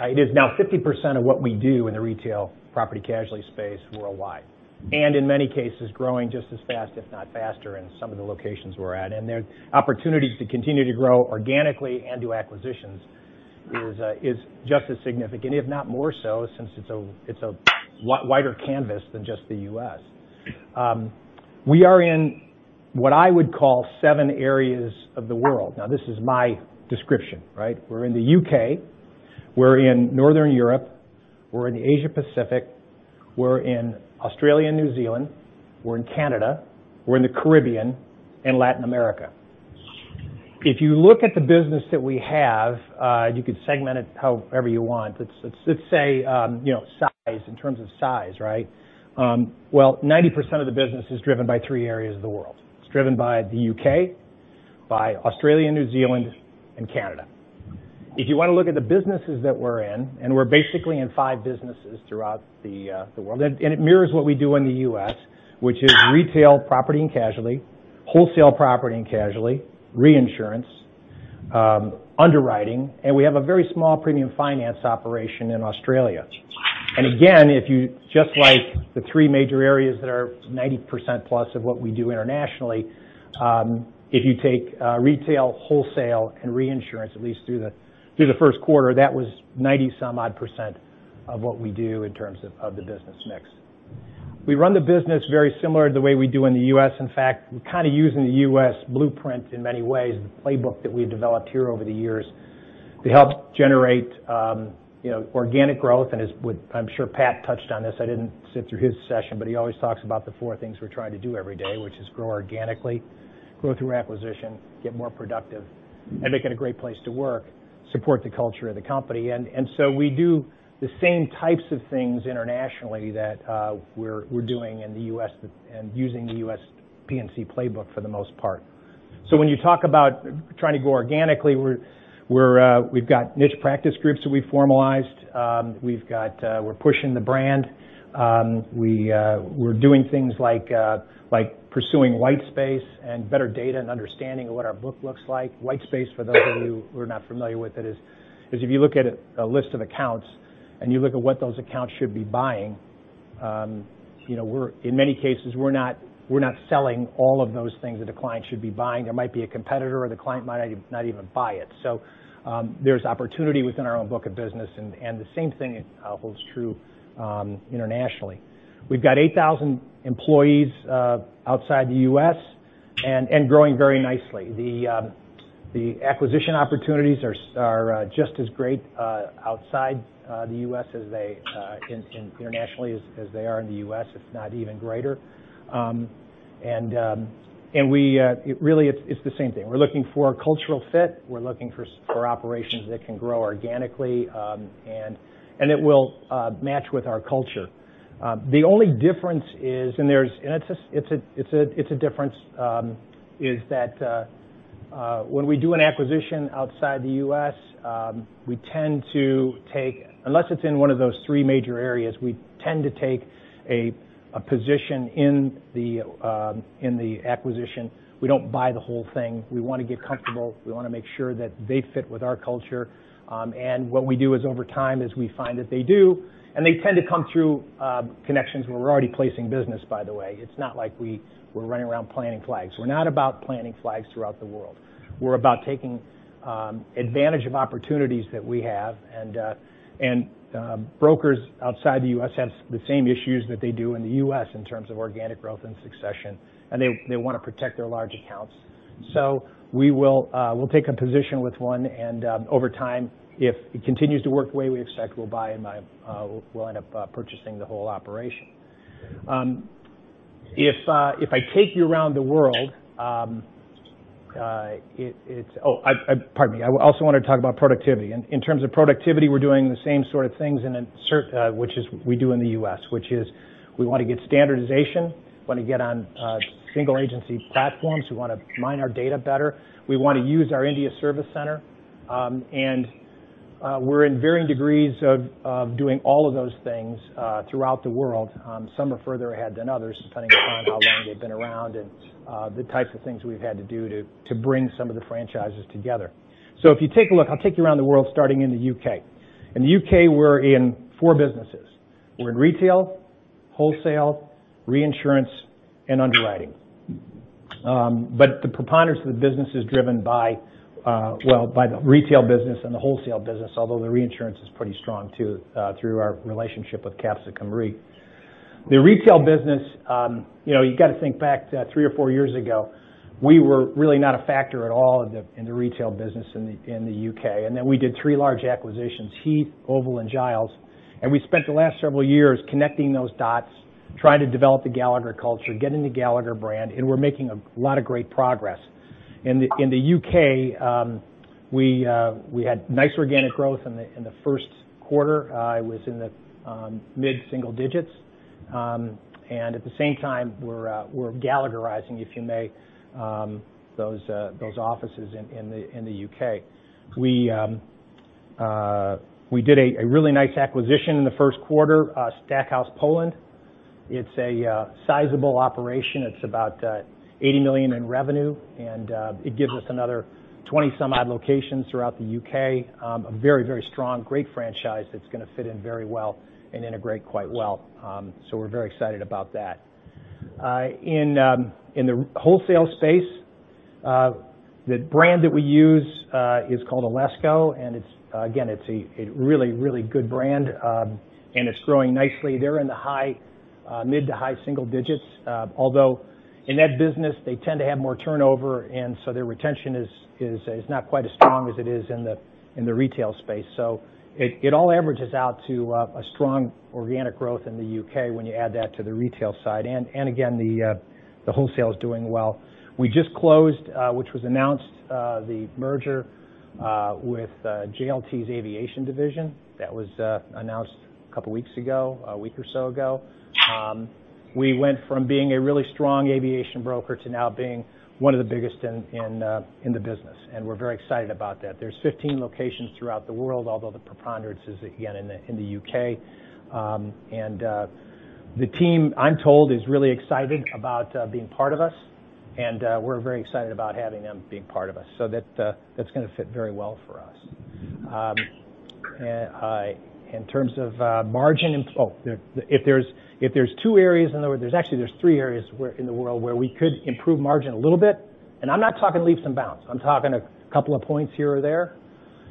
It is now 50% of what we do in the retail Property/Casualty space worldwide. In many cases, growing just as fast, if not faster, in some of the locations we're at. The opportunity to continue to grow organically and do acquisitions is just as significant, if not more so, since it's a wider canvas than just the U.S. We are in what I would call seven areas of the world. Now, this is my description. We're in the U.K., we're in Northern Europe, we're in Asia-Pacific, we're in Australia and New Zealand, we're in Canada, we're in the Caribbean, and Latin America. If you look at the business that we have, you could segment it however you want. Let's say size, in terms of size. 90% of the business is driven by three areas of the world. It's driven by the U.K., by Australia, New Zealand, and Canada. If you want to look at the businesses that we're in, we're basically in five businesses throughout the world, and it mirrors what we do in the U.S., which is retail property and casualty, wholesale property and casualty, reinsurance, underwriting, and we have a very small premium finance operation in Australia. Again, just like the three major areas that are 90% plus of what we do internationally, if you take retail, wholesale, and reinsurance, at least through the first quarter, that was 90% some odd percent of what we do in terms of the business mix. We run the business very similar to the way we do in the U.S. In fact, we're kind of using the U.S. blueprint in many ways, the playbook that we've developed here over the years to help generate organic growth. I'm sure Pat touched on this. I didn't sit through his session, he always talks about the four things we're trying to do every day, which is grow organically, grow through acquisition, get more productive, and make it a great place to work, support the culture of the company. We do the same types of things internationally that we're doing in the U.S. and using the U.S. P&C playbook for the most part. When you talk about trying to grow organically, we've got niche practice groups that we formalized. We're pushing the brand. We're doing things like pursuing white space and better data and understanding of what our book looks like. White space, for those of you who are not familiar with it, is if you look at a list of accounts and you look at what those accounts should be buying, in many cases, we're not selling all of those things that a client should be buying. There might be a competitor or the client might not even buy it. There's opportunity within our own book of business, and the same thing holds true internationally. We've got 8,000 employees outside the U.S. and growing very nicely. The acquisition opportunities are just as great outside the U.S., internationally as they are in the U.S., if not even greater. It really is the same thing. We're looking for a cultural fit. We're looking for operations that can grow organically, and it will match with our culture. The only difference is, it's a difference, is that when we do an acquisition outside the U.S., unless it's in one of those three major areas, we tend to take a position in the acquisition. We don't buy the whole thing. We want to get comfortable. We want to make sure that they fit with our culture. What we do is over time, as we find that they do, and they tend to come through connections where we're already placing business, by the way. It's not like we're running around planting flags. We're not about planting flags throughout the world. We're about taking advantage of opportunities that we have, and brokers outside the U.S. have the same issues that they do in the U.S. in terms of organic growth and succession, and they want to protect their large accounts. We'll take a position with one, and over time, if it continues to work the way we expect, we'll wind up purchasing the whole operation. Oh, pardon me. I also want to talk about productivity. In terms of productivity, we're doing the same sort of things which is we do in the U.S., which is we want to get standardization, want to get on single agency platforms, we want to mine our data better. We want to use our Gallagher Center of Excellence. We're in varying degrees of doing all of those things throughout the world. Some are further ahead than others, depending upon how long they've been around and the types of things we've had to do to bring some of the franchises together. If you take a look, I'll take you around the world starting in the U.K. In the U.K., we're in four businesses. We're in retail, wholesale, reinsurance, and underwriting. The preponderance of the business is driven by the retail business and the wholesale business, although the reinsurance is pretty strong, too, through our relationship with Capsicum Re. The retail business, you've got to think back three or four years ago, we were really not a factor at all in the retail business in the U.K., then we did three large acquisitions, Heath, Oval, and Giles. We spent the last several years connecting those dots, trying to develop the Gallagher culture, getting the Gallagher brand, and we're making a lot of great progress. In the U.K., we had nice organic growth in the first quarter. It was in the mid-single digits. At the same time, we're Gallagherizing, if you may, those offices in the U.K. We did a really nice acquisition in the first quarter, Stackhouse Poland. It's a sizable operation. It's about $80 million in revenue, and it gives us another 20 some odd locations throughout the U.K. A very strong, great franchise that's going to fit in very well and integrate quite well, so we're very excited about that. In the wholesale space, the brand that we use is called Alesco. Again, it's a really good brand, and it's growing nicely. They're in the mid to high single digits. In that business, they tend to have more turnover, and so their retention is not quite as strong as it is in the retail space. It all averages out to a strong organic growth in the U.K. when you add that to the retail side. Again, the wholesale is doing well. We just closed, which was announced, the merger with JLT's aviation division. That was announced a couple of weeks ago, a week or so ago. We went from being a really strong aviation broker to now being one of the biggest in the business, and we are very excited about that. There are 15 locations throughout the world, although the preponderance is, again, in the U.K. The team, I am told, is really excited about being part of us, and we are very excited about having them being part of us. That is going to fit very well for us. In terms of margin, if there are two areas in the world, actually, there are three areas in the world where we could improve margin a little bit, and I am not talking leaps and bounds. I am talking a couple of points here or there.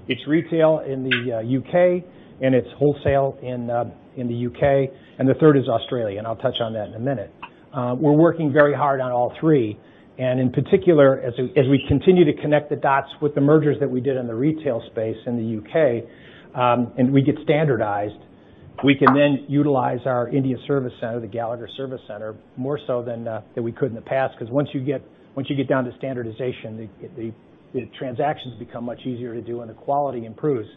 It is retail in the U.K., and it is wholesale in the U.K., and the third is Australia, and I will touch on that in a minute. We are working very hard on all three, and in particular, as we continue to connect the dots with the mergers that we did in the retail space in the U.K., and we get standardized, we can then utilize our India service center, the Gallagher Center of Excellence, more so than we could in the past. Once you get down to standardization, the transactions become much easier to do, and the quality improves.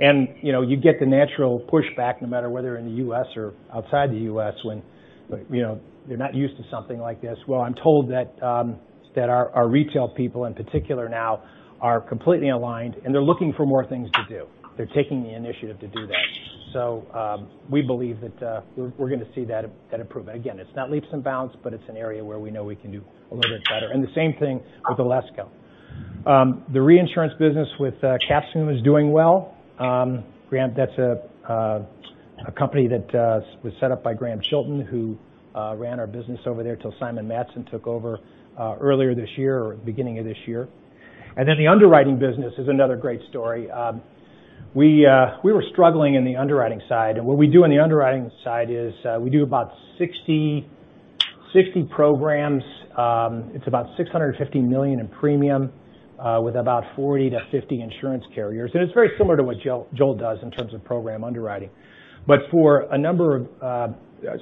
You get the natural pushback no matter whether in the U.S. or outside the U.S. when you are not used to something like this. Well, I am told that our retail people, in particular now, are completely aligned, and they are looking for more things to do. They are taking the initiative to do that. We believe that we are going to see that improvement. Again, it is not leaps and bounds, but it is an area where we know we can do a little bit better. The same thing with Alesco. The reinsurance business with Capsicum is doing well. That is a company that was set up by Grahame Chilton, who ran our business over there till Simon Matson took over earlier this year or beginning of this year. Then the underwriting business is another great story. We were struggling in the underwriting side, and what we do in the underwriting side is we do about 60 programs. It is about $650 million in premium, with about 40 to 50 insurance carriers. It is very similar to what Joel does in terms of program underwriting. But for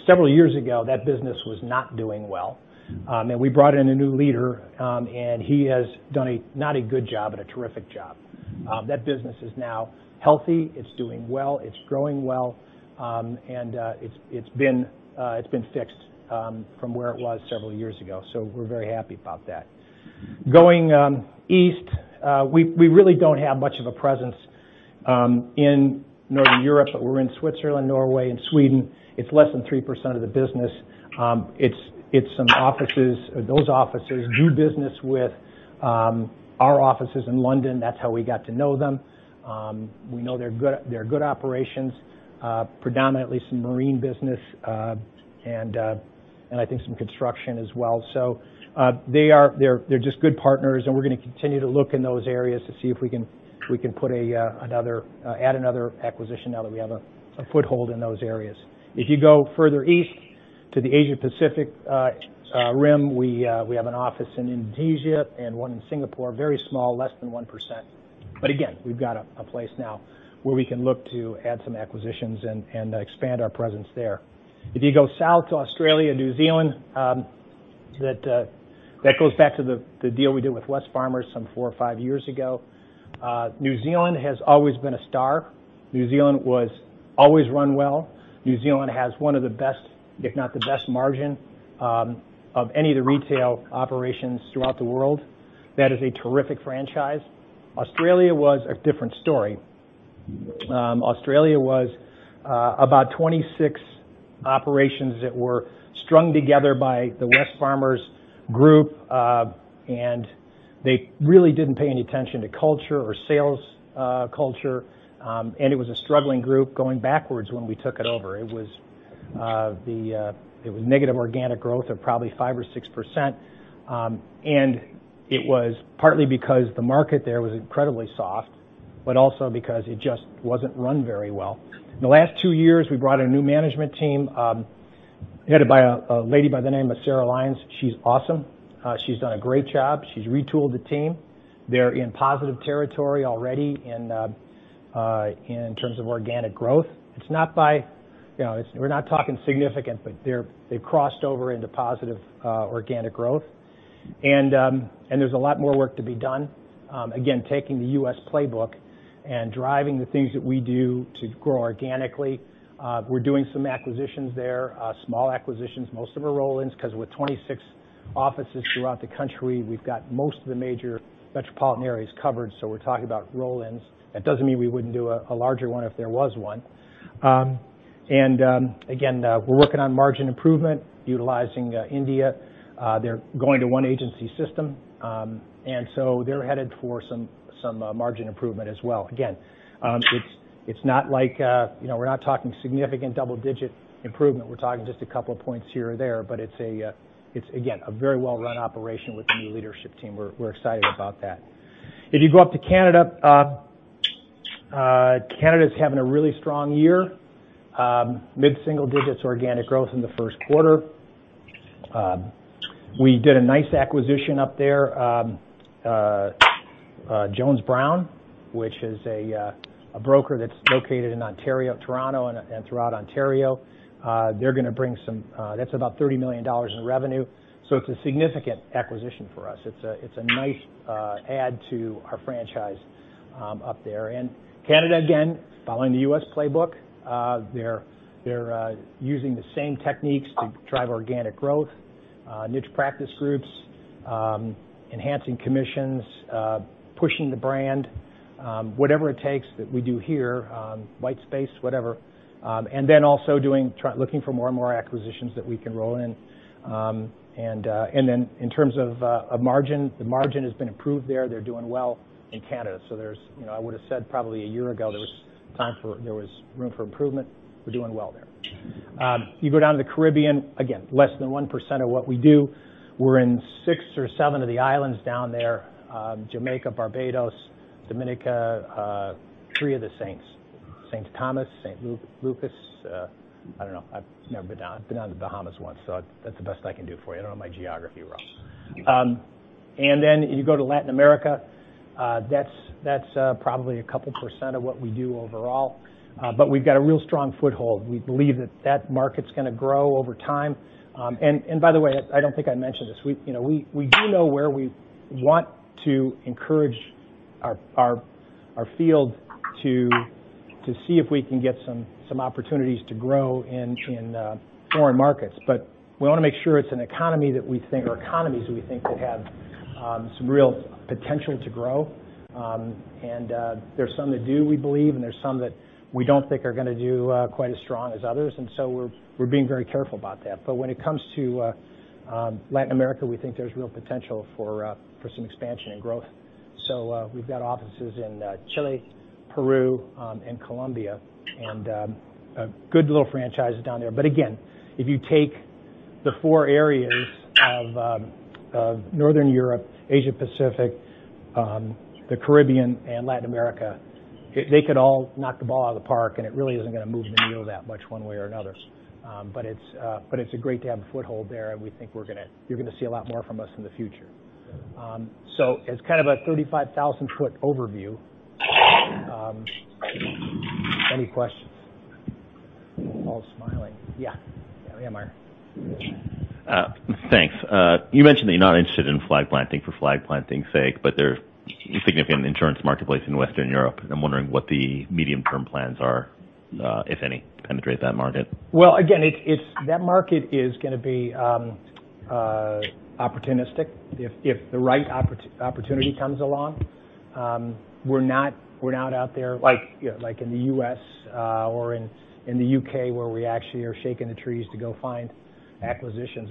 several years ago, that business was not doing well. We brought in a new leader, and he has done, not a good job, but a terrific job. That business is now healthy. It is doing well. It is growing well. It has been fixed from where it was several years ago, so we are very happy about that. Going east, we really do not have much of a presence in Northern Europe, but we are in Switzerland, Norway, and Sweden. It is less than 3% of the business. Those offices do business with our offices in London. That is how we got to know them. We know they are good operations, predominantly some marine business, and I think some construction as well. They are just good partners, and we are going to continue to look in those areas to see if we can add another acquisition now that we have a foothold in those areas. If you go further east to the Asia-Pacific rim, we have an office in Indonesia and one in Singapore, very small, less than 1%. Again, we've got a place now where we can look to add some acquisitions and expand our presence there. If you go south to Australia, New Zealand, that goes back to the deal we did with Wesfarmers some 4 or 5 years ago. New Zealand has always been a star. New Zealand was always run well. New Zealand has one of the best, if not the best margin of any of the retail operations throughout the world. That is a terrific franchise. Australia was a different story. Australia was about 26 operations that were strung together by the Wesfarmers group, they really didn't pay any attention to culture or sales culture. It was a struggling group going backwards when we took it over. It was negative organic growth of probably 5% or 6%. It was partly because the market there was incredibly soft, also because it just wasn't run very well. In the last 2 years, we brought in a new management team, headed by a lady by the name of Sarah Lyons. She's awesome. She's done a great job. She's retooled the team. They're in positive territory already in terms of organic growth. We're not talking significant, they've crossed over into positive organic growth. There's a lot more work to be done. Again, taking the U.S. playbook and driving the things that we do to grow organically. We're doing some acquisitions there, small acquisitions. Most of them are roll-ins, because with 26 offices throughout the country, we've got most of the major metropolitan areas covered, we're talking about roll-ins. That doesn't mean we wouldn't do a larger one if there was one. Again, we're working on margin improvement utilizing India. They're going to 1 agency system, they're headed for some margin improvement as well. Again, we're not talking significant double-digit improvement. We're talking just a couple of points here or there, it's, again, a very well-run operation with the new leadership team. We're excited about that. If you go up to Canada's having a really strong year. Mid-single digits organic growth in the 1st quarter. We did a nice acquisition up there, Jones Brown, which is a broker that's located in Toronto and throughout Ontario. That's about $30 million in revenue, it's a significant acquisition for us. It's a nice add to our franchise up there. Canada, again, following the U.S. playbook. They're using the same techniques to drive organic growth, niche practice groups, enhancing commissions, pushing the brand, whatever it takes that we do here, white space, whatever. Also looking for more and more acquisitions that we can roll in. In terms of margin, the margin has been improved there. They're doing well in Canada. I would've said probably 1 year ago there was room for improvement. We're doing well there. You go down to the Caribbean, again, less than 1% of what we do. We're in 6 or 7 of the islands down there, Jamaica, Barbados, Dominica, 3 of the Saints, St. Thomas, St. Lucia. I don't know. I've never been down. I've been down to the Bahamas once, that's the best I can do for you. I don't want my geography wrong. Then you go to Latin America. That's probably a couple % of what we do overall. We've got a real strong foothold. We believe that that market's going to grow over time. By the way, I don't think I mentioned this. We do know where we want to encourage our field to see if we can get some opportunities to grow in foreign markets. We want to make sure it's an economy that we think, or economies we think that have some real potential to grow. There's some that do, we believe, and there's some that we don't think are going to do quite as strong as others. So we're being very careful about that. When it comes to Latin America, we think there's real potential for some expansion and growth. We've got offices in Chile, Peru, and Colombia, and a good little franchise down there. Again, if you take the four areas of Northern Europe, Asia Pacific, the Caribbean, and Latin America, they could all knock the ball out of the park and it really isn't going to move the needle that much one way or another. It's great to have a foothold there, and we think you're going to see a lot more from us in the future. As kind of a 35,000-foot overview, any questions? You're all smiling. Yeah. Yeah, Meyer. Thanks. You mentioned that you're not interested in flag planting for flag planting's sake, there's a significant insurance marketplace in Western Europe, I'm wondering what the medium-term plans are, if any, to penetrate that market. Well, again, that market is going to be opportunistic if the right opportunity comes along. We're not out there like in the U.S. or in the U.K. where we actually are shaking the trees to go find acquisitions.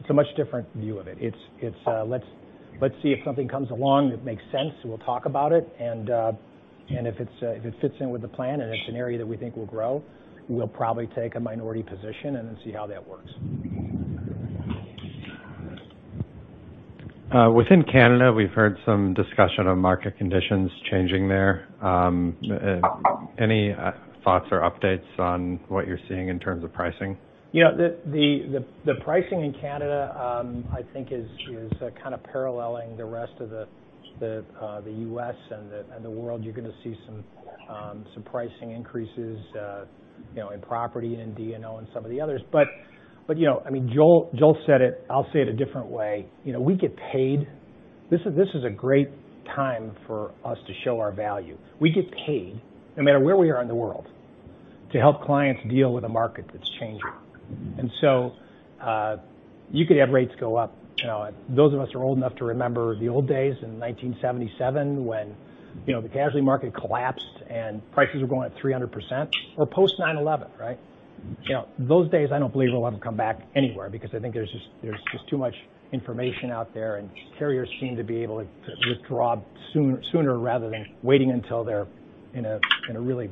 It's a much different view of it. It's let's see if something comes along that makes sense, and we'll talk about it. If it fits in with the plan and it's an area that we think will grow, we'll probably take a minority position and then see how that works. Within Canada, we've heard some discussion of market conditions changing there. Any thoughts or updates on what you're seeing in terms of pricing? Yeah. The pricing in Canada, I think is kind of paralleling the rest of the U.S. and the world. You're going to see some pricing increases in property and in D&O and some of the others. Joel said it, I'll say it a different way. This is a great time for us to show our value. We get paid no matter where we are in the world to help clients deal with a market that's changing. You could have rates go up. Those of us are old enough to remember the old days in 1977, when the casualty market collapsed, and prices were going up 300%, or post-9/11, right? Those days, I don't believe we'll ever come back anywhere because I think there's just too much information out there, and carriers seem to be able to withdraw sooner rather than waiting until they're in a really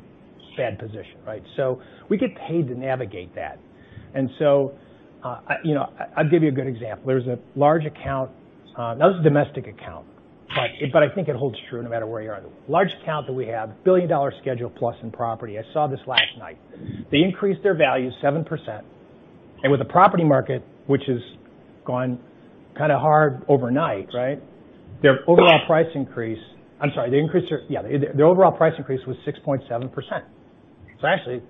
bad position, right? We get paid to navigate that. I'll give you a good example. There's a large account. This is a domestic account, but I think it holds true no matter where you are. Large account that we have, billion-dollar schedule plus in property. I saw this last night. They increased their value 7%. With the property market, which has gone kind of hard overnight, right? Their overall price increase was 6.7%. Actually,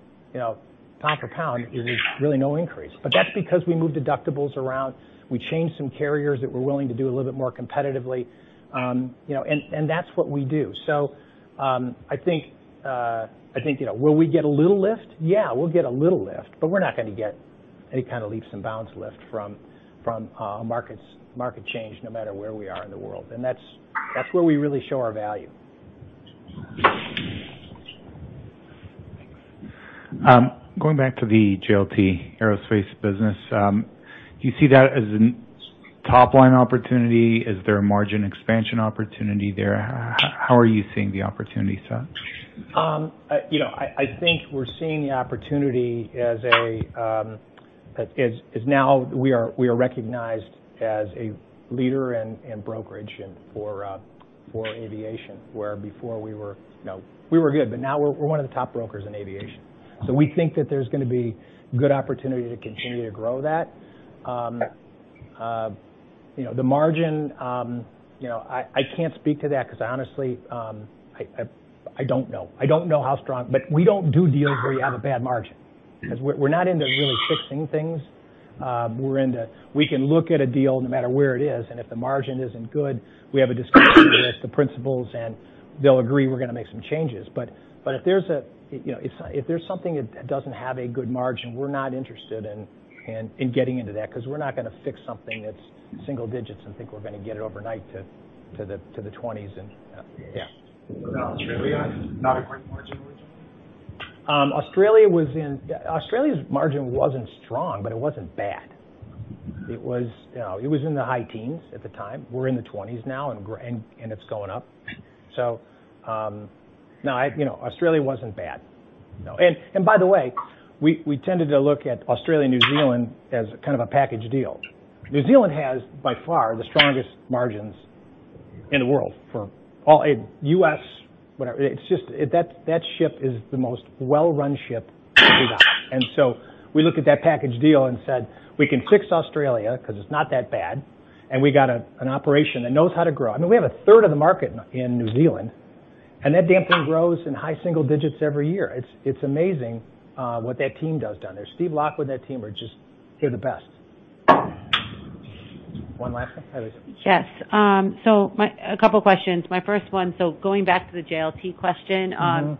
pound for pound is really no increase. That's because we moved deductibles around. We changed some carriers that were willing to do a little bit more competitively. That's what we do. I think, will we get a little lift? Yeah, we'll get a little lift, but we're not going to get any kind of leaps and bounds lift from market change no matter where we are in the world. That's where we really show our value. Going back to the JLT aerospace business, do you see that as a top-line opportunity? Is there a margin expansion opportunity there? How are you seeing the opportunity set? I think we're seeing the opportunity as now we are recognized as a leader in brokerage and for aviation, where before we were good, but now we're one of the top brokers in aviation. We think that there's going to be good opportunity to continue to grow that. The margin, I can't speak to that because honestly, I don't know. I don't know how strong, but we don't do deals where you have a bad margin because we're not into really fixing things. We can look at a deal no matter where it is, and if the margin isn't good, we have a discussion with the principals, and they'll agree we're going to make some changes. If there's something that doesn't have a good margin, we're not interested in getting into that because we're not going to fix something that's single digits and think we're going to get it overnight to the 20s. Australia is not a great margin region? No, Australia wasn't bad. By the way, we tended to look at Australia and New Zealand as kind of a package deal. New Zealand has, by far, the strongest margins in the world for all U.S., whatever. That ship is the most well-run ship we've got. We looked at that package deal and said, "We can fix Australia because it's not that bad, and we got an operation that knows how to grow." I mean, we have a third of the market in New Zealand, and that damn thing grows in high single digits every year. It's amazing what that team does down there. Steve Lockwood and that team, they're the best. One last one? Yes. A couple of questions. My first one, going back to the JLT question.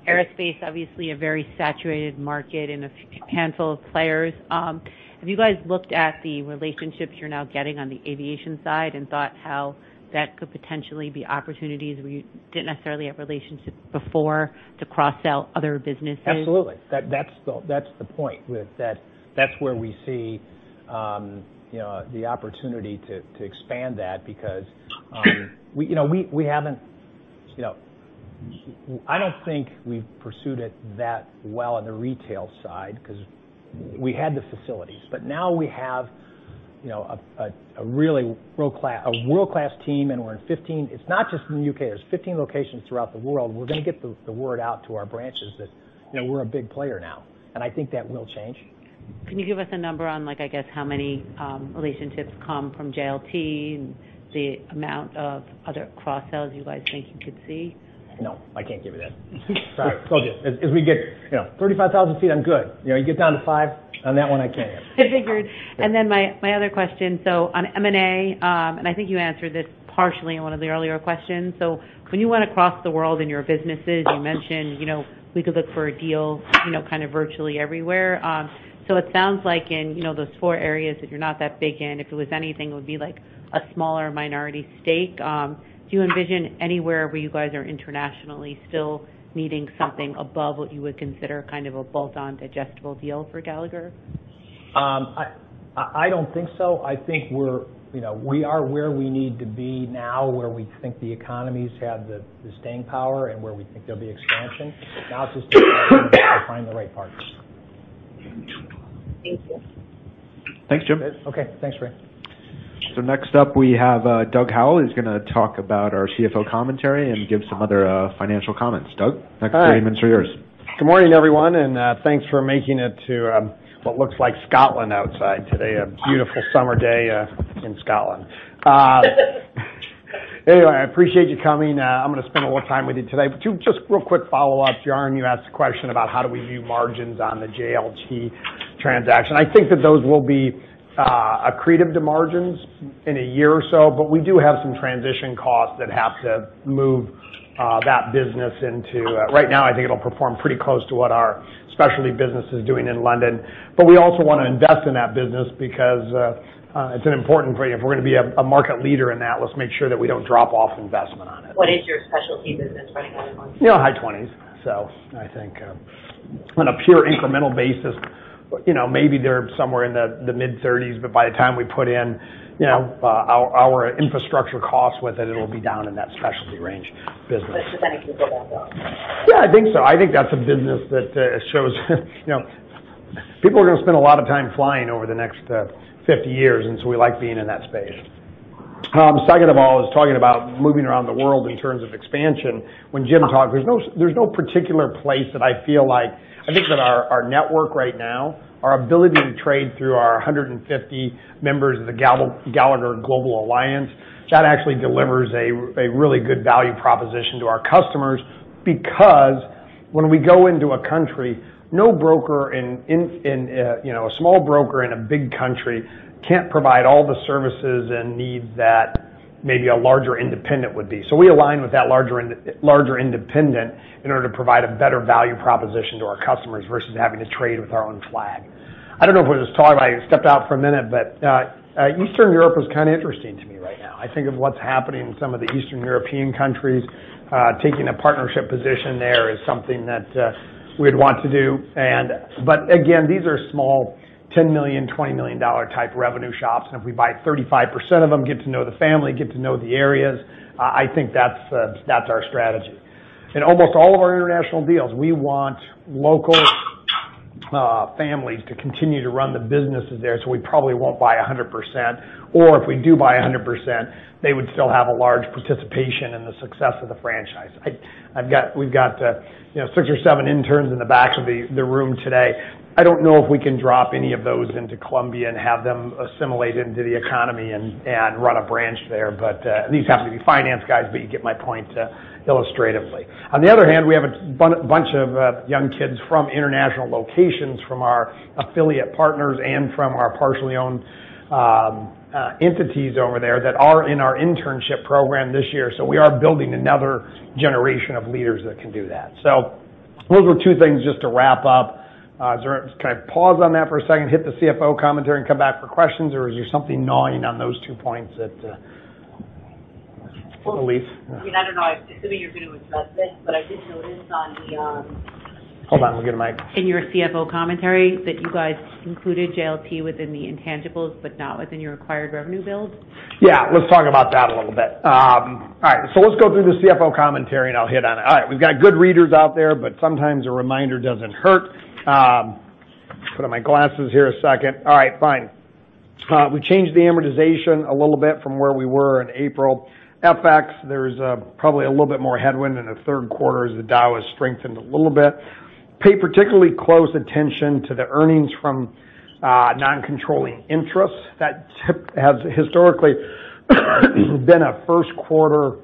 Aerospace, obviously a very saturated market and a handful of players. Have you guys looked at the relationships you're now getting on the aviation side and thought how that could potentially be opportunities where you didn't necessarily have relationships before to cross-sell other businesses? Absolutely. That's the point with that. That's where we see the opportunity to expand that because I don't think we've pursued it that well on the retail side because we had the facilities. Now we have a world-class team. It's not just in the U.K. There are 15 locations throughout the world. We're going to get the word out to our branches that we're a big player now, I think that will change. Can you give us a number on, I guess, how many relationships come from JLT and the amount of other cross-sells you guys think you could see? No, I can't give you that. Sorry. Told you. If we get 35,000 feet, I'm good. You get down to five, on that one, I can't help you. Figured. Yeah. My other question, on M&A, I think you answered this partially in one of the earlier questions. When you went across the world in your businesses, you mentioned we could look for a deal kind of virtually everywhere. It sounds like in those four areas that you're not that big in, if it was anything, it would be like a smaller minority stake. Do you envision anywhere where you guys are internationally still needing something above what you would consider kind of a bolt-on digestible deal for Gallagher? I don't think so. I think we are where we need to be now, where we think the economies have the staying power and where we think there'll be expansion. Now it's just a matter of finding the right partners. Thank you. Thanks, Jim. Okay. Thanks, Ray. Next up we have Douglas Howell, who's going to talk about our CFO Commentary and give some other financial comments. Doug? Hi. Next three minutes are yours. Good morning, everyone, thanks for making it to what looks like Scotland outside today, a beautiful summer day in Scotland. Anyway, I appreciate you coming. I'm going to spend a little time with you today. Just real quick follow-up, Yaron, you asked a question about how do we view margins on the JLT transaction. I think that those will be accretive to margins in a year or so, but we do have some transition costs that have to move that business. Right now, I think it'll perform pretty close to what our specialty business is doing in London. We also want to invest in that business because it's an important grade. If we're going to be a market leader in that, let's make sure that we don't drop off investment on it. What is your specialty business running at margin? High 20s. I think on a pure incremental basis, maybe they're somewhere in the mid-30s, by the time we put in our infrastructure costs with it'll be down in that specialty range business. It can go back up? Yeah, I think so. I think that's a business that shows people are going to spend a lot of time flying over the next 50 years, we like being in that space. Second of all is talking about moving around the world in terms of expansion. When Jim talked, there's no particular place that I feel like. I think that our network right now, our ability to trade through our 150 members of the Gallagher Global Network, that actually delivers a really good value proposition to our customers, because when we go into a country, a small broker in a big country can't provide all the services and needs that maybe a larger independent would be. We align with that larger independent in order to provide a better value proposition to our customers versus having to trade with our own flag. I don't know if we were just talking about it, I stepped out for a minute, Eastern Europe is kind of interesting to me right now. I think of what's happening in some of the Eastern European countries. Taking a partnership position there is something that we'd want to do. Again, these are small, $10 million, $20 million-type revenue shops. If we buy 35% of them, get to know the family, get to know the areas, I think that's our strategy. In almost all of our international deals, we want local families to continue to run the businesses there, we probably won't buy 100%. If we do buy 100%, they would still have a large participation in the success of the franchise. We've got six or seven interns in the back of the room today. I don't know if we can drop any of those into Colombia and have them assimilate into the economy and run a branch there, these happen to be finance guys, you get my point illustratively. On the other hand, we have a bunch of young kids from international locations, from our affiliate partners and from our partially owned entities over there that are in our internship program this year. We are building another generation of leaders that can do that. Those are two things just to wrap up. Can I pause on that for a second, hit the CFO Commentary, and come back for questions? Is there something gnawing on those two points that, Elyse? I don't know. I assume you're going to address this, I did notice on the- Hold on. Let me get a mic. In your CFO Commentary that you guys included JLT within the intangibles, not within your acquired revenue build. Yeah. Let's talk about that a little bit. All right. Let's go through the CFO Commentary, I'll hit on it. All right. We've got good readers out there, sometimes a reminder doesn't hurt. Put on my glasses here a second. All right, fine. We changed the amortization a little bit from where we were in April. FX, there's probably a little bit more headwind in the third quarter as the Dow has strengthened a little bit. Pay particularly close attention to the earnings from non-controlling interests. That tip has historically been a first quarter.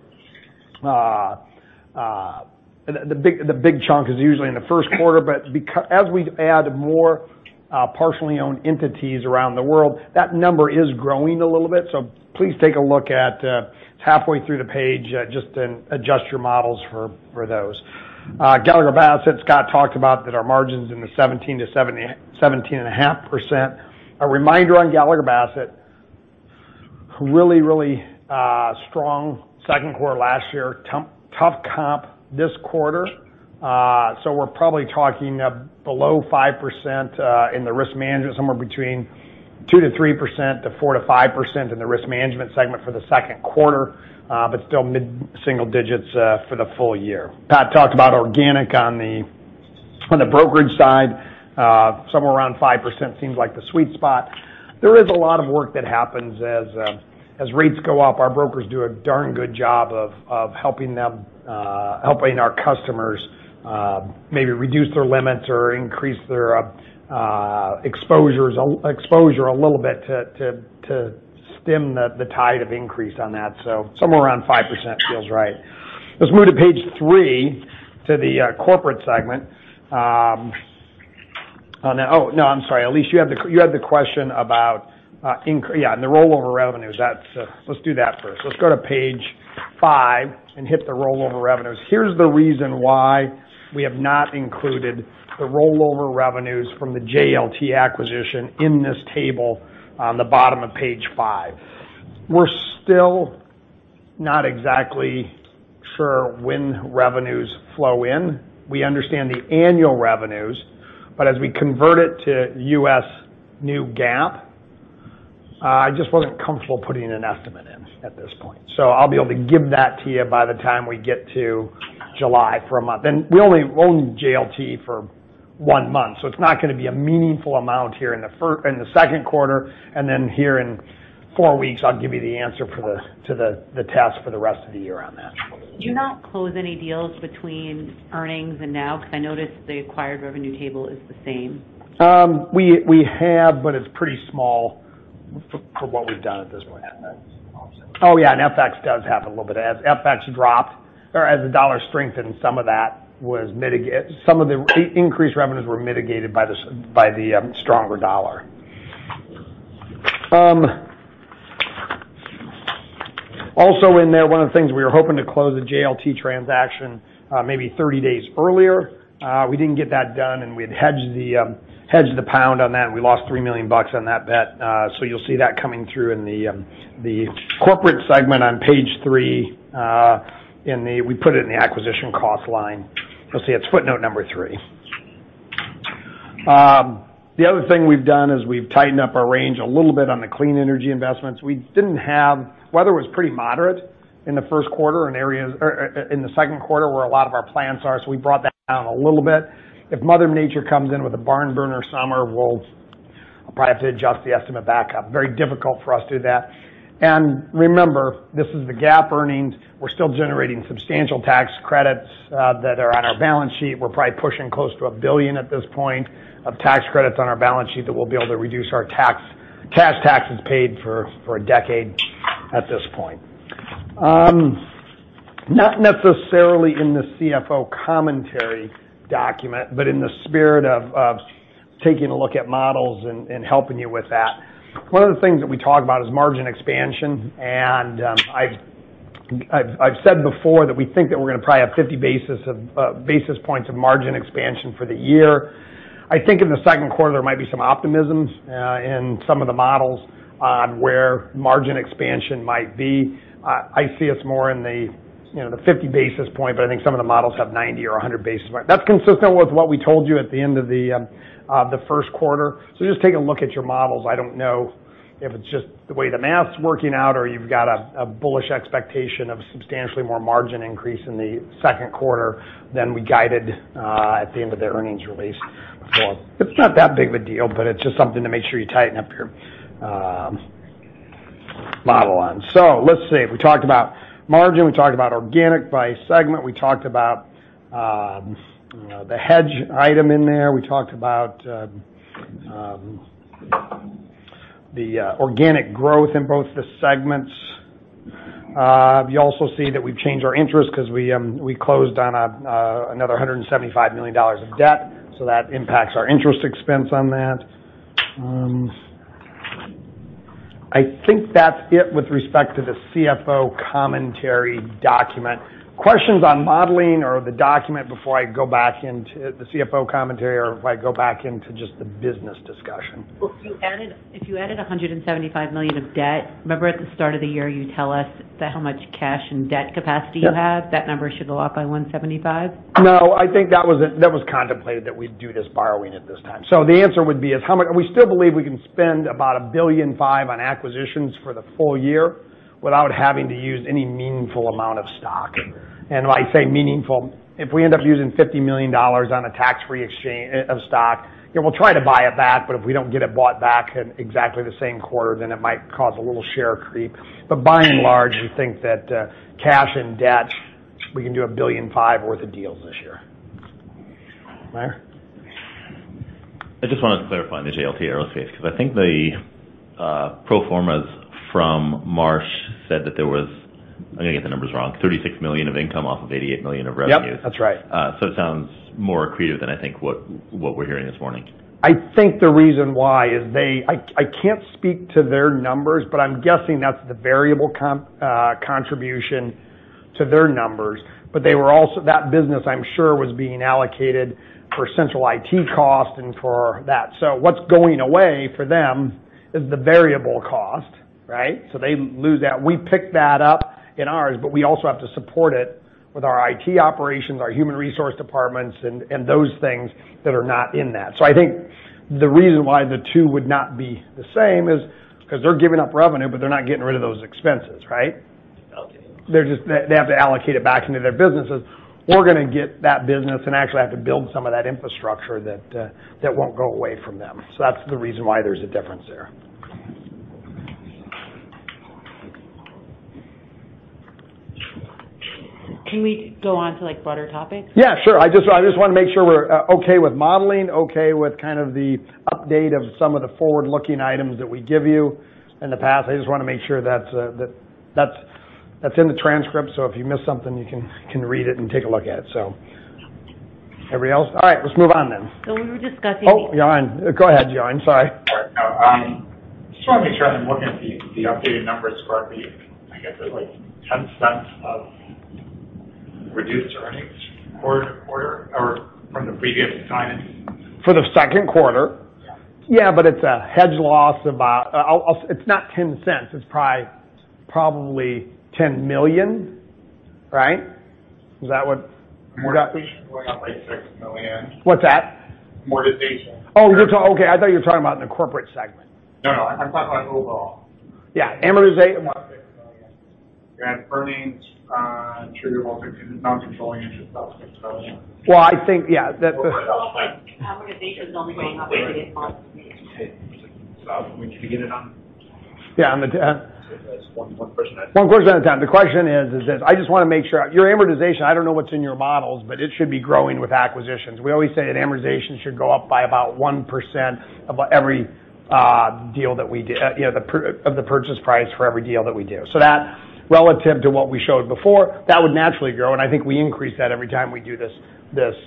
The big chunk is usually in the first quarter. As we add more partially owned entities around the world, that number is growing a little bit. Please take a look at it's halfway through the page, adjust your models for those. Gallagher Bassett, Scott talked about that our margins in the 17%-17.5%. A reminder on Gallagher Bassett, really strong second quarter last year. Tough comp this quarter. We're probably talking below 5% in the risk management, somewhere between 2% to 3% to 4 to 5% in the risk management segment for the second quarter. But still mid-single digits for the full year. Pat talked about organic on the brokerage side. Somewhere around 5% seems like the sweet spot. There is a lot of work that happens as rates go up. Our brokers do a darn good job of helping our customers maybe reduce their limits or increase their exposure a little bit to stem the tide of increase on that. Somewhere around 5% feels right. Let's move to page three, to the corporate segment. Oh, no, I'm sorry. Elyse, you had the question about yeah, on the rollover revenues. Let's do that first. Let's go to page five and hit the rollover revenues. Here's the reason why we have not included the rollover revenues from the JLT acquisition in this table on the bottom of page five. We're still not exactly sure when revenues flow in. We understand the annual revenues, but as we convert it to U.S. new GAAP, I just wasn't comfortable putting an estimate in at this point. I'll be able to give that to you by the time we get to July for a month. And we only owned JLT for one month, so it's not going to be a meaningful amount here in the second quarter, and then here in four weeks, I'll give you the answer to the test for the rest of the year on that. Do you not close any deals between earnings and now? I noticed the acquired revenue table is the same. We have, but it's pretty small for what we've done at this point. FX also. FX does have a little bit. As FX dropped or as the dollar strengthened, some of the increased revenues were mitigated by the stronger dollar. Also in there, one of the things we were hoping to close the JLT transaction maybe 30 days earlier. We didn't get that done. We had hedged the pound on that, and we lost $3 million on that bet. You'll see that coming through in the corporate segment on page three. We put it in the acquisition cost line. You'll see it's footnote number three. The other thing we've done is we've tightened up our range a little bit on the clean energy investments. Weather was pretty moderate in the second quarter, where a lot of our plants are. We brought that down a little bit. If mother nature comes in with a barn burner summer, we'll probably have to adjust the estimate back up. Very difficult for us to do that. Remember, this is the GAAP earnings. We're still generating substantial tax credits that are on our balance sheet. We're probably pushing close to $1 billion at this point of tax credits on our balance sheet that we'll be able to reduce our cash taxes paid for a decade at this point. Not necessarily in the CFO Commentary document, but in the spirit of taking a look at models and helping you with that, one of the things that we talk about is margin expansion. I've said before that we think that we're going to probably have 50 basis points of margin expansion for the year. I think in the second quarter, there might be some optimisms in some of the models on where margin expansion might be. I see us more in the 50 basis point. I think some of the models have 90 or 100 basis point. That's consistent with what we told you at the end of the first quarter. Just take a look at your models. I don't know if it's just the way the math's working out or you've got a bullish expectation of substantially more margin increase in the second quarter than we guided at the end of the earnings release. It's not that big of a deal, it's just something to make sure you tighten up your model on. Let's see. We talked about margin, we talked about organic by segment. We talked about the hedge item in there. We talked about the organic growth in both the segments. You also see that we've changed our interest because we closed on another $175 million of debt, that impacts our interest expense on that. I think that's it with respect to the CFO Commentary document. Questions on modeling or the document before I go back into the CFO Commentary, or if I go back into just the business discussion. If you added $175 million of debt, remember at the start of the year, you tell us how much cash and debt capacity you have? Yeah. That number should go up by $175? No, I think that was contemplated that we'd do this borrowing at this time. The answer would be is we still believe we can spend about $1.5 billion on acquisitions for the full year without having to use any meaningful amount of stock. When I say meaningful, if we end up using $50 million on a tax-free exchange of stock, we'll try to buy it back, but if we don't get it bought back in exactly the same quarter, it might cause a little share creep. By and large, we think that cash and debt, we can do $1.5 billion worth of deals this year. Meyer? I just wanted to clarify on the JLT Aerospace, because I think the pro formas from Marsh said that there was, I'm going to get the numbers wrong, $36 million of income off of $88 million of revenues. Yep, that's right. It sounds more accretive than I think what we're hearing this morning. I think the reason why is I can't speak to their numbers, but I'm guessing that's the variable contribution to their numbers. That business, I'm sure, was being allocated for central IT cost and for that. What's going away for them is the variable cost, right? They lose that. We pick that up in ours, but we also have to support it with our IT operations, our human resource departments, and those things that are not in that. I think the reason why the two would not be the same is because they're giving up revenue, but they're not getting rid of those expenses, right? Okay. They have to allocate it back into their businesses. We're going to get that business and actually have to build some of that infrastructure that won't go away from them. That's the reason why there's a difference there. Can we go on to broader topics? Yeah, sure. I just want to make sure we're okay with modeling, okay with kind of the update of some of the forward-looking items that we give you in the past. I just want to make sure that's in the transcript. If you miss something, you can read it and take a look at it. Everybody else? All right, let's move on then. We were discussing. Oh, go ahead, John. Sorry. Sorry. Just want to make sure I'm looking at the updated numbers for the, I guess it's like $0.10 of reduced earnings quarter-over-quarter or from the previous time. For the second quarter? Yeah. Yeah, it's a hedge loss. It's not $0.10. It's probably $10 million, right? Is that what? Amortization going up like $6 million. What's that? Amortization. Oh, okay. I thought you were talking about in the corporate segment. No, I'm talking about overall. Yeah. $6 million. Earnings attributable to non-controlling interest, that was $6 million. Well, I think, yeah. Amortization is only going up 88 When did we get it on? Yeah, on the- That's one question I have. One question at a time. The question is this. I just want to make sure. Your amortization, I don't know what's in your models, but it should be growing with acquisitions. We always say that amortization should go up by about 1% of the purchase price for every deal that we do. That, relative to what we showed before, that would naturally grow, and I think we increase that every time we do this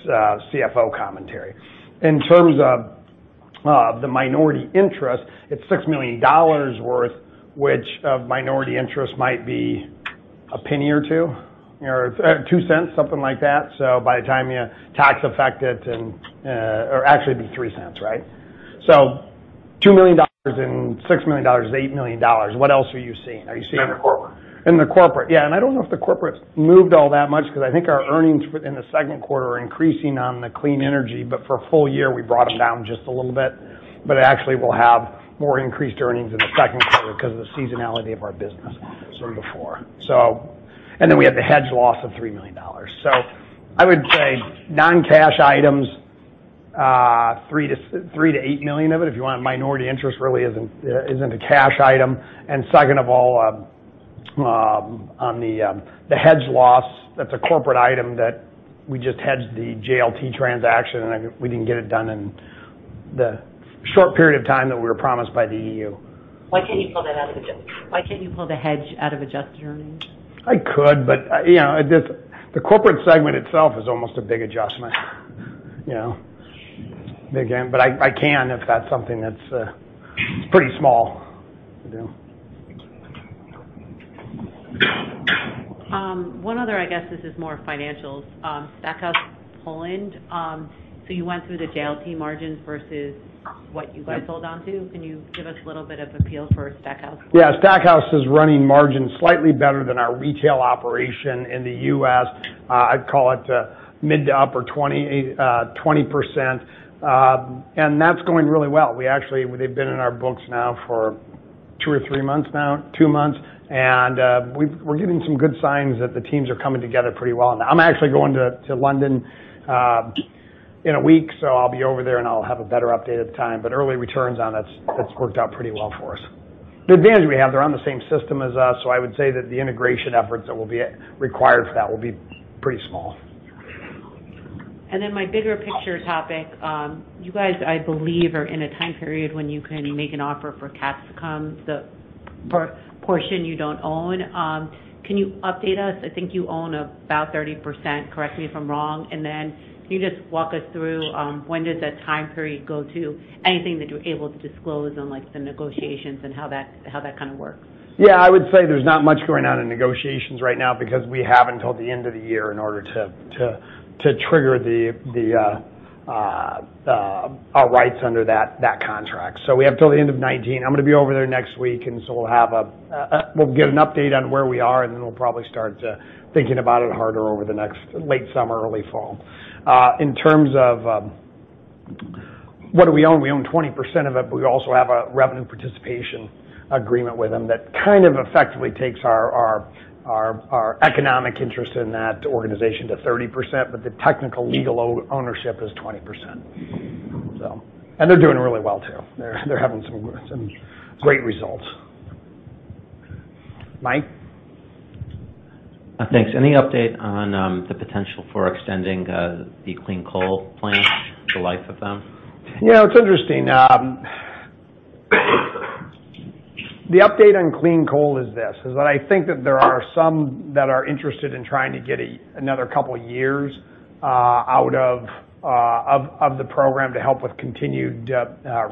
CFO Commentary. In terms of the minority interest, it's $6 million worth, which of minority interest might be a penny or $0.02, or $0.02, something like that. By the time you tax affect it and or actually it'd be $0.03, right? $2 million and $6 million is $8 million. What else are you seeing? Are you seeing- In the corporate. In the corporate, yeah. I don't know if the corporate's moved all that much because I think our earnings for in the second quarter are increasing on the clean energy, for a full year, we brought them down just a little bit. Actually, we'll have more increased earnings in the second quarter because of the seasonality of our business- Sure from before. Then we have the hedge loss of $3 million. I would say non-cash items, $3 million-$8 million of it, if you want. Minority interest really isn't a cash item. Second of all, on the hedge loss, that's a corporate item that we just hedged the JLT transaction, we didn't get it done in the short period of time that we were promised by the EU. Why can't you pull the hedge out of adjusted earnings? I could, the corporate segment itself is almost a big adjustment. I can, if that's something that's It's pretty small to do. One other, I guess this is more financials. Stackhouse Poland. You went through the JLT margins versus what you guys sold onto. Can you give us a little bit of a feel for Stackhouse? Yeah. Stackhouse is running margins slightly better than our retail operation in the U.S. I'd call it mid to upper 20%. That's going really well. They've been in our books now for two or three months now, two months. We're getting some good signs that the teams are coming together pretty well. I'm actually going to London in a week, so I'll be over there, and I'll have a better update at the time. Early returns on that's worked out pretty well for us. The advantage we have, they're on the same system as us, I would say that the integration efforts that will be required for that will be pretty small. My bigger picture topic. You guys, I believe, are in a time period when you can make an offer for Capsicum, the portion you don't own. Can you update us? I think you own about 30%, correct me if I'm wrong. Can you just walk us through, when does that time period go to? Anything that you're able to disclose on, like, the negotiations and how that kind of works. I would say there is not much going on in negotiations right now because we have until the end of the year in order to trigger our rights under that contract. We have till the end of 2019. I am going to be over there next week, we will give an update on where we are, we will probably start thinking about it harder over the next late summer, early fall. In terms of what do we own, we own 20% of it, we also have a revenue participation agreement with them that kind of effectively takes our economic interest in that organization to 30%, the technical legal ownership is 20%. They are doing really well too. They are having some great results. Mike? Thanks. Any update on the potential for extending the clean coal plants, the life of them? The update on clean coal is this, is that I think that there are some that are interested in trying to get another couple of years out of the program to help with continued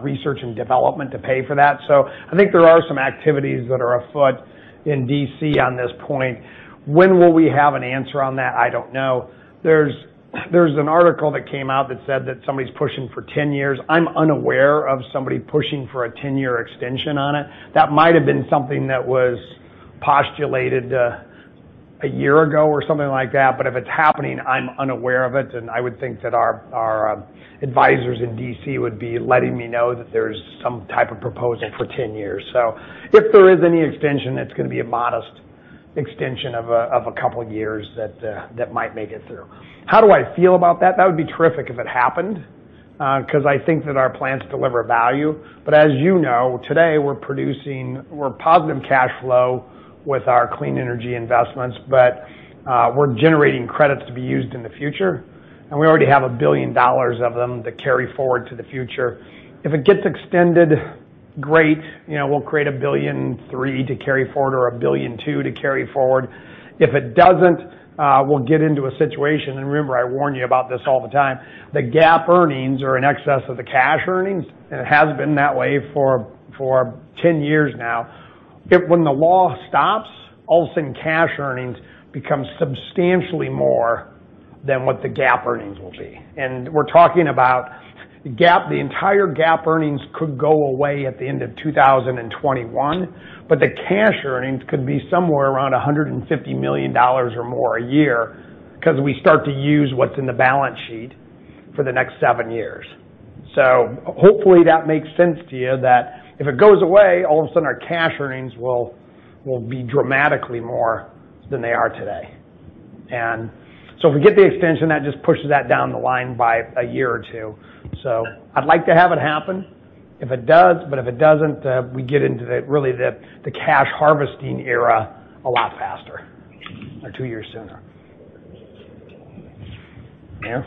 research and development to pay for that. I think there are some activities that are afoot in D.C. on this point. When will we have an answer on that? I do not know. There is an article that came out that said that somebody is pushing for 10 years. I am unaware of somebody pushing for a 10-year extension on it. That might have been something that was postulated a year ago or something like that. If it is happening, I am unaware of it, I would think that our advisors in D.C. would be letting me know that there is some type of proposal for 10 years. If there is any extension, it is going to be a modest extension of a couple of years that might make it through. How do I feel about that? That would be terrific if it happened, because I think that our plants deliver value. As you know, today, we are positive cash flow with our clean energy investments, we are generating credits to be used in the future, we already have $1 billion of them to carry forward to the future. If it gets extended, great. We will create $1 billion and three to carry forward or $1 billion and two to carry forward. If it does not, we will get into a situation, I warn you about this all the time, the GAAP earnings are in excess of the cash earnings, it has been that way for 10 years now. When the law stops, all of a sudden cash earnings become substantially more than what the GAAP earnings will be. We're talking about the entire GAAP earnings could go away at the end of 2021, but the cash earnings could be somewhere around $150 million or more a year because we start to use what's in the balance sheet for the next seven years. Hopefully that makes sense to you that if it goes away, all of a sudden our cash earnings will be dramatically more than they are today. If we get the extension, that just pushes that down the line by a year or two. I'd like to have it happen. If it does, but if it doesn't, we get into the cash harvesting era a lot faster or two years sooner. Dan?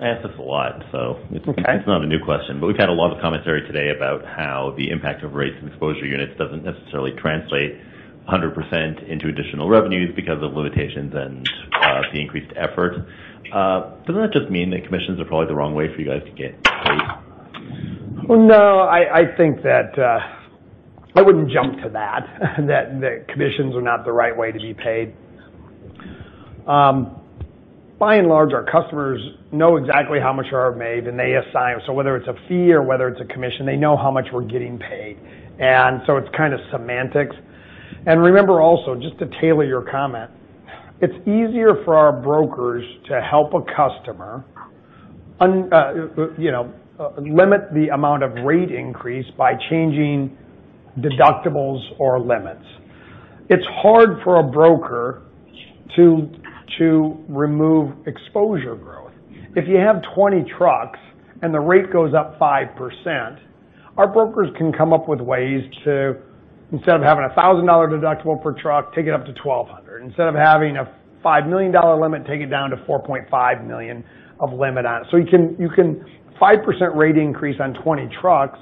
I ask this a lot. It's okay It's not a new question. We've had a lot of commentary today about how the impact of rates and exposure units doesn't necessarily translate 100% into additional revenues because of limitations and the increased effort. Doesn't that just mean that commissions are probably the wrong way for you guys to get paid? Well, no, I think that I wouldn't jump to that commissions are not the right way to be paid. By and large, our customers know exactly how much are made, and they assign. Whether it's a fee or whether it's a commission, they know how much we're getting paid. It's kind of semantics. Remember also, just to tailor your comment, it's easier for our brokers to help a customer limit the amount of rate increase by changing deductibles or limits. It's hard for a broker to remove exposure growth. If you have 20 trucks and the rate goes up 5%, our brokers can come up with ways to, instead of having a $1,000 deductible per truck, take it up to $1,200. Instead of having a $5 million limit, take it down to $4.5 million of limit on it. 5% rate increase on 20 trucks,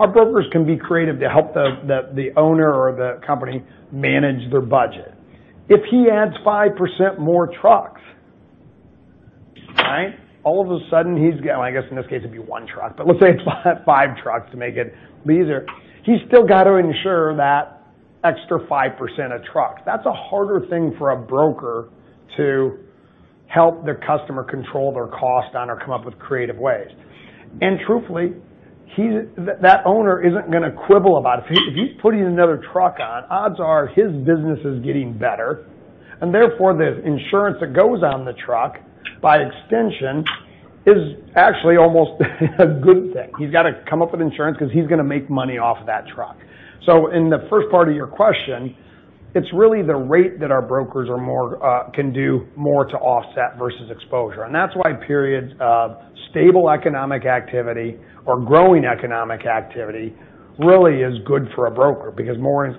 our brokers can be creative to help the owner or the company manage their budget. If he adds 5% more trucks, all of a sudden, he's got I guess in this case it'd be one truck, but let's say five trucks to make it easier. He's still got to insure that extra 5% of trucks. That's a harder thing for a broker to help their customer control their cost on or come up with creative ways. Truthfully, that owner isn't going to quibble about it. If he's putting another truck on, odds are his business is getting better, and therefore, the insurance that goes on the truck, by extension, is actually almost a good thing. He's got to come up with insurance because he's going to make money off of that truck. In the first part of your question, it's really the rate that our brokers can do more to offset versus exposure. That's why periods of stable economic activity or growing economic activity really is good for a broker because more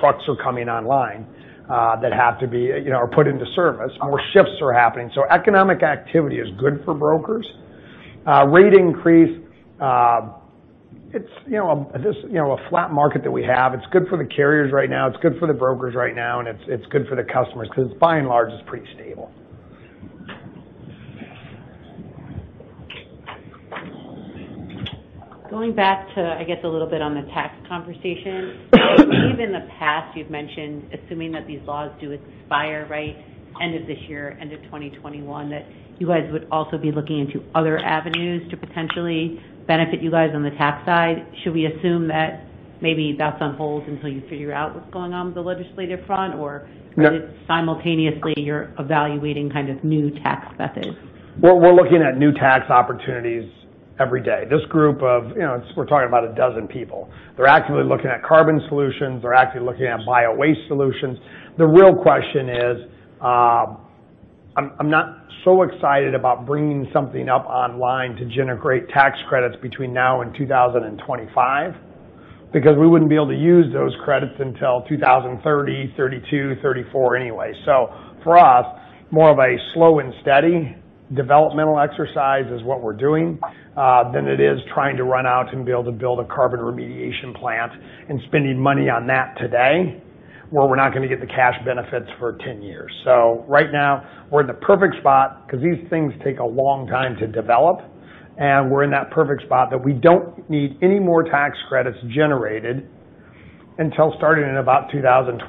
trucks are coming online that have to be put into service. More shifts are happening. Economic activity is good for brokers. Rate increase, a flat market that we have, it's good for the carriers right now, it's good for the brokers right now, and it's good for the customers because by and large, it's pretty stable. Going back to, I guess a little bit on the tax conversation. I believe in the past you've mentioned assuming that these laws do expire by end of this year, end of 2021, that you guys would also be looking into other avenues to potentially benefit you guys on the tax side. Should we assume that maybe that's on hold until you figure out what's going on with the legislative front? Yeah simultaneously you're evaluating kind of new tax methods? We're looking at new tax opportunities every day. This group of, we're talking about a dozen people. They're actively looking at carbon solutions. They're actively looking at biowaste solutions. The real question is, I'm not so excited about bringing something up online to generate tax credits between now and 2025, because we wouldn't be able to use those credits until 2030, 2032, 2034 anyway. For us, more of a slow and steady developmental exercise is what we're doing than it is trying to run out and be able to build a carbon remediation plant and spending money on that today, where we're not going to get the cash benefits for 10 years. Right now we're in the perfect spot because these things take a long time to develop, and we're in that perfect spot that we don't need any more tax credits generated until starting in about 2025,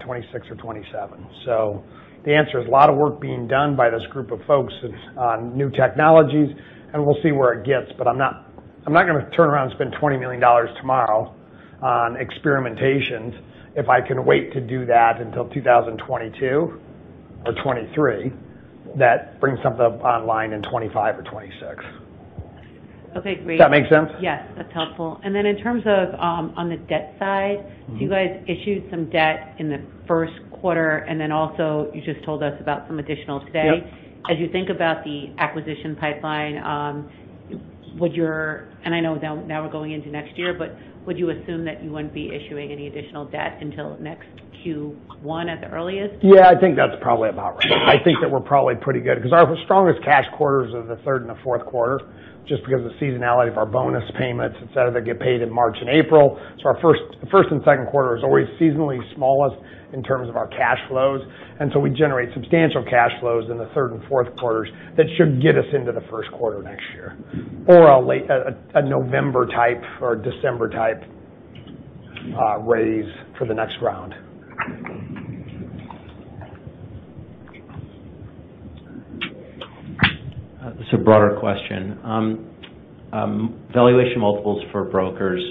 2026, or 2027. The answer is a lot of work being done by this group of folks on new technologies, and we'll see where it gets. I'm not going to turn around and spend $20 million tomorrow on experimentations if I can wait to do that until 2022 or 2023. That brings something up online in 2025 or 2026. Okay, great. Does that make sense? Yes, that's helpful. In terms of on the debt side. You guys issued some debt in the first quarter, and then also you just told us about some additional today. Yep. As you think about the acquisition pipeline, I know now we're going into next year, but would you assume that you wouldn't be issuing any additional debt until next Q1 at the earliest? Yeah, I think that's probably about right. I think that we're probably pretty good because our strongest cash quarters are the third and the fourth quarter, just because of the seasonality of our bonus payments, et cetera, that get paid in March and April. Our first and second quarter is always seasonally smallest in terms of our cash flows, until we generate substantial cash flows in the third and fourth quarters. That should get us into the first quarter next year or a November type or December type raise for the next round. This is a broader question. Valuation multiples for brokers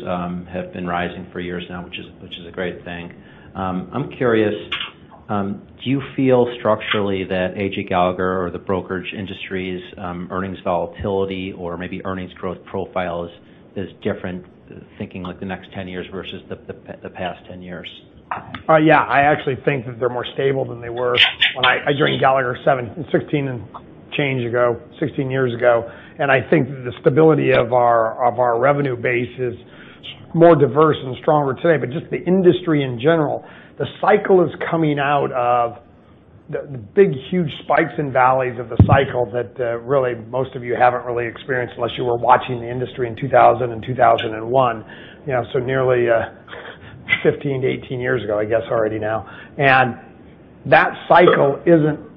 have been rising for years now, which is a great thing. I'm curious, do you feel structurally that AJ Gallagher or the brokerage industry's earnings volatility or maybe earnings growth profile is different, thinking like the next 10 years versus the past 10 years? Yeah. I actually think that they're more stable than they were when I joined Gallagher 16 years ago, and I think that the stability of our revenue base is more diverse and stronger today. Just the industry in general, the cycle is coming out of the big, huge spikes and valleys of the cycle that really most of you haven't really experienced unless you were watching the industry in 2000 and 2001. Nearly 15 to 18 years ago, I guess already now. That cycle,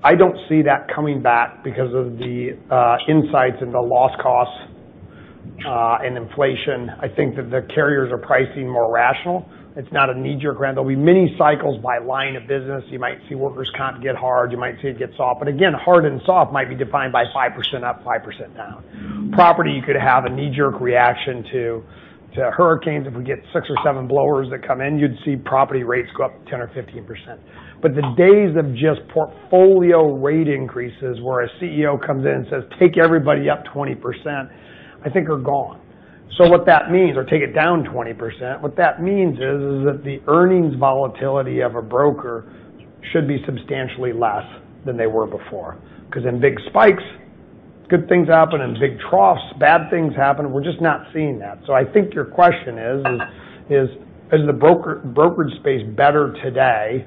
I don't see that coming back because of the insights into loss costs and inflation. I think that the carriers are pricing more rational. It's not a knee-jerk reaction. There'll be many cycles by line of business. You might see workers' comp get hard, you might see it get soft. Again, hard and soft might be defined by 5% up, 5% down. Property, you could have a knee-jerk reaction to hurricanes. If we get six or seven blowers that come in, you'd see property rates go up 10% or 15%. The days of just portfolio rate increases, where a CEO comes in and says, "Take everybody up 20%," I think are gone. Take it down 20%. What that means is that the earnings volatility of a broker should be substantially less than they were before. Because in big spikes, good things happen. In big troughs, bad things happen. We're just not seeing that. I think your question is the brokerage space better today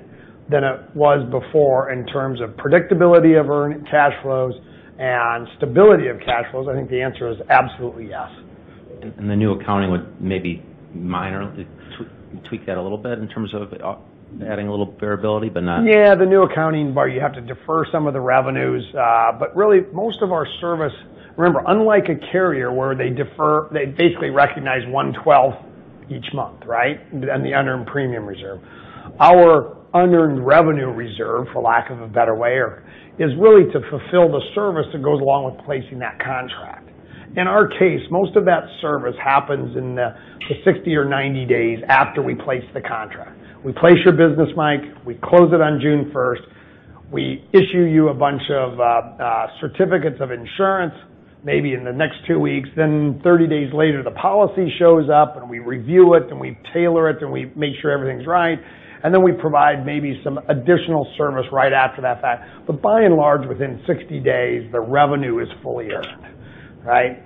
than it was before in terms of predictability of earned cash flows and stability of cash flows? I think the answer is absolutely yes. The new accounting would maybe minorly tweak that a little bit in terms of adding a little variability, but not. Yeah, the new accounting where you have to defer some of the revenues. Really most of our service. Remember, unlike a carrier where they basically recognize 1/12th each month, right? In the unearned premium reserve. Our unearned revenue reserve, for lack of a better way, is really to fulfill the service that goes along with placing that contract. In our case, most of that service happens in the 60 or 90 days after we place the contract. We place your business, Mike, we close it on June 1st. We issue you a bunch of certificates of insurance, maybe in the next two weeks. Then 30 days later, the policy shows up and we review it, and we tailor it, and we make sure everything's right. Then we provide maybe some additional service right after that fact. By and large, within 60 days, the revenue is fully earned, right?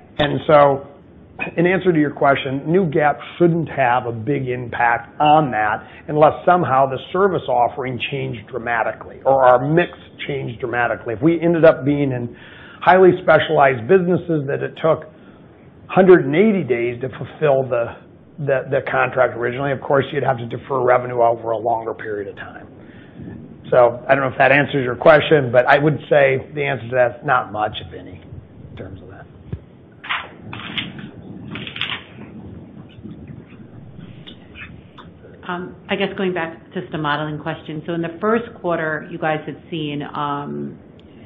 In answer to your question, new GAAP shouldn't have a big impact on that unless somehow the service offering changed dramatically or our mix changed dramatically. If we ended up being in highly specialized businesses that it took 180 days to fulfill the contract originally, of course, you'd have to defer revenue over a longer period of time. I don't know if that answers your question, but I would say the answer to that is not much, if any, in terms of that. I guess going back to the modeling question. In the first quarter, you guys had seen,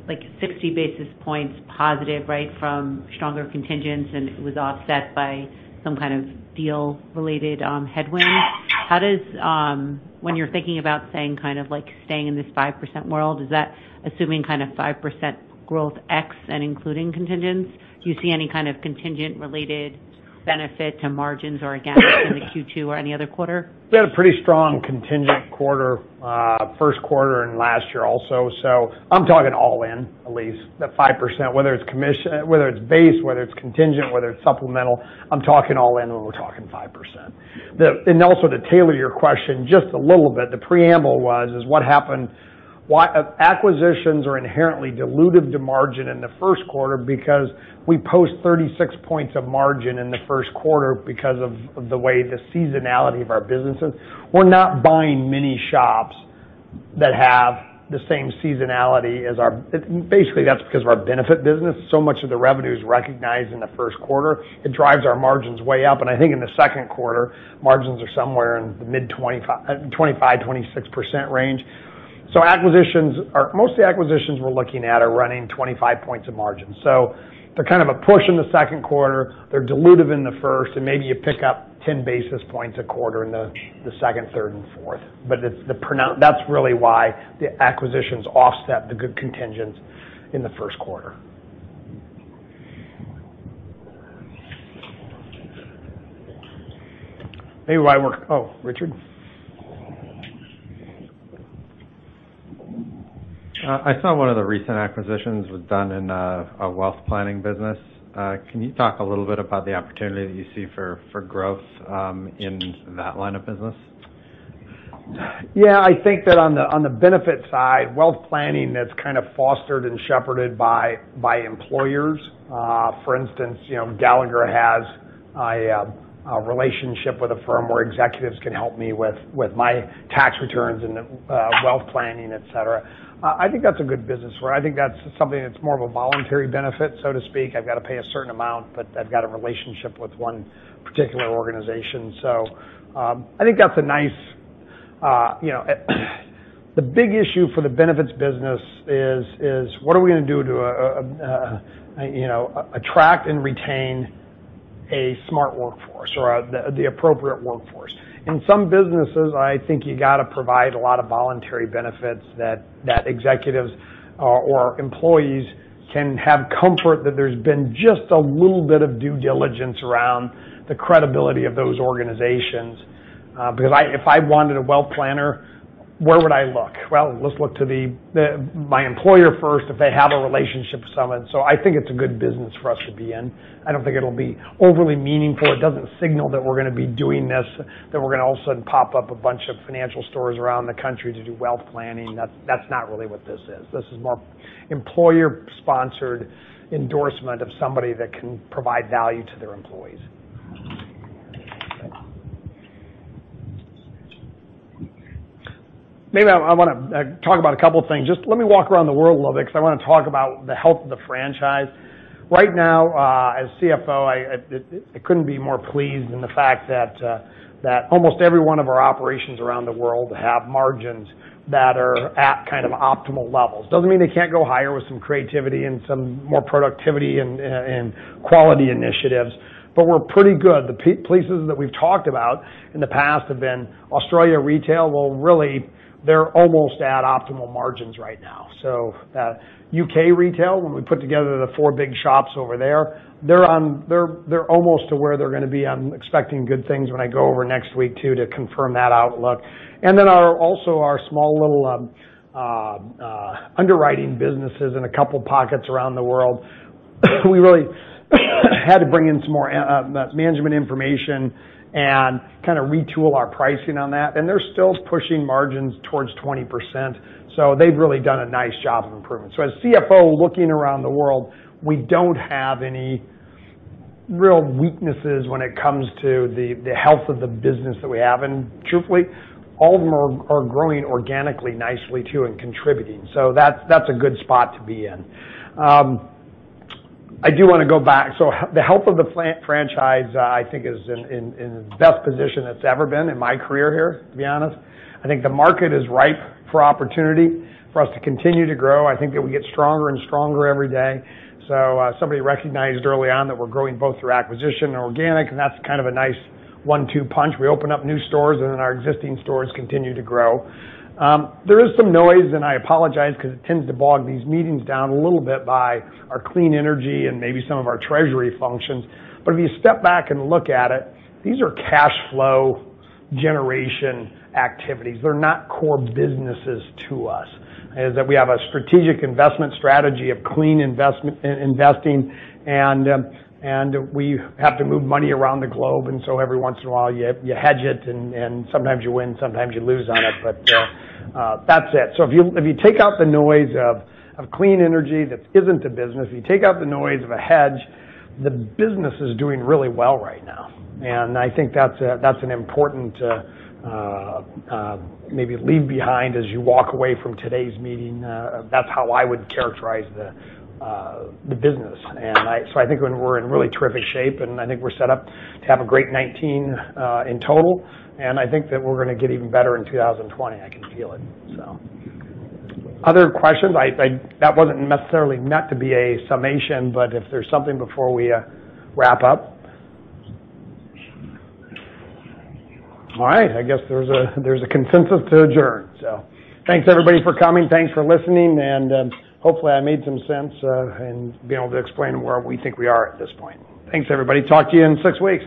like 60 basis points positive from stronger contingents, and it was offset by some kind of deal-related headwinds. How does, when you're thinking about saying kind of like staying in this 5% world, is that assuming kind of 5% growth ex and including contingents? Do you see any kind of contingent related benefit to margins or against in the Q2 or any other quarter? We had a pretty strong contingent quarter, first quarter and last year also. I'm talking all in, Elyse, the 5%, whether it's commission, whether it's base, whether it's contingent, whether it's supplemental, I'm talking all in when we're talking 5%. Also to tailor your question just a little bit, the preamble was, is what happened. Acquisitions are inherently dilutive to margin in the first quarter because we post 36 points of margin in the first quarter because of the way the seasonality of our businesses. We're not buying many shops that have the same seasonality. Basically, that's because of our benefit business. So much of the revenue is recognized in the first quarter. It drives our margins way up. I think in the second quarter, margins are somewhere in the mid 25%-26% range. Most of the acquisitions we're looking at are running 25 points of margin. They're kind of a push in the second quarter. They're dilutive in the first, maybe you pick up 10 basis points a quarter in the second, third, and fourth. That's really why the acquisitions offset the good contingents in the first quarter. Oh, Richard. I saw one of the recent acquisitions was done in a wealth planning business. Can you talk a little bit about the opportunity that you see for growth in that line of business? Yeah, I think that on the benefit side, wealth planning that's kind of fostered and shepherded by employers. For instance, Gallagher has a relationship with a firm where executives can help me with my tax returns and wealth planning, et cetera. I think that's a good business where I think that's something that's more of a voluntary benefit, so to speak. I've got to pay a certain amount, but I've got a relationship with one particular organization. The big issue for the benefits business is what are we going to do to attract and retain a smart workforce or the appropriate workforce? In some businesses, I think you got to provide a lot of voluntary benefits that executives or employees can have comfort that there's been just a little bit of due diligence around the credibility of those organizations. If I wanted a wealth planner, where would I look? Let's look to my employer first if they have a relationship with someone. I think it's a good business for us to be in. I don't think it'll be overly meaningful. It doesn't signal that we're going to be doing this, that we're going to all of a sudden pop up a bunch of financial stores around the country to do wealth planning. That's not really what this is. This is more employer-sponsored endorsement of somebody that can provide value to their employees. Maybe I want to talk about a couple of things. Just let me walk around the world a little bit because I want to talk about the health of the franchise. Right now, as CFO, I couldn't be more pleased in the fact that almost every one of our operations around the world have margins that are at optimal levels. Doesn't mean they can't go higher with some creativity and some more productivity and quality initiatives, we're pretty good. The places that we've talked about in the past have been Australia Retail, they're almost at optimal margins right now. U.K. Retail, when we put together the four big shops over there, they're almost to where they're going to be. I'm expecting good things when I go over next week, too, to confirm that outlook. Our small little underwriting businesses in a couple pockets around the world, we really had to bring in some more management information and retool our pricing on that, they're still pushing margins towards 20%, they've really done a nice job of improvement. As CFO, looking around the world, we don't have any real weaknesses when it comes to the health of the business that we have. Truthfully, all of them are growing organically nicely too and contributing. That's a good spot to be in. I do want to go back. The health of the franchise, I think is in the best position it's ever been in my career here, to be honest. I think the market is ripe for opportunity for us to continue to grow. I think that we get stronger and stronger every day. Somebody recognized early on that we're growing both through acquisition and organic, that's kind of a nice one-two punch. We open up new stores, our existing stores continue to grow. There is some noise, I apologize because it tends to bog these meetings down a little bit by our clean energy and maybe some of our treasury functions. If you step back and look at it, these are cash flow generation activities. They're not core businesses to us. We have a strategic investment strategy of clean investing and we have to move money around the globe, every once in a while you hedge it, sometimes you win, sometimes you lose on it, that's it. If you take out the noise of clean energy, that isn't a business. If you take out the noise of a hedge, the business is doing really well right now. I think that's an important maybe leave behind as you walk away from today's meeting. That's how I would characterize the business. I think we're in really terrific shape, and I think we're set up to have a great 2019 in total. I think that we're going to get even better in 2020. I can feel it. Other questions? That wasn't necessarily meant to be a summation, but if there's something before we wrap up. All right. I guess there's a consensus to adjourn. Thanks everybody for coming. Thanks for listening and hopefully I made some sense in being able to explain where we think we are at this point. Thanks, everybody. Talk to you in six weeks.